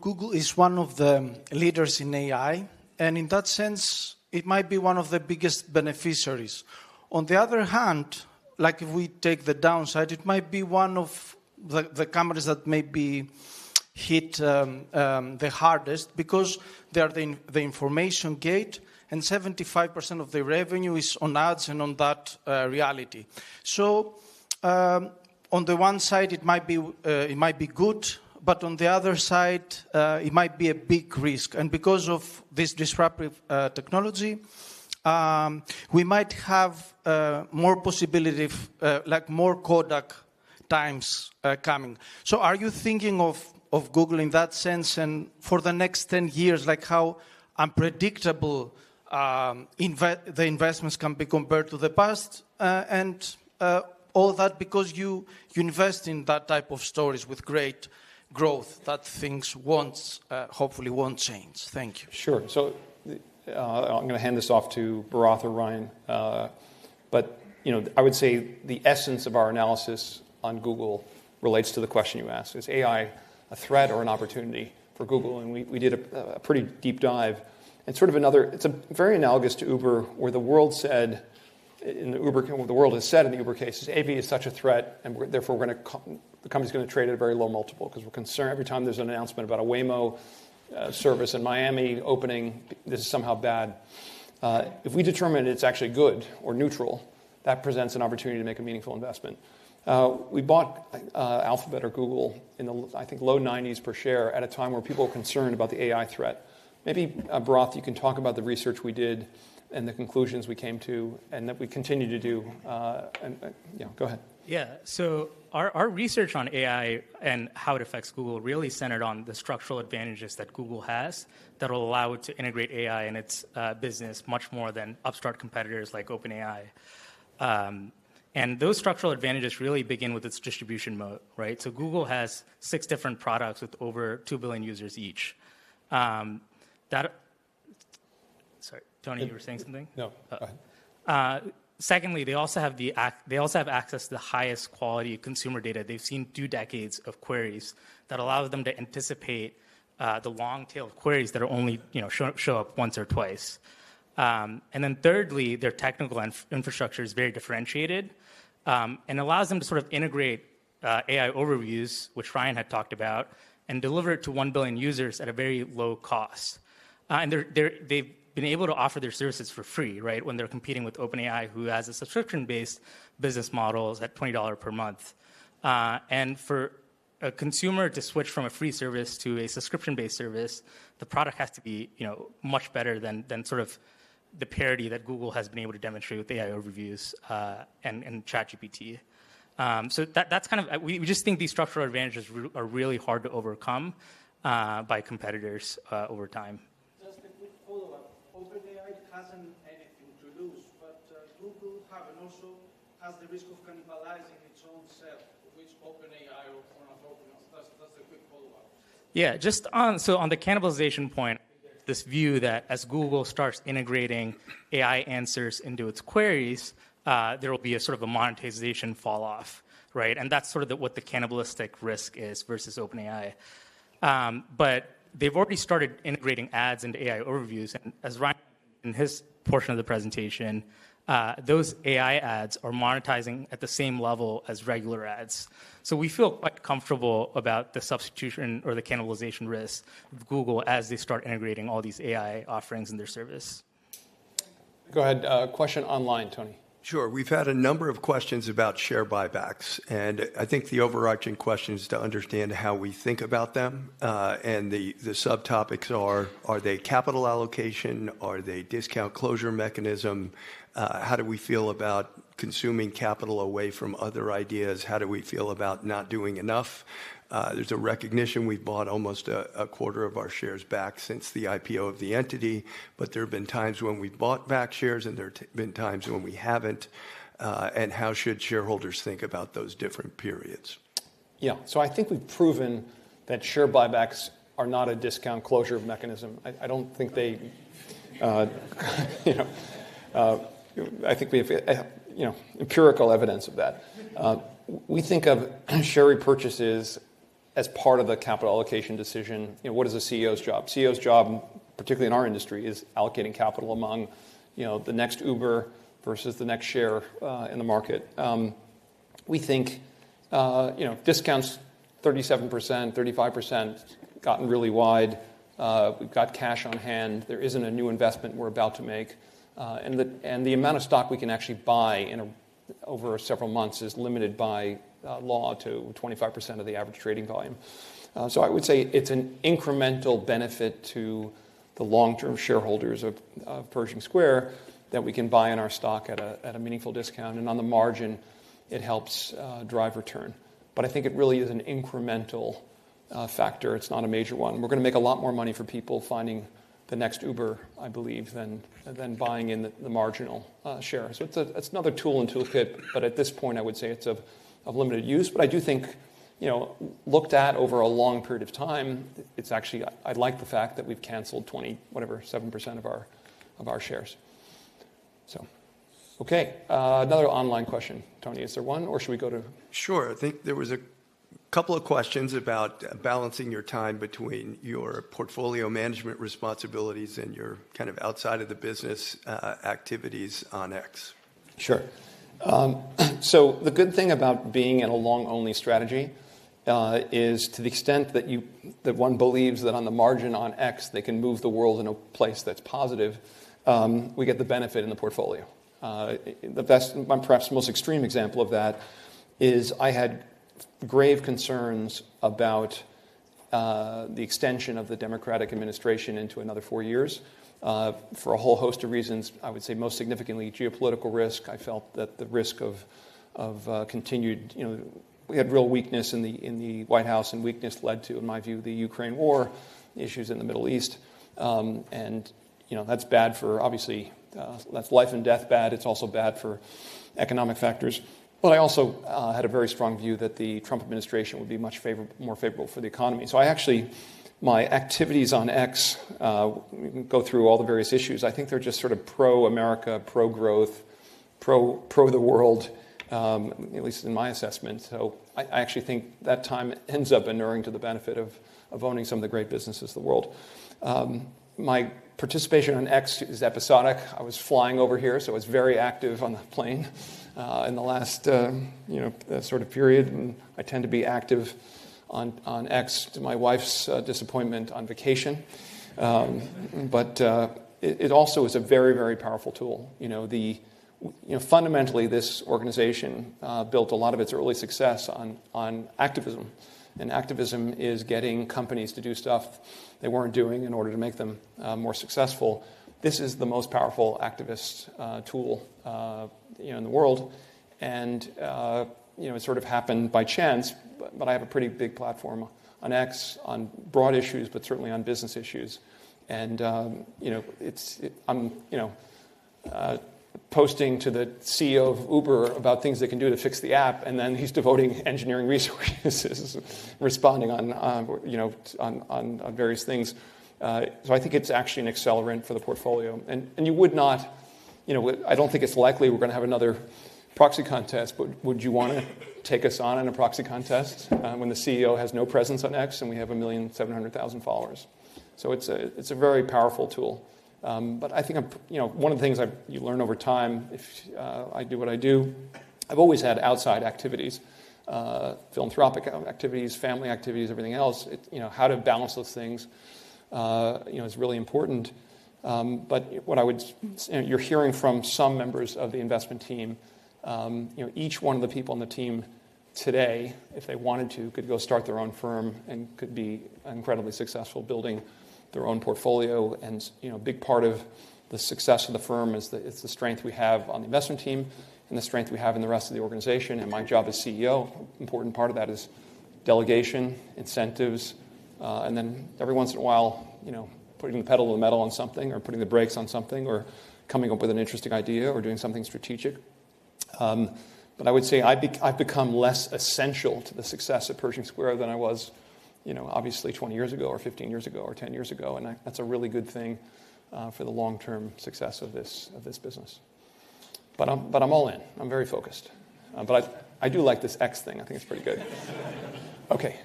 Google is one of the leaders in AI. In that sense, it might be one of the biggest beneficiaries. On the other hand, like if we take the downside, it might be one of the companies that may be hit the hardest because they are the information gate. 75% of the revenue is on ads and on that reality. On the one side, it might be good. On the other side, it might be a big risk. Because of this disruptive technology, we might have more possibility, like more Kodak times coming. Are you thinking of Google in that sense? For the next 10 years, like how unpredictable the investments can be compared to the past and all that because you invest in that type of stories with great growth that things hopefully won't change? Thank you. Sure. So I'm going to hand this off to Bharath or Ryan. But I would say the essence of our analysis on Google relates to the question you asked. Is AI a threat or an opportunity for Google? And we did a pretty deep dive. And sort of another it's very analogous to Uber, where the world has said in the Uber case is AV is such a threat. And therefore, the company's going to trade at a very low multiple because we're concerned every time there's an announcement about a Waymo service in Miami opening, this is somehow bad. If we determine it's actually good or neutral, that presents an opportunity to make a meaningful investment. We bought Alphabet or Google in the, I think, low 90s per share at a time where people were concerned about the AI threat. Maybe, Bharath, you can talk about the research we did and the conclusions we came to and that we continue to do. Go ahead. Yeah. So, our research on AI and how it affects Google really centered on the structural advantages that Google has that will allow it to integrate AI in its business much more than upstart competitors like OpenAI. And those structural advantages really begin with its distribution moat. So, Google has six different products with over two billion users each. Sorry. Tony, you were saying something? No. Secondly, they also have access to the highest quality consumer data. They've seen two decades of queries that allows them to anticipate the long tail of queries that only show up once or twice. And then thirdly, their technical infrastructure is very differentiated and allows them to sort of integrate AI Overviews, which Ryan had talked about, and deliver it to 1 billion users at a very low cost. And they've been able to offer their services for free when they're competing with OpenAI, who has a subscription-based business model at $20 per month. And for a consumer to switch from a free service to a subscription-based service, the product has to be much better than sort of the parity that Google has been able to demonstrate with AI Overviews and ChatGPT. So we just think these structural advantages are really hard to overcome by competitors over time. Just a quick follow-up. OpenAI hasn't anything to lose. But Google haven't also has the risk of cannibalizing its own self, which OpenAI or Kronos/OpenAI. That's a quick follow-up. Yeah. So on the cannibalization point, this view that as Google starts integrating AI answers into its queries, there will be a sort of a monetization falloff. And that's sort of what the cannibalistic risk is versus OpenAI. But they've already started integrating ads into AI Overviews. And as Ryan mentioned in his portion of the presentation, those AI ads are monetizing at the same level as regular ads. So we feel quite comfortable about the substitution or the cannibalization risk of Google as they start integrating all these AI offerings in their service. Go ahead. Question online, Tony. Sure. We've had a number of questions about share buybacks, and I think the overarching question is to understand how we think about them, and the subtopics are, are they capital allocation? Are they discount closure mechanism? How do we feel about consuming capital away from other ideas? How do we feel about not doing enough? There's a recognition we've bought almost a quarter of our shares back since the IPO of the entity, but there have been times when we've bought back shares, and there have been times when we haven't, and how should shareholders think about those different periods? Yeah. So I think we've proven that share buybacks are not a discount closure mechanism. I don't think. I think we have empirical evidence of that. We think of share repurchases as part of a capital allocation decision. What is a CEO's job? The CEO's job, particularly in our industry, is allocating capital among the next Uber versus the next share in the market. We think discounts, 37%, 35%, gotten really wide. We've got cash on hand. There isn't a new investment we're about to make. And the amount of stock we can actually buy over several months is limited by law to 25% of the average trading volume. So I would say it's an incremental benefit to the long-term shareholders of Pershing Square that we can buy in our stock at a meaningful discount. And on the margin, it helps drive return. But I think it really is an incremental factor. It's not a major one. We're going to make a lot more money for people finding the next Uber, I believe, than buying in the marginal share. So it's another tool in the kit. But at this point, I would say it's of limited use. But I do think, looked at over a long period of time, it's actually, I like the fact that we've canceled 20 whatever 7% of our shares. OK. Another online question, Tony. Is there one? Or should we go to. Sure. I think there was a couple of questions about balancing your time between your portfolio management responsibilities and your kind of outside-of-the-business activities on X. Sure. So the good thing about being in a long-only strategy is to the extent that one believes that on the margin on X, they can move the world in a place that's positive, we get the benefit in the portfolio. The best, perhaps most extreme example of that is I had grave concerns about the extension of the Democratic administration into another four years for a whole host of reasons. I would say most significantly, geopolitical risk. I felt that the risk of continued we had real weakness in the White House. And weakness led to, in my view, the Ukraine war issues in the Middle East. And that's bad for obviously, that's life and death bad. It's also bad for economic factors. But I also had a very strong view that the Trump administration would be much more favorable for the economy. So I actually my activities on X go through all the various issues. I think they're just sort of pro-America, pro-growth, pro-the-world, at least in my assessment. So I actually think that time ends up inuring to the benefit of owning some of the great businesses of the world. My participation on X is episodic. I was flying over here. So I was very active on the plane in the last sort of period. And I tend to be active on X to my wife's disappointment on vacation. But it also is a very, very powerful tool. Fundamentally, this organization built a lot of its early success on activism. And activism is getting companies to do stuff they weren't doing in order to make them more successful. This is the most powerful activist tool in the world. And it sort of happened by chance. But I have a pretty big platform on X on broad issues, but certainly on business issues. And I'm posting to the CEO of Uber about things they can do to fix the app. And then he's devoting engineering resources responding on various things. So I think it's actually an accelerant for the portfolio. And you would not. I don't think it's likely we're going to have another proxy contest. But would you want to take us on in a proxy contest when the CEO has no presence on X and we have 1,700,000 followers? So it's a very powerful tool. But I think one of the things you learn over time if I do what I do, I've always had outside activities, philanthropic activities, family activities, everything else. How to balance those things is really important. But what you're hearing from some members of the investment team. Each one of the people on the team today, if they wanted to, could go start their own firm and could be incredibly successful building their own portfolio. And a big part of the success of the firm is the strength we have on the investment team and the strength we have in the rest of the organization. And my job as CEO, an important part of that is delegation, incentives. And then every once in a while, putting the pedal to the metal on something or putting the brakes on something or coming up with an interesting idea or doing something strategic. But I would say I've become less essential to the success of Pershing Square than I was, obviously, 20 years ago or 15 years ago or 10 years ago. And that's a really good thing for the long-term success of this business. But I'm all in. I'm very focused. But I do like this X thing. I think it's pretty good. OK.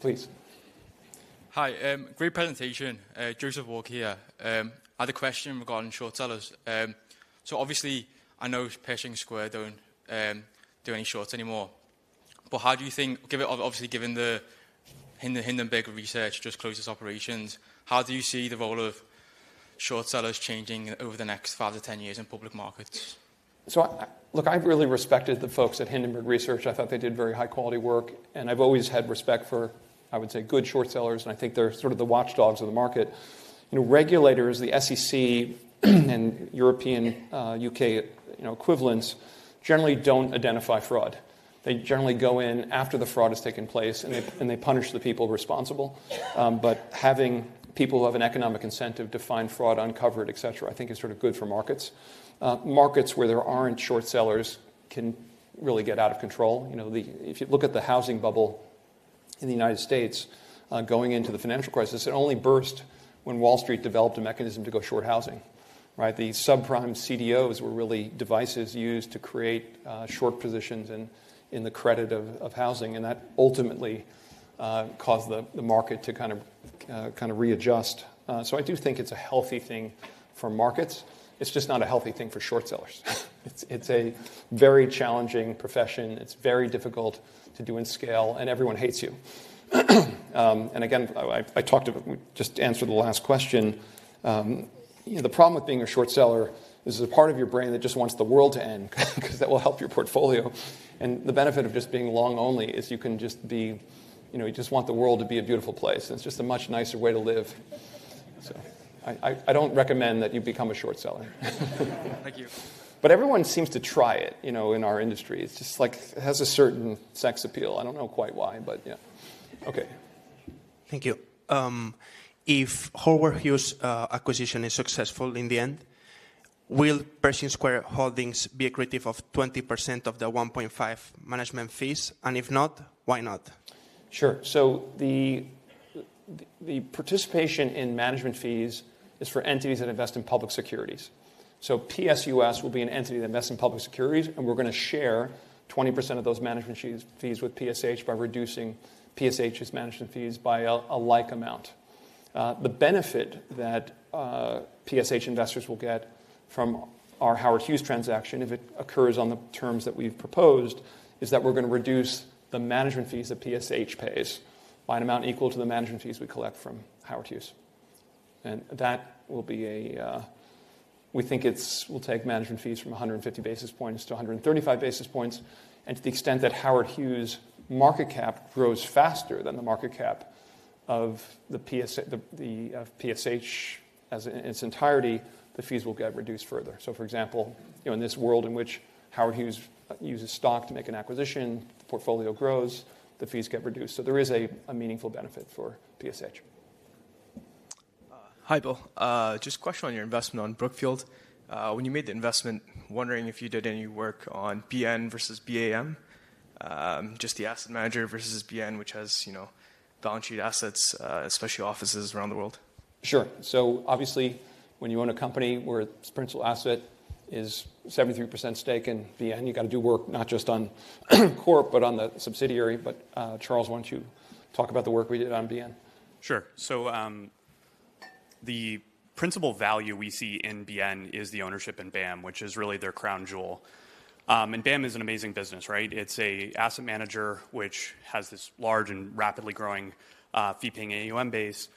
Please. Hi. Great presentation. Joseph Walker here. I had a question regarding short sellers. So obviously, I know Pershing Square don't do any shorts anymore. But how do you think obviously, given the Hindenburg Research just closed its operations, how do you see the role of short sellers changing over the next five to 10 years in public markets? So look, I've really respected the folks at Hindenburg Research. I thought they did very high-quality work. And I've always had respect for, I would say, good short sellers. And I think they're sort of the watchdogs of the market. Regulators, the SEC and European UK equivalents generally don't identify fraud. They generally go in after the fraud has taken place. And they punish the people responsible. But having people who have an economic incentive to find fraud uncovered, et cetera, I think is sort of good for markets. Markets where there aren't short sellers can really get out of control. If you look at the housing bubble in the United States going into the financial crisis, it only burst when Wall Street developed a mechanism to go short housing. The subprime CDOs were really devices used to create short positions in the credit of housing. That ultimately caused the market to kind of readjust. I do think it's a healthy thing for markets. It's just not a healthy thing for short sellers. It's a very challenging profession. It's very difficult to do in scale. Everyone hates you. Again, I just answered the last question. The problem with being a short seller is there's a part of your brain that just wants the world to end because that will help your portfolio. The benefit of just being long-only is you can just be you just want the world to be a beautiful place. It's just a much nicer way to live. I don't recommend that you become a short seller. Thank you. But everyone seems to try it in our industry. It's just like it has a certain sex appeal. I don't know quite why. But yeah. OK. Thank you. If Howard Hughes acquisition is successful in the end, will Pershing Square Holdings be a recipient of 20% of the 1.5% management fees? And if not, why not? Sure. So the participation in management fees is for entities that invest in public securities. So PSUS will be an entity that invests in public securities. And we're going to share 20% of those management fees with PSH by reducing PSH's management fees by a like amount. The benefit that PSH investors will get from our Howard Hughes transaction, if it occurs on the terms that we've proposed, is that we're going to reduce the management fees that PSH pays by an amount equal to the management fees we collect from Howard Hughes. And that will be. We think it will take management fees from 150 basis points to 135 basis points. And to the extent that Howard Hughes' market cap grows faster than the market cap of PSH as in its entirety, the fees will get reduced further. So for example, in this world in which Howard Hughes uses stock to make an acquisition, the portfolio grows. The fees get reduced. So there is a meaningful benefit for PSH. Hi, Bill. Just a question on your investment on Brookfield. When you made the investment, wondering if you did any work on BN versus BAM, just the asset manager versus BN, which has balance sheet assets, especially offices around the world? Sure. So obviously, when you own a company where its principal asset is 73% stake in BN, you've got to do work not just on Corp but on the subsidiary. But Charles, why don't you talk about the work we did on BN. Sure. So the principal value we see in BN is the ownership in BAM, which is really their crown jewel. And BAM is an amazing business. It's an asset manager which has this large and rapidly growing fee-paying AUM base,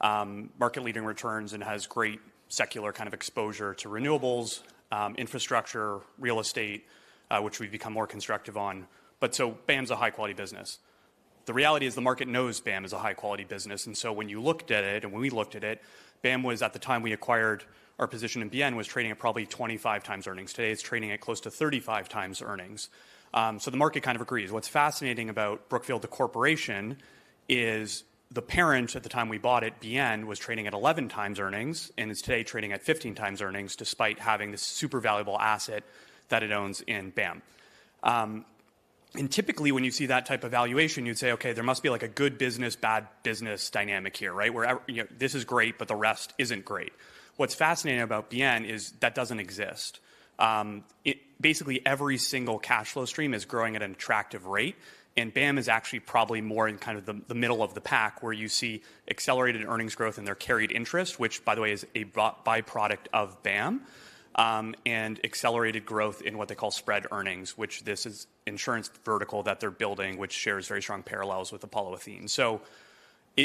market-leading returns, and has great secular kind of exposure to renewables, infrastructure, real estate, which we've become more constructive on. But so BAM is a high-quality business. The reality is the market knows BAM is a high-quality business. And so when you looked at it and when we looked at it, BAM, at the time we acquired our position in BN, was trading at probably 25 times earnings. Today, it's trading at close to 35 times earnings. So the market kind of agrees. What's fascinating about Brookfield, the corporation, is the parent at the time we bought it, BN, was trading at 11 times earnings. It's trading today at 15 times earnings despite having this super valuable asset that it owns in BAM. Typically, when you see that type of valuation, you'd say, OK, there must be like a good business, bad business dynamic here, where this is great, but the rest isn't great. What's fascinating about BN is that doesn't exist. Basically, every single cash flow stream is growing at an attractive rate. BAM is actually probably more in kind of the middle of the pack where you see accelerated earnings growth and their carried interest, which, by the way, is a byproduct of BAM, and accelerated growth in what they call spread earnings, which is this insurance vertical that they're building, which shares very strong parallels with Apollo Athene. It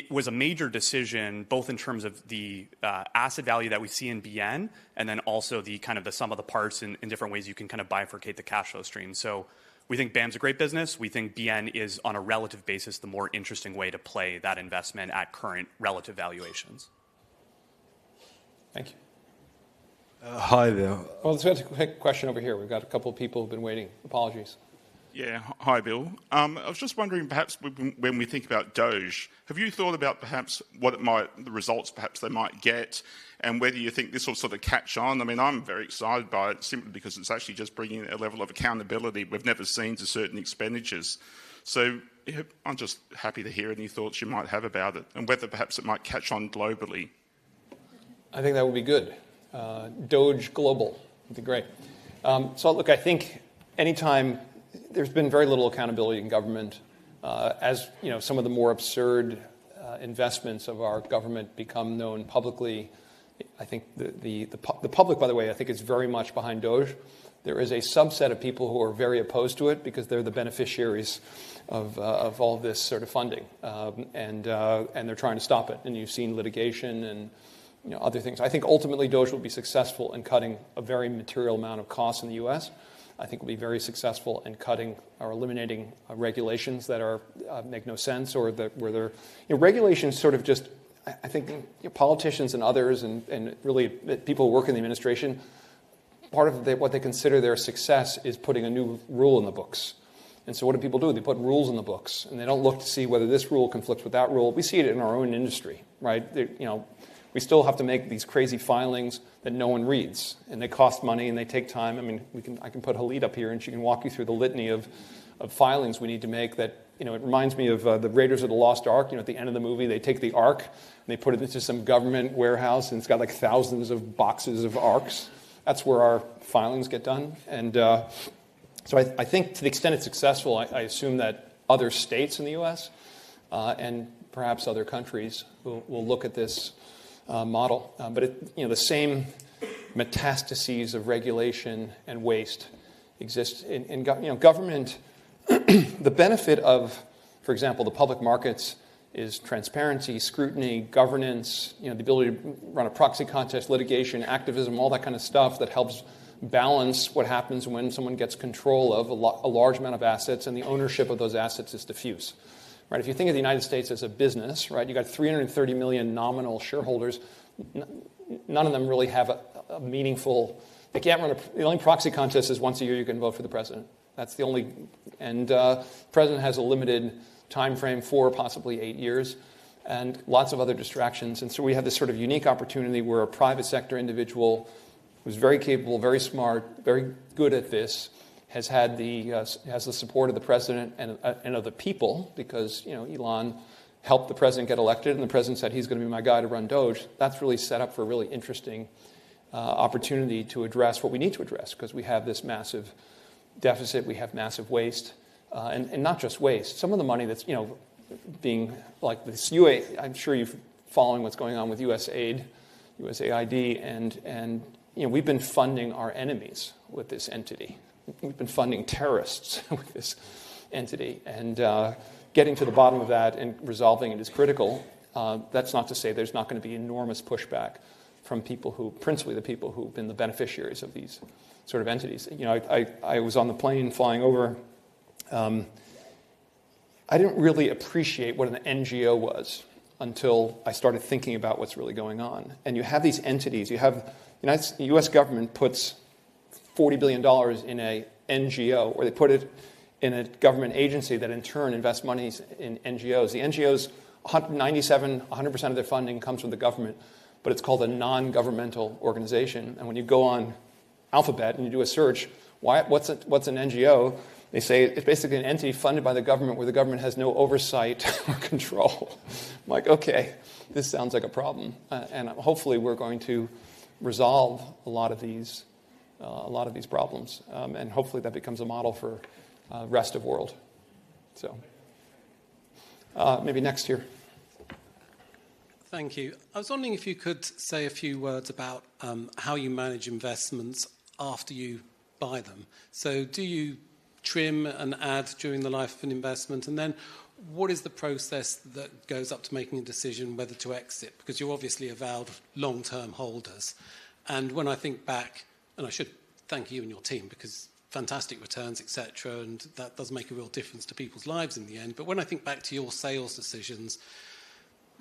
was a major decision both in terms of the asset value that we see in BN and then also the kind of the sum of the parts in different ways you can kind of bifurcate the cash flow stream. We think BAM is a great business. We think BN is, on a relative basis, the more interesting way to play that investment at current relative valuations. Thank you. Hi, there. There's a quick question over here. We've got a couple of people who've been waiting. Apologies. Yeah. Hi, Bill. I was just wondering, perhaps when we think about DOGE, have you thought about perhaps what it might the results perhaps they might get and whether you think this will sort of catch on? I mean, I'm very excited by it simply because it's actually just bringing a level of accountability we've never seen to certain expenditures. So I'm just happy to hear any thoughts you might have about it and whether perhaps it might catch on globally. I think that would be good. DOGE Global. That'd be great. So, look, I think any time there's been very little accountability in government, as some of the more absurd investments of our government become known publicly, I think the public, by the way, I think is very much behind DOGE. There is a subset of people who are very opposed to it because they're the beneficiaries of all this sort of funding. And they're trying to stop it. And you've seen litigation and other things. I think ultimately, DOGE will be successful in cutting a very material amount of cost in the U.S. I think it will be very successful in cutting or eliminating regulations that make no sense or where there are regulations sort of just. I think politicians and others, and really people who work in the administration, part of what they consider their success is putting a new rule in the books, and so what do people do? They put rules in the books, and they don't look to see whether this rule conflicts with that rule. We see it in our own industry. We still have to make these crazy filings that no one reads, and they cost money, and they take time. I mean, I can put Halit up here, and she can walk you through the litany of filings we need to make that. It reminds me of the Raiders of the Lost Ark. At the end of the movie, they take the ark, and they put it into some government warehouse. And it's got like thousands of boxes of arks. That's where our filings get done. And so I think to the extent it's successful, I assume that other states in the U.S. and perhaps other countries will look at this model. But the same metastases of regulation and waste exist. And government, the benefit of, for example, the public markets is transparency, scrutiny, governance, the ability to run a proxy contest, litigation, activism, all that kind of stuff that helps balance what happens when someone gets control of a large amount of assets. And the ownership of those assets is diffuse. If you think of the United States as a business, you've got 330 million nominal shareholders. None of them really have a meaningful. They can't run a. The only proxy contest is once a year. You can vote for the president. That's the only, and the president has a limited time frame for possibly eight years and lots of other distractions, and so we have this sort of unique opportunity where a private sector individual who's very capable, very smart, very good at this has the support of the president and of the people because Elon helped the president get elected. The president said he's going to be my guy to run DOGE. That's really set up for a really interesting opportunity to address what we need to address because we have this massive deficit. We have massive waste, and not just waste. Some of the money that's being, like, I'm sure you're following what's going on with USAID. We've been funding our enemies with this entity. We've been funding terrorists with this entity. Getting to the bottom of that and resolving it is critical. That's not to say there's not going to be enormous pushback from people who principally the people who've been the beneficiaries of these sort of entities. I was on the plane flying over. I didn't really appreciate what an NGO was until I started thinking about what's really going on. You have these entities. The U.S. government puts $40 billion in an NGO, or they put it in a government agency that in turn invests money in NGOs. The NGOs, 197, 100% of their funding comes from the government. But it's called a non-governmental organization. When you go on Alphabet and you do a search, what's an NGO? They say it's basically an entity funded by the government where the government has no oversight or control. I'm like, OK, this sounds like a problem. And hopefully, we're going to resolve a lot of these problems. And hopefully, that becomes a model for the rest of the world. So maybe next here. Thank you. I was wondering if you could say a few words about how you manage investments after you buy them. So do you trim and add during the life of an investment? And then what is the process that goes up to making a decision whether to exit? Because you're obviously avowed long-term holders. And when I think back and I should thank you and your team because fantastic returns, et cetera. And that does make a real difference to people's lives in the end. But when I think back to your sales decisions,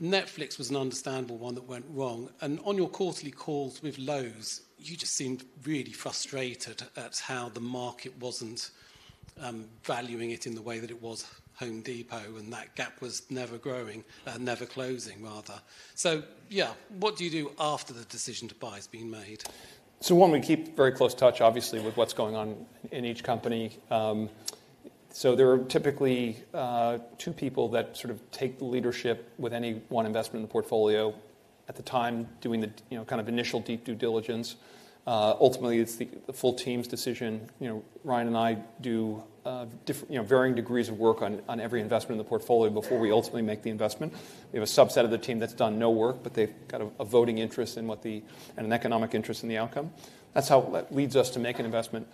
Netflix was an understandable one that went wrong. And on your quarterly calls with Lowe's, you just seemed really frustrated at how the market wasn't valuing it in the way that it was Home Depot. And that gap was never growing, never closing, rather. So yeah, what do you do after the decision to buy has been made? So one, we keep very close touch, obviously, with what's going on in each company. So there are typically two people that sort of take the leadership with any one investment in the portfolio at the time, doing the kind of initial deep due diligence. Ultimately, it's the full team's decision. Ryan and I do varying degrees of work on every investment in the portfolio before we ultimately make the investment. We have a subset of the team that's done no work, but they've got a voting interest in what the and an economic interest in the outcome. That's how that leads us to make an investment.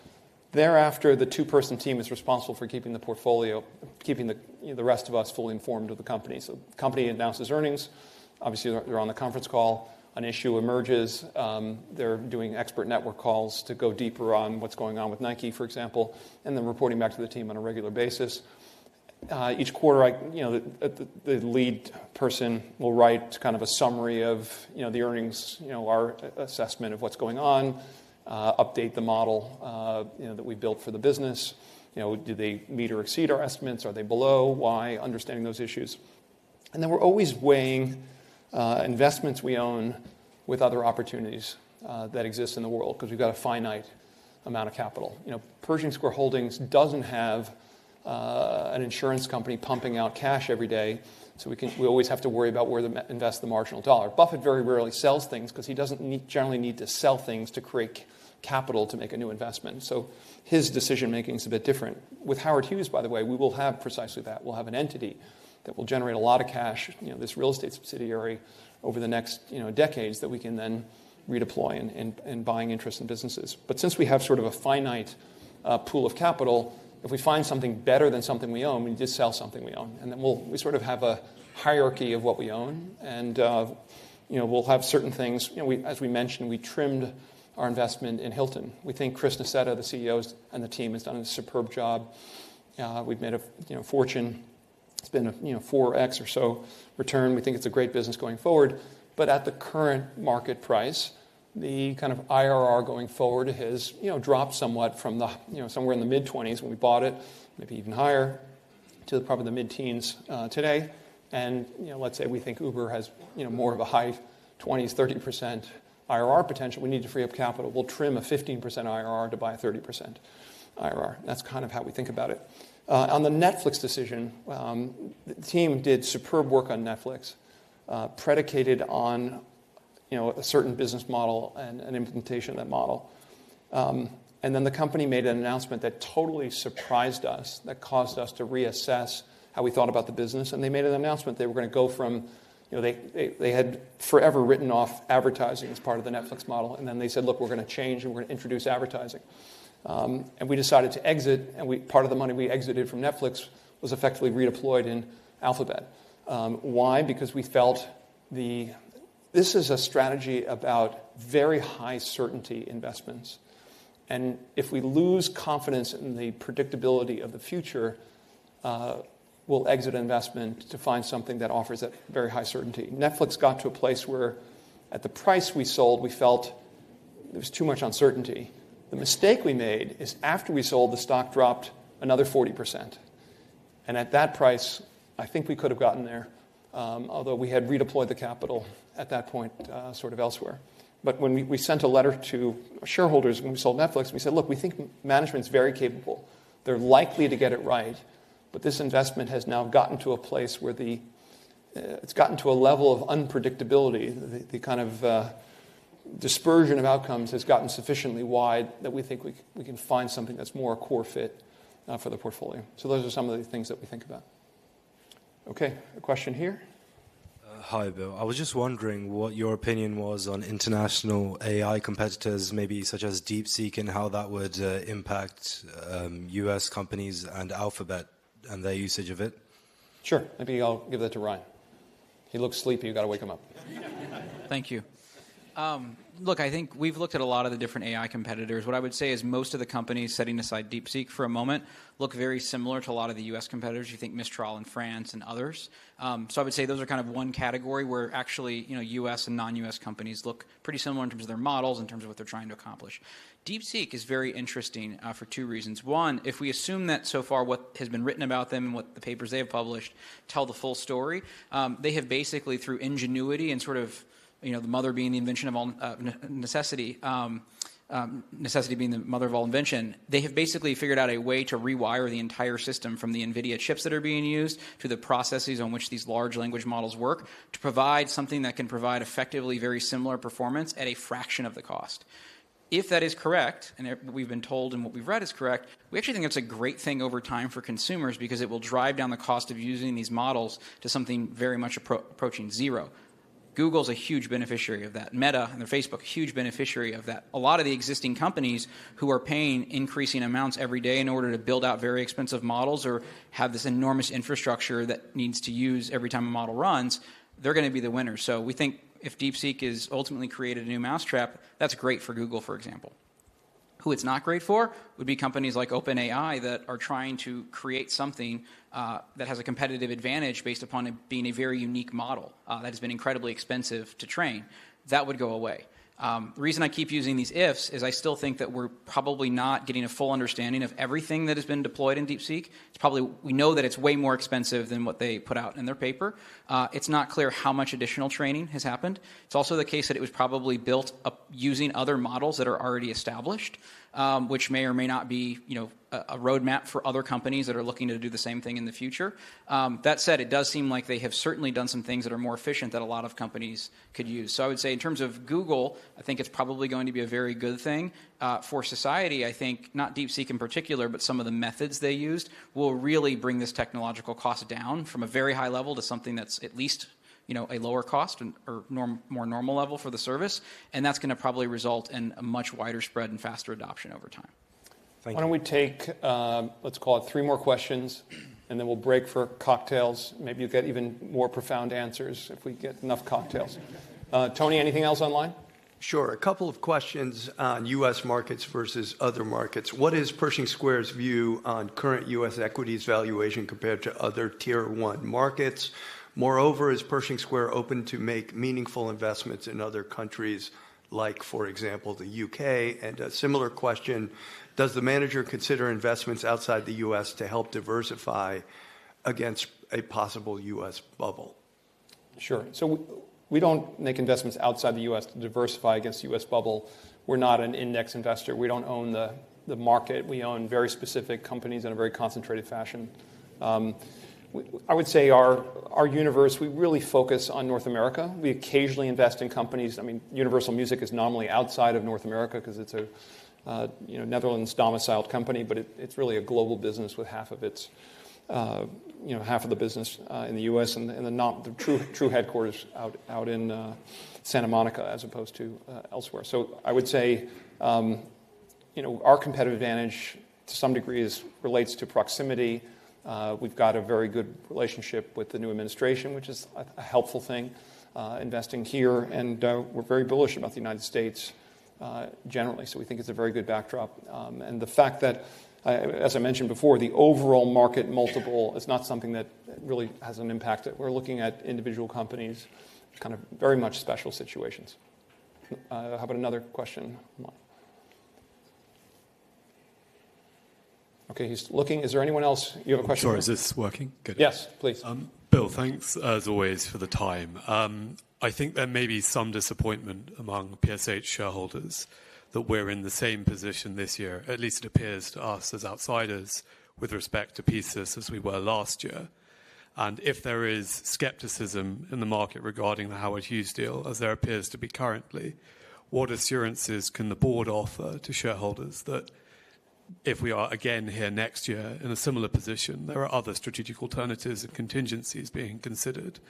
Thereafter, the two-person team is responsible for keeping the portfolio, keeping the rest of us fully informed of the company. So the company announces earnings. Obviously, they're on the conference call. An issue emerges. They're doing expert network calls to go deeper on what's going on with Nike, for example, and then reporting back to the team on a regular basis. Each quarter, the lead person will write kind of a summary of the earnings, our assessment of what's going on, update the model that we built for the business. Do they meet or exceed our estimates? Are they below? Why? Understanding those issues, and then we're always weighing investments we own with other opportunities that exist in the world because we've got a finite amount of capital. Pershing Square Holdings doesn't have an insurance company pumping out cash every day, so we always have to worry about where to invest the marginal dollar. Buffett very rarely sells things because he doesn't generally need to sell things to create capital to make a new investment, so his decision-making is a bit different. With Howard Hughes, by the way, we will have precisely that. We'll have an entity that will generate a lot of cash, this real estate subsidiary, over the next decades that we can then redeploy in buying interest in businesses. But since we have sort of a finite pool of capital, if we find something better than something we own, we just sell something we own. And then we sort of have a hierarchy of what we own. And we'll have certain things. As we mentioned, we trimmed our investment in Hilton. We think Chris Nassetta, the CEO and the team, has done a superb job. We've made a fortune. It's been a 4x or so return. We think it's a great business going forward. But at the current market price, the kind of IRR going forward has dropped somewhat from somewhere in the mid-20s when we bought it, maybe even higher, to probably the mid-teens today. And let's say we think Uber has more of a high 20% - 30% IRR potential. We need to free up capital. We'll trim a 15% IRR to buy a 30% IRR. That's kind of how we think about it. On the Netflix decision, the team did superb work on Netflix, predicated on a certain business model and implementation of that model. And then the company made an announcement that totally surprised us, that caused us to reassess how we thought about the business. And they made an announcement they were going to go from they had forever written off advertising as part of the Netflix model. And then they said, look, we're going to change. And we're going to introduce advertising. And we decided to exit. And part of the money we exited from Netflix was effectively redeployed in Alphabet. Why? Because we felt this is a strategy about very high certainty investments. And if we lose confidence in the predictability of the future, we'll exit investment to find something that offers that very high certainty. Netflix got to a place where, at the price we sold, we felt there was too much uncertainty. The mistake we made is after we sold, the stock dropped another 40%. And at that price, I think we could have gotten there, although we had redeployed the capital at that point sort of elsewhere. But when we sent a letter to shareholders when we sold Netflix, we said, look, we think management's very capable. They're likely to get it right. But this investment has now gotten to a place where it's gotten to a level of unpredictability. The kind of dispersion of outcomes has gotten sufficiently wide that we think we can find something that's more core fit for the portfolio. So those are some of the things that we think about. OK, a question here? Hi, Bill. I was just wondering what your opinion was on international AI competitors, maybe such as DeepSeek, and how that would impact U.S. companies and Alphabet and their usage of it. Sure. Maybe I'll give that to Ryan. He looks sleepy. You've got to wake him up. Thank you. Look, I think we've looked at a lot of the different AI competitors. What I would say is most of the companies, setting aside DeepSeek for a moment, look very similar to a lot of the US competitors. You think Mistral in France and others. So I would say those are kind of one category where actually US and non-US companies look pretty similar in terms of their models, in terms of what they're trying to accomplish. DeepSeek is very interesting for two reasons. One, if we assume that so far what has been written about them and what the papers they have published tell the full story, they have basically, through ingenuity and sort of the mother being the invention of all necessity, necessity being the mother of all invention, they have basically figured out a way to rewire the entire system from the NVIDIA chips that are being used to the processes on which these large language models work to provide something that can provide effectively very similar performance at a fraction of the cost. If that is correct, and we've been told and what we've read is correct, we actually think it's a great thing over time for consumers because it will drive down the cost of using these models to something very much approaching zero. Google is a huge beneficiary of that. Meta and Facebook, a huge beneficiary of that. A lot of the existing companies who are paying increasing amounts every day in order to build out very expensive models or have this enormous infrastructure that needs to use every time a model runs, they're going to be the winners. So we think if DeepSeek has ultimately created a new mousetrap, that's great for Google, for example. Who it's not great for would be companies like OpenAI that are trying to create something that has a competitive advantage based upon it being a very unique model that has been incredibly expensive to train. That would go away. The reason I keep using these ifs is I still think that we're probably not getting a full understanding of everything that has been deployed in DeepSeek. It's probably we know that it's way more expensive than what they put out in their paper. It's not clear how much additional training has happened. It's also the case that it was probably built using other models that are already established, which may or may not be a roadmap for other companies that are looking to do the same thing in the future. That said, it does seem like they have certainly done some things that are more efficient that a lot of companies could use. So I would say in terms of Google, I think it's probably going to be a very good thing for society. I think not DeepSeek in particular, but some of the methods they used will really bring this technological cost down from a very high level to something that's at least a lower cost or more normal level for the service, and that's going to probably result in a much wider spread and faster adoption over time. Thank you. Why don't we take, let's call it, three more questions, and then we'll break for cocktails. Maybe you'll get even more profound answers if we get enough cocktails. Tony, anything else online? Sure. A couple of questions on U.S. markets versus other markets. What is Pershing Square's view on current U.S. equities valuation compared to other tier one markets? Moreover, is Pershing Square open to make meaningful investments in other countries, like, for example, the U.K.? And a similar question, does the manager consider investments outside the U.S. to help diversify against a possible U.S. bubble? Sure. So we don't make investments outside the U.S. to diversify against the U.S. bubble. We're not an index investor. We don't own the market. We own very specific companies in a very concentrated fashion. I would say our universe, we really focus on North America. We occasionally invest in companies. I mean, Universal Music is nominally outside of North America because it's a Netherlands-domiciled company. But it's really a global business with half of its business in the U.S. and the true headquarters out in Santa Monica as opposed to elsewhere. So I would say our competitive advantage to some degree relates to proximity. We've got a very good relationship with the new administration, which is a helpful thing, investing here. And we're very bullish about the United States generally. So we think it's a very good backdrop. The fact that, as I mentioned before, the overall market multiple is not something that really has an impact. We're looking at individual companies, kind of very much special situations. How about another question? OK, he's looking. Is there anyone else? You have a question? Sure. Is this working? Yes, please. Bill, thanks as always for the time. I think there may be some disappointment among PSH shareholders that we're in the same position this year, at least it appears to us as outsiders with respect to PSUS as we were last year. And if there is skepticism in the market regarding the Howard Hughes deal, as there appears to be currently, what assurances can the board offer to shareholders that if we are again here next year in a similar position, there are other strategic alternatives and contingencies being considered?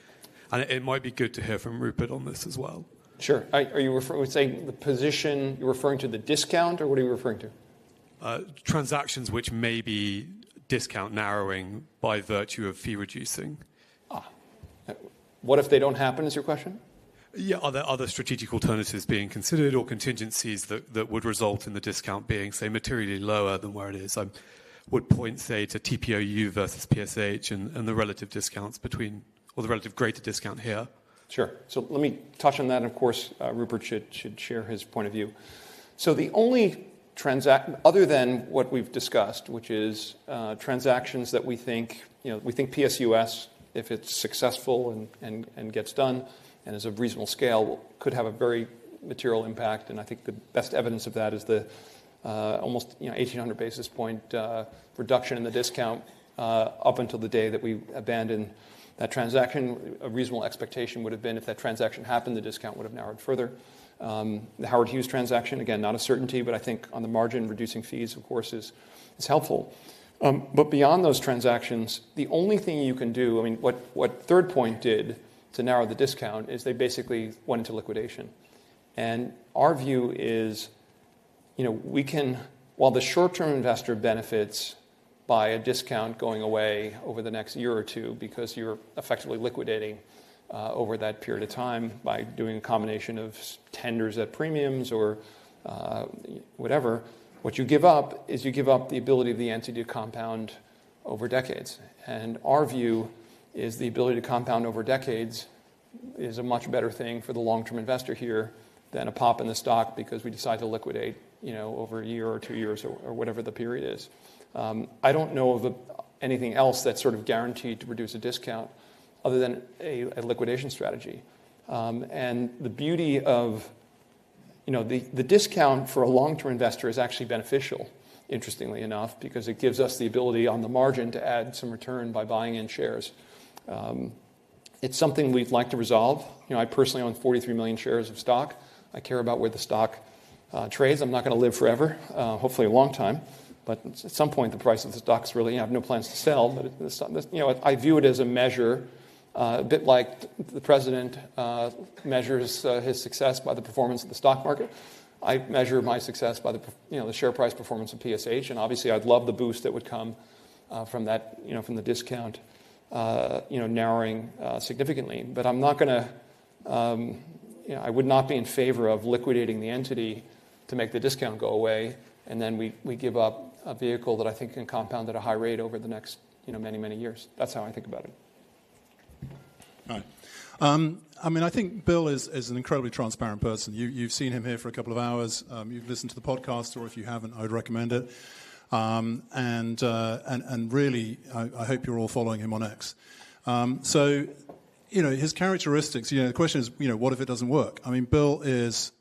And it might be good to hear from Rupert on this as well. Sure. Are you saying the position you're referring to, the discount, or what are you referring to? Transactions which may be discount narrowing by virtue of fee reducing. What if they don't happen, is your question? Yeah, are there other strategic alternatives being considered or contingencies that would result in the discount being, say, materially lower than where it is? I would point, say, to TPOU versus PSH and the relative discounts between or the relative greater discount here. Sure. So let me touch on that. And of course, Rupert should share his point of view. So the only transaction other than what we've discussed, which is transactions that we think PSUS, if it's successful and gets done and is of reasonable scale, could have a very material impact. And I think the best evidence of that is the almost 1,800 basis point reduction in the discount up until the day that we abandon that transaction. A reasonable expectation would have been if that transaction happened, the discount would have narrowed further. The Howard Hughes transaction, again, not a certainty. But I think on the margin, reducing fees, of course, is helpful. But beyond those transactions, the only thing you can do, I mean, what Third Point did to narrow the discount is they basically went into liquidation. Our view is we can, while the short-term investor benefits by a discount going away over the next year or two because you're effectively liquidating over that period of time by doing a combination of tenders at premiums or whatever, what you give up is you give up the ability of the entity to compound over decades. Our view is the ability to compound over decades is a much better thing for the long-term investor here than a pop in the stock because we decide to liquidate over a year or two years or whatever the period is. I don't know of anything else that's sort of guaranteed to produce a discount other than a liquidation strategy. The beauty of the discount for a long-term investor is actually beneficial, interestingly enough, because it gives us the ability on the margin to add some return by buying in shares. It's something we'd like to resolve. I personally own 43 million shares of stock. I care about where the stock trades. I'm not going to live forever, hopefully a long time. At some point, the price of the stock's really. I have no plans to sell. I view it as a measure, a bit like the president measures his success by the performance of the stock market. I measure my success by the share price performance of PSH. Obviously, I'd love the boost that would come from the discount narrowing significantly. But I would not be in favor of liquidating the entity to make the discount go away and then we give up a vehicle that I think can compound at a high rate over the next many, many years. That's how I think about it. Right. I mean, I think Bill is an incredibly transparent person. You've seen him here for a couple of hours. You've listened to the podcast, or if you haven't, I would recommend it, and really, I hope you're all following him on X, so his characteristics, the question is, what if it doesn't work? I mean, Bill is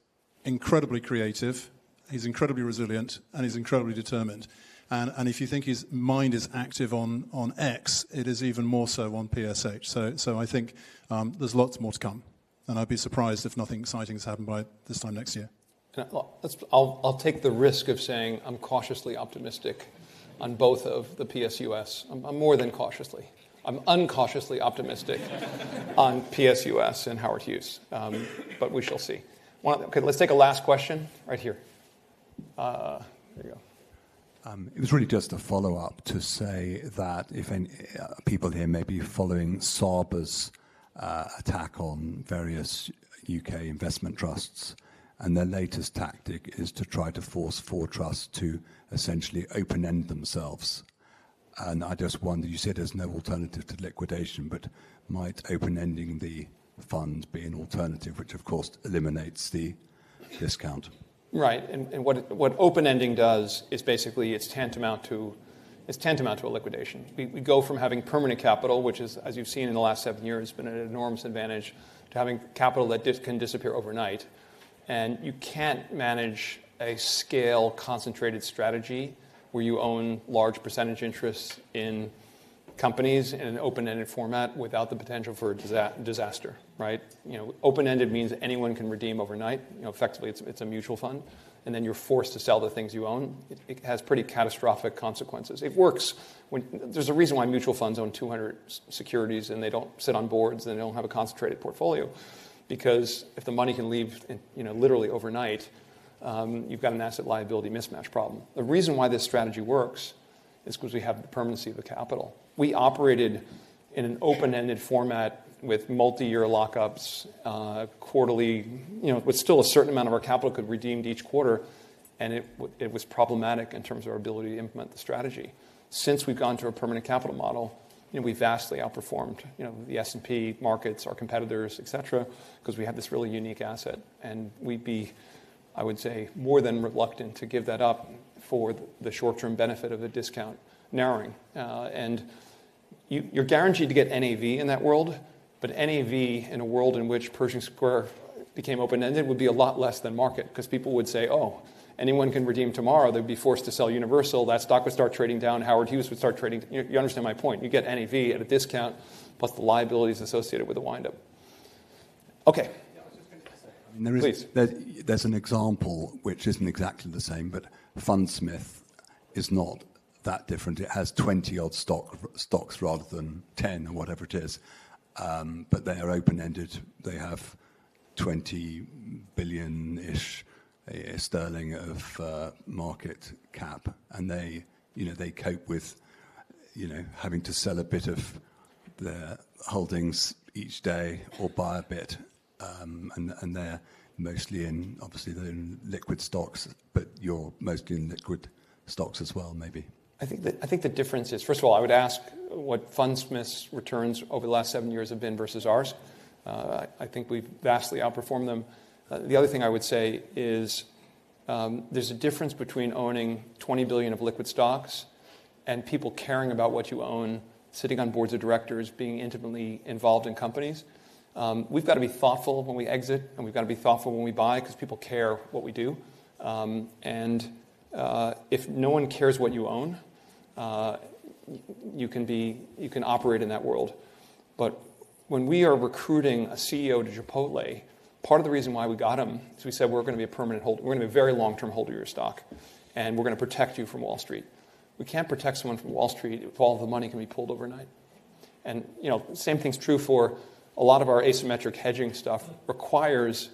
incredibly creative. He's incredibly resilient, and he's incredibly determined, and if you think his mind is active on X, it is even more so on PSH, so I think there's lots more to come, and I'd be surprised if nothing exciting has happened by this time next year. I'll take the risk of saying I'm cautiously optimistic on both of the PSUS. I'm more than cautiously. I'm uncautiously optimistic on PSUS and Howard Hughes. But we shall see. OK, let's take a last question right here. There you go. It was really just a follow-up to say that if people here may be following Saba's attack on various UK investment trusts, and their latest tactic is to try to force fund trusts to essentially open-end themselves, and I just wondered, you said there's no alternative to liquidation, but might open-ending the funds be an alternative, which of course eliminates the discount? Right. And what open-ending does is basically it's tantamount to a liquidation. We go from having permanent capital, which is, as you've seen in the last seven years, has been an enormous advantage, to having capital that can disappear overnight. And you can't manage a scale concentrated strategy where you own large percentage interests in companies in an open-ended format without the potential for disaster. Right? Open-ended means anyone can redeem overnight. Effectively, it's a mutual fund. And then you're forced to sell the things you own. It has pretty catastrophic consequences. There's a reason why mutual funds own 200 securities and they don't sit on boards and they don't have a concentrated portfolio, because if the money can leave literally overnight, you've got an asset liability mismatch problem. The reason why this strategy works is because we have the permanency of the capital. We operated in an open-ended format with multi-year lockups, quarterly, with still a certain amount of our capital that could be redeemed each quarter. And it was problematic in terms of our ability to implement the strategy. Since we've gone to a permanent capital model, we've vastly outperformed the S&P markets, our competitors, et cetera, because we have this really unique asset. And we'd be, I would say, more than reluctant to give that up for the short-term benefit of a discount narrowing. And you're guaranteed to get NAV in that world. But NAV in a world in which Pershing Square became open-ended would be a lot less than market, because people would say, oh, anyone can redeem tomorrow. They'd be forced to sell Universal. That stock would start trading down. Howard Hughes would start trading. You understand my point. You get NAV at a discount, plus the liabilities associated with a windup. OK. I was just going to say. Please. There's an example, which isn't exactly the same, but Fundsmith is not that different. It has 20-odd stocks rather than 10 or whatever it is. But they are open-ended. They have 20 billion sterling-ish of market cap. And they cope with having to sell a bit of their holdings each day or buy a bit. And they're mostly in, obviously, they're in liquid stocks. But you're mostly in liquid stocks as well, maybe. I think the difference is, first of all, I would ask what Fundsmith's returns over the last seven years have been versus ours. I think we've vastly outperformed them. The other thing I would say is there's a difference between owning $20 billion of liquid stocks and people caring about what you own, sitting on boards of directors, being intimately involved in companies. We've got to be thoughtful when we exit. And we've got to be thoughtful when we buy, because people care what we do. And if no one cares what you own, you can operate in that world. But when we are recruiting a CEO to Chipotle, part of the reason why we got him is we said we're going to be a permanent holder. We're going to be a very long-term holder of your stock. And we're going to protect you from Wall Street. We can't protect someone from Wall Street if all of the money can be pulled overnight. And the same thing's true for a lot of our asymmetric hedging stuff requires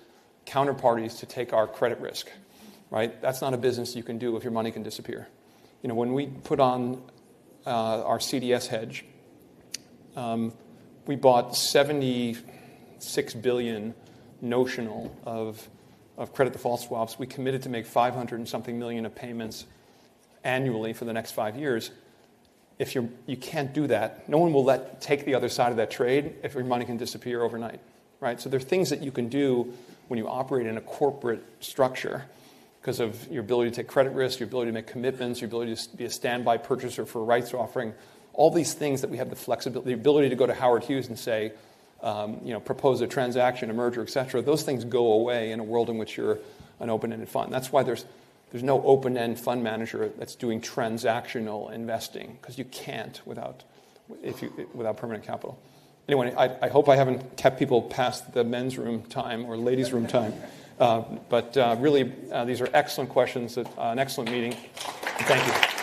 counterparties to take our credit risk. Right? That's not a business you can do if your money can disappear. When we put on our CDS hedge, we bought $76 billion notional of credit default swaps. We committed to make $500 and something million of payments annually for the next five years. If you can't do that, no one will take the other side of that trade if your money can disappear overnight. Right? So there are things that you can do when you operate in a corporate structure because of your ability to take credit risk, your ability to make commitments, your ability to be a standby purchaser for rights offering, all these things that we have the ability to go to Howard Hughes and say, propose a transaction, a merger, et cetera, those things go away in a world in which you're an open-ended fund. That's why there's no open-end fund manager that's doing transactional investing, because you can't without permanent capital. Anyway, I hope I haven't kept people past the men's room time or ladies' room time. But really, these are excellent questions. An excellent meeting. Thank you.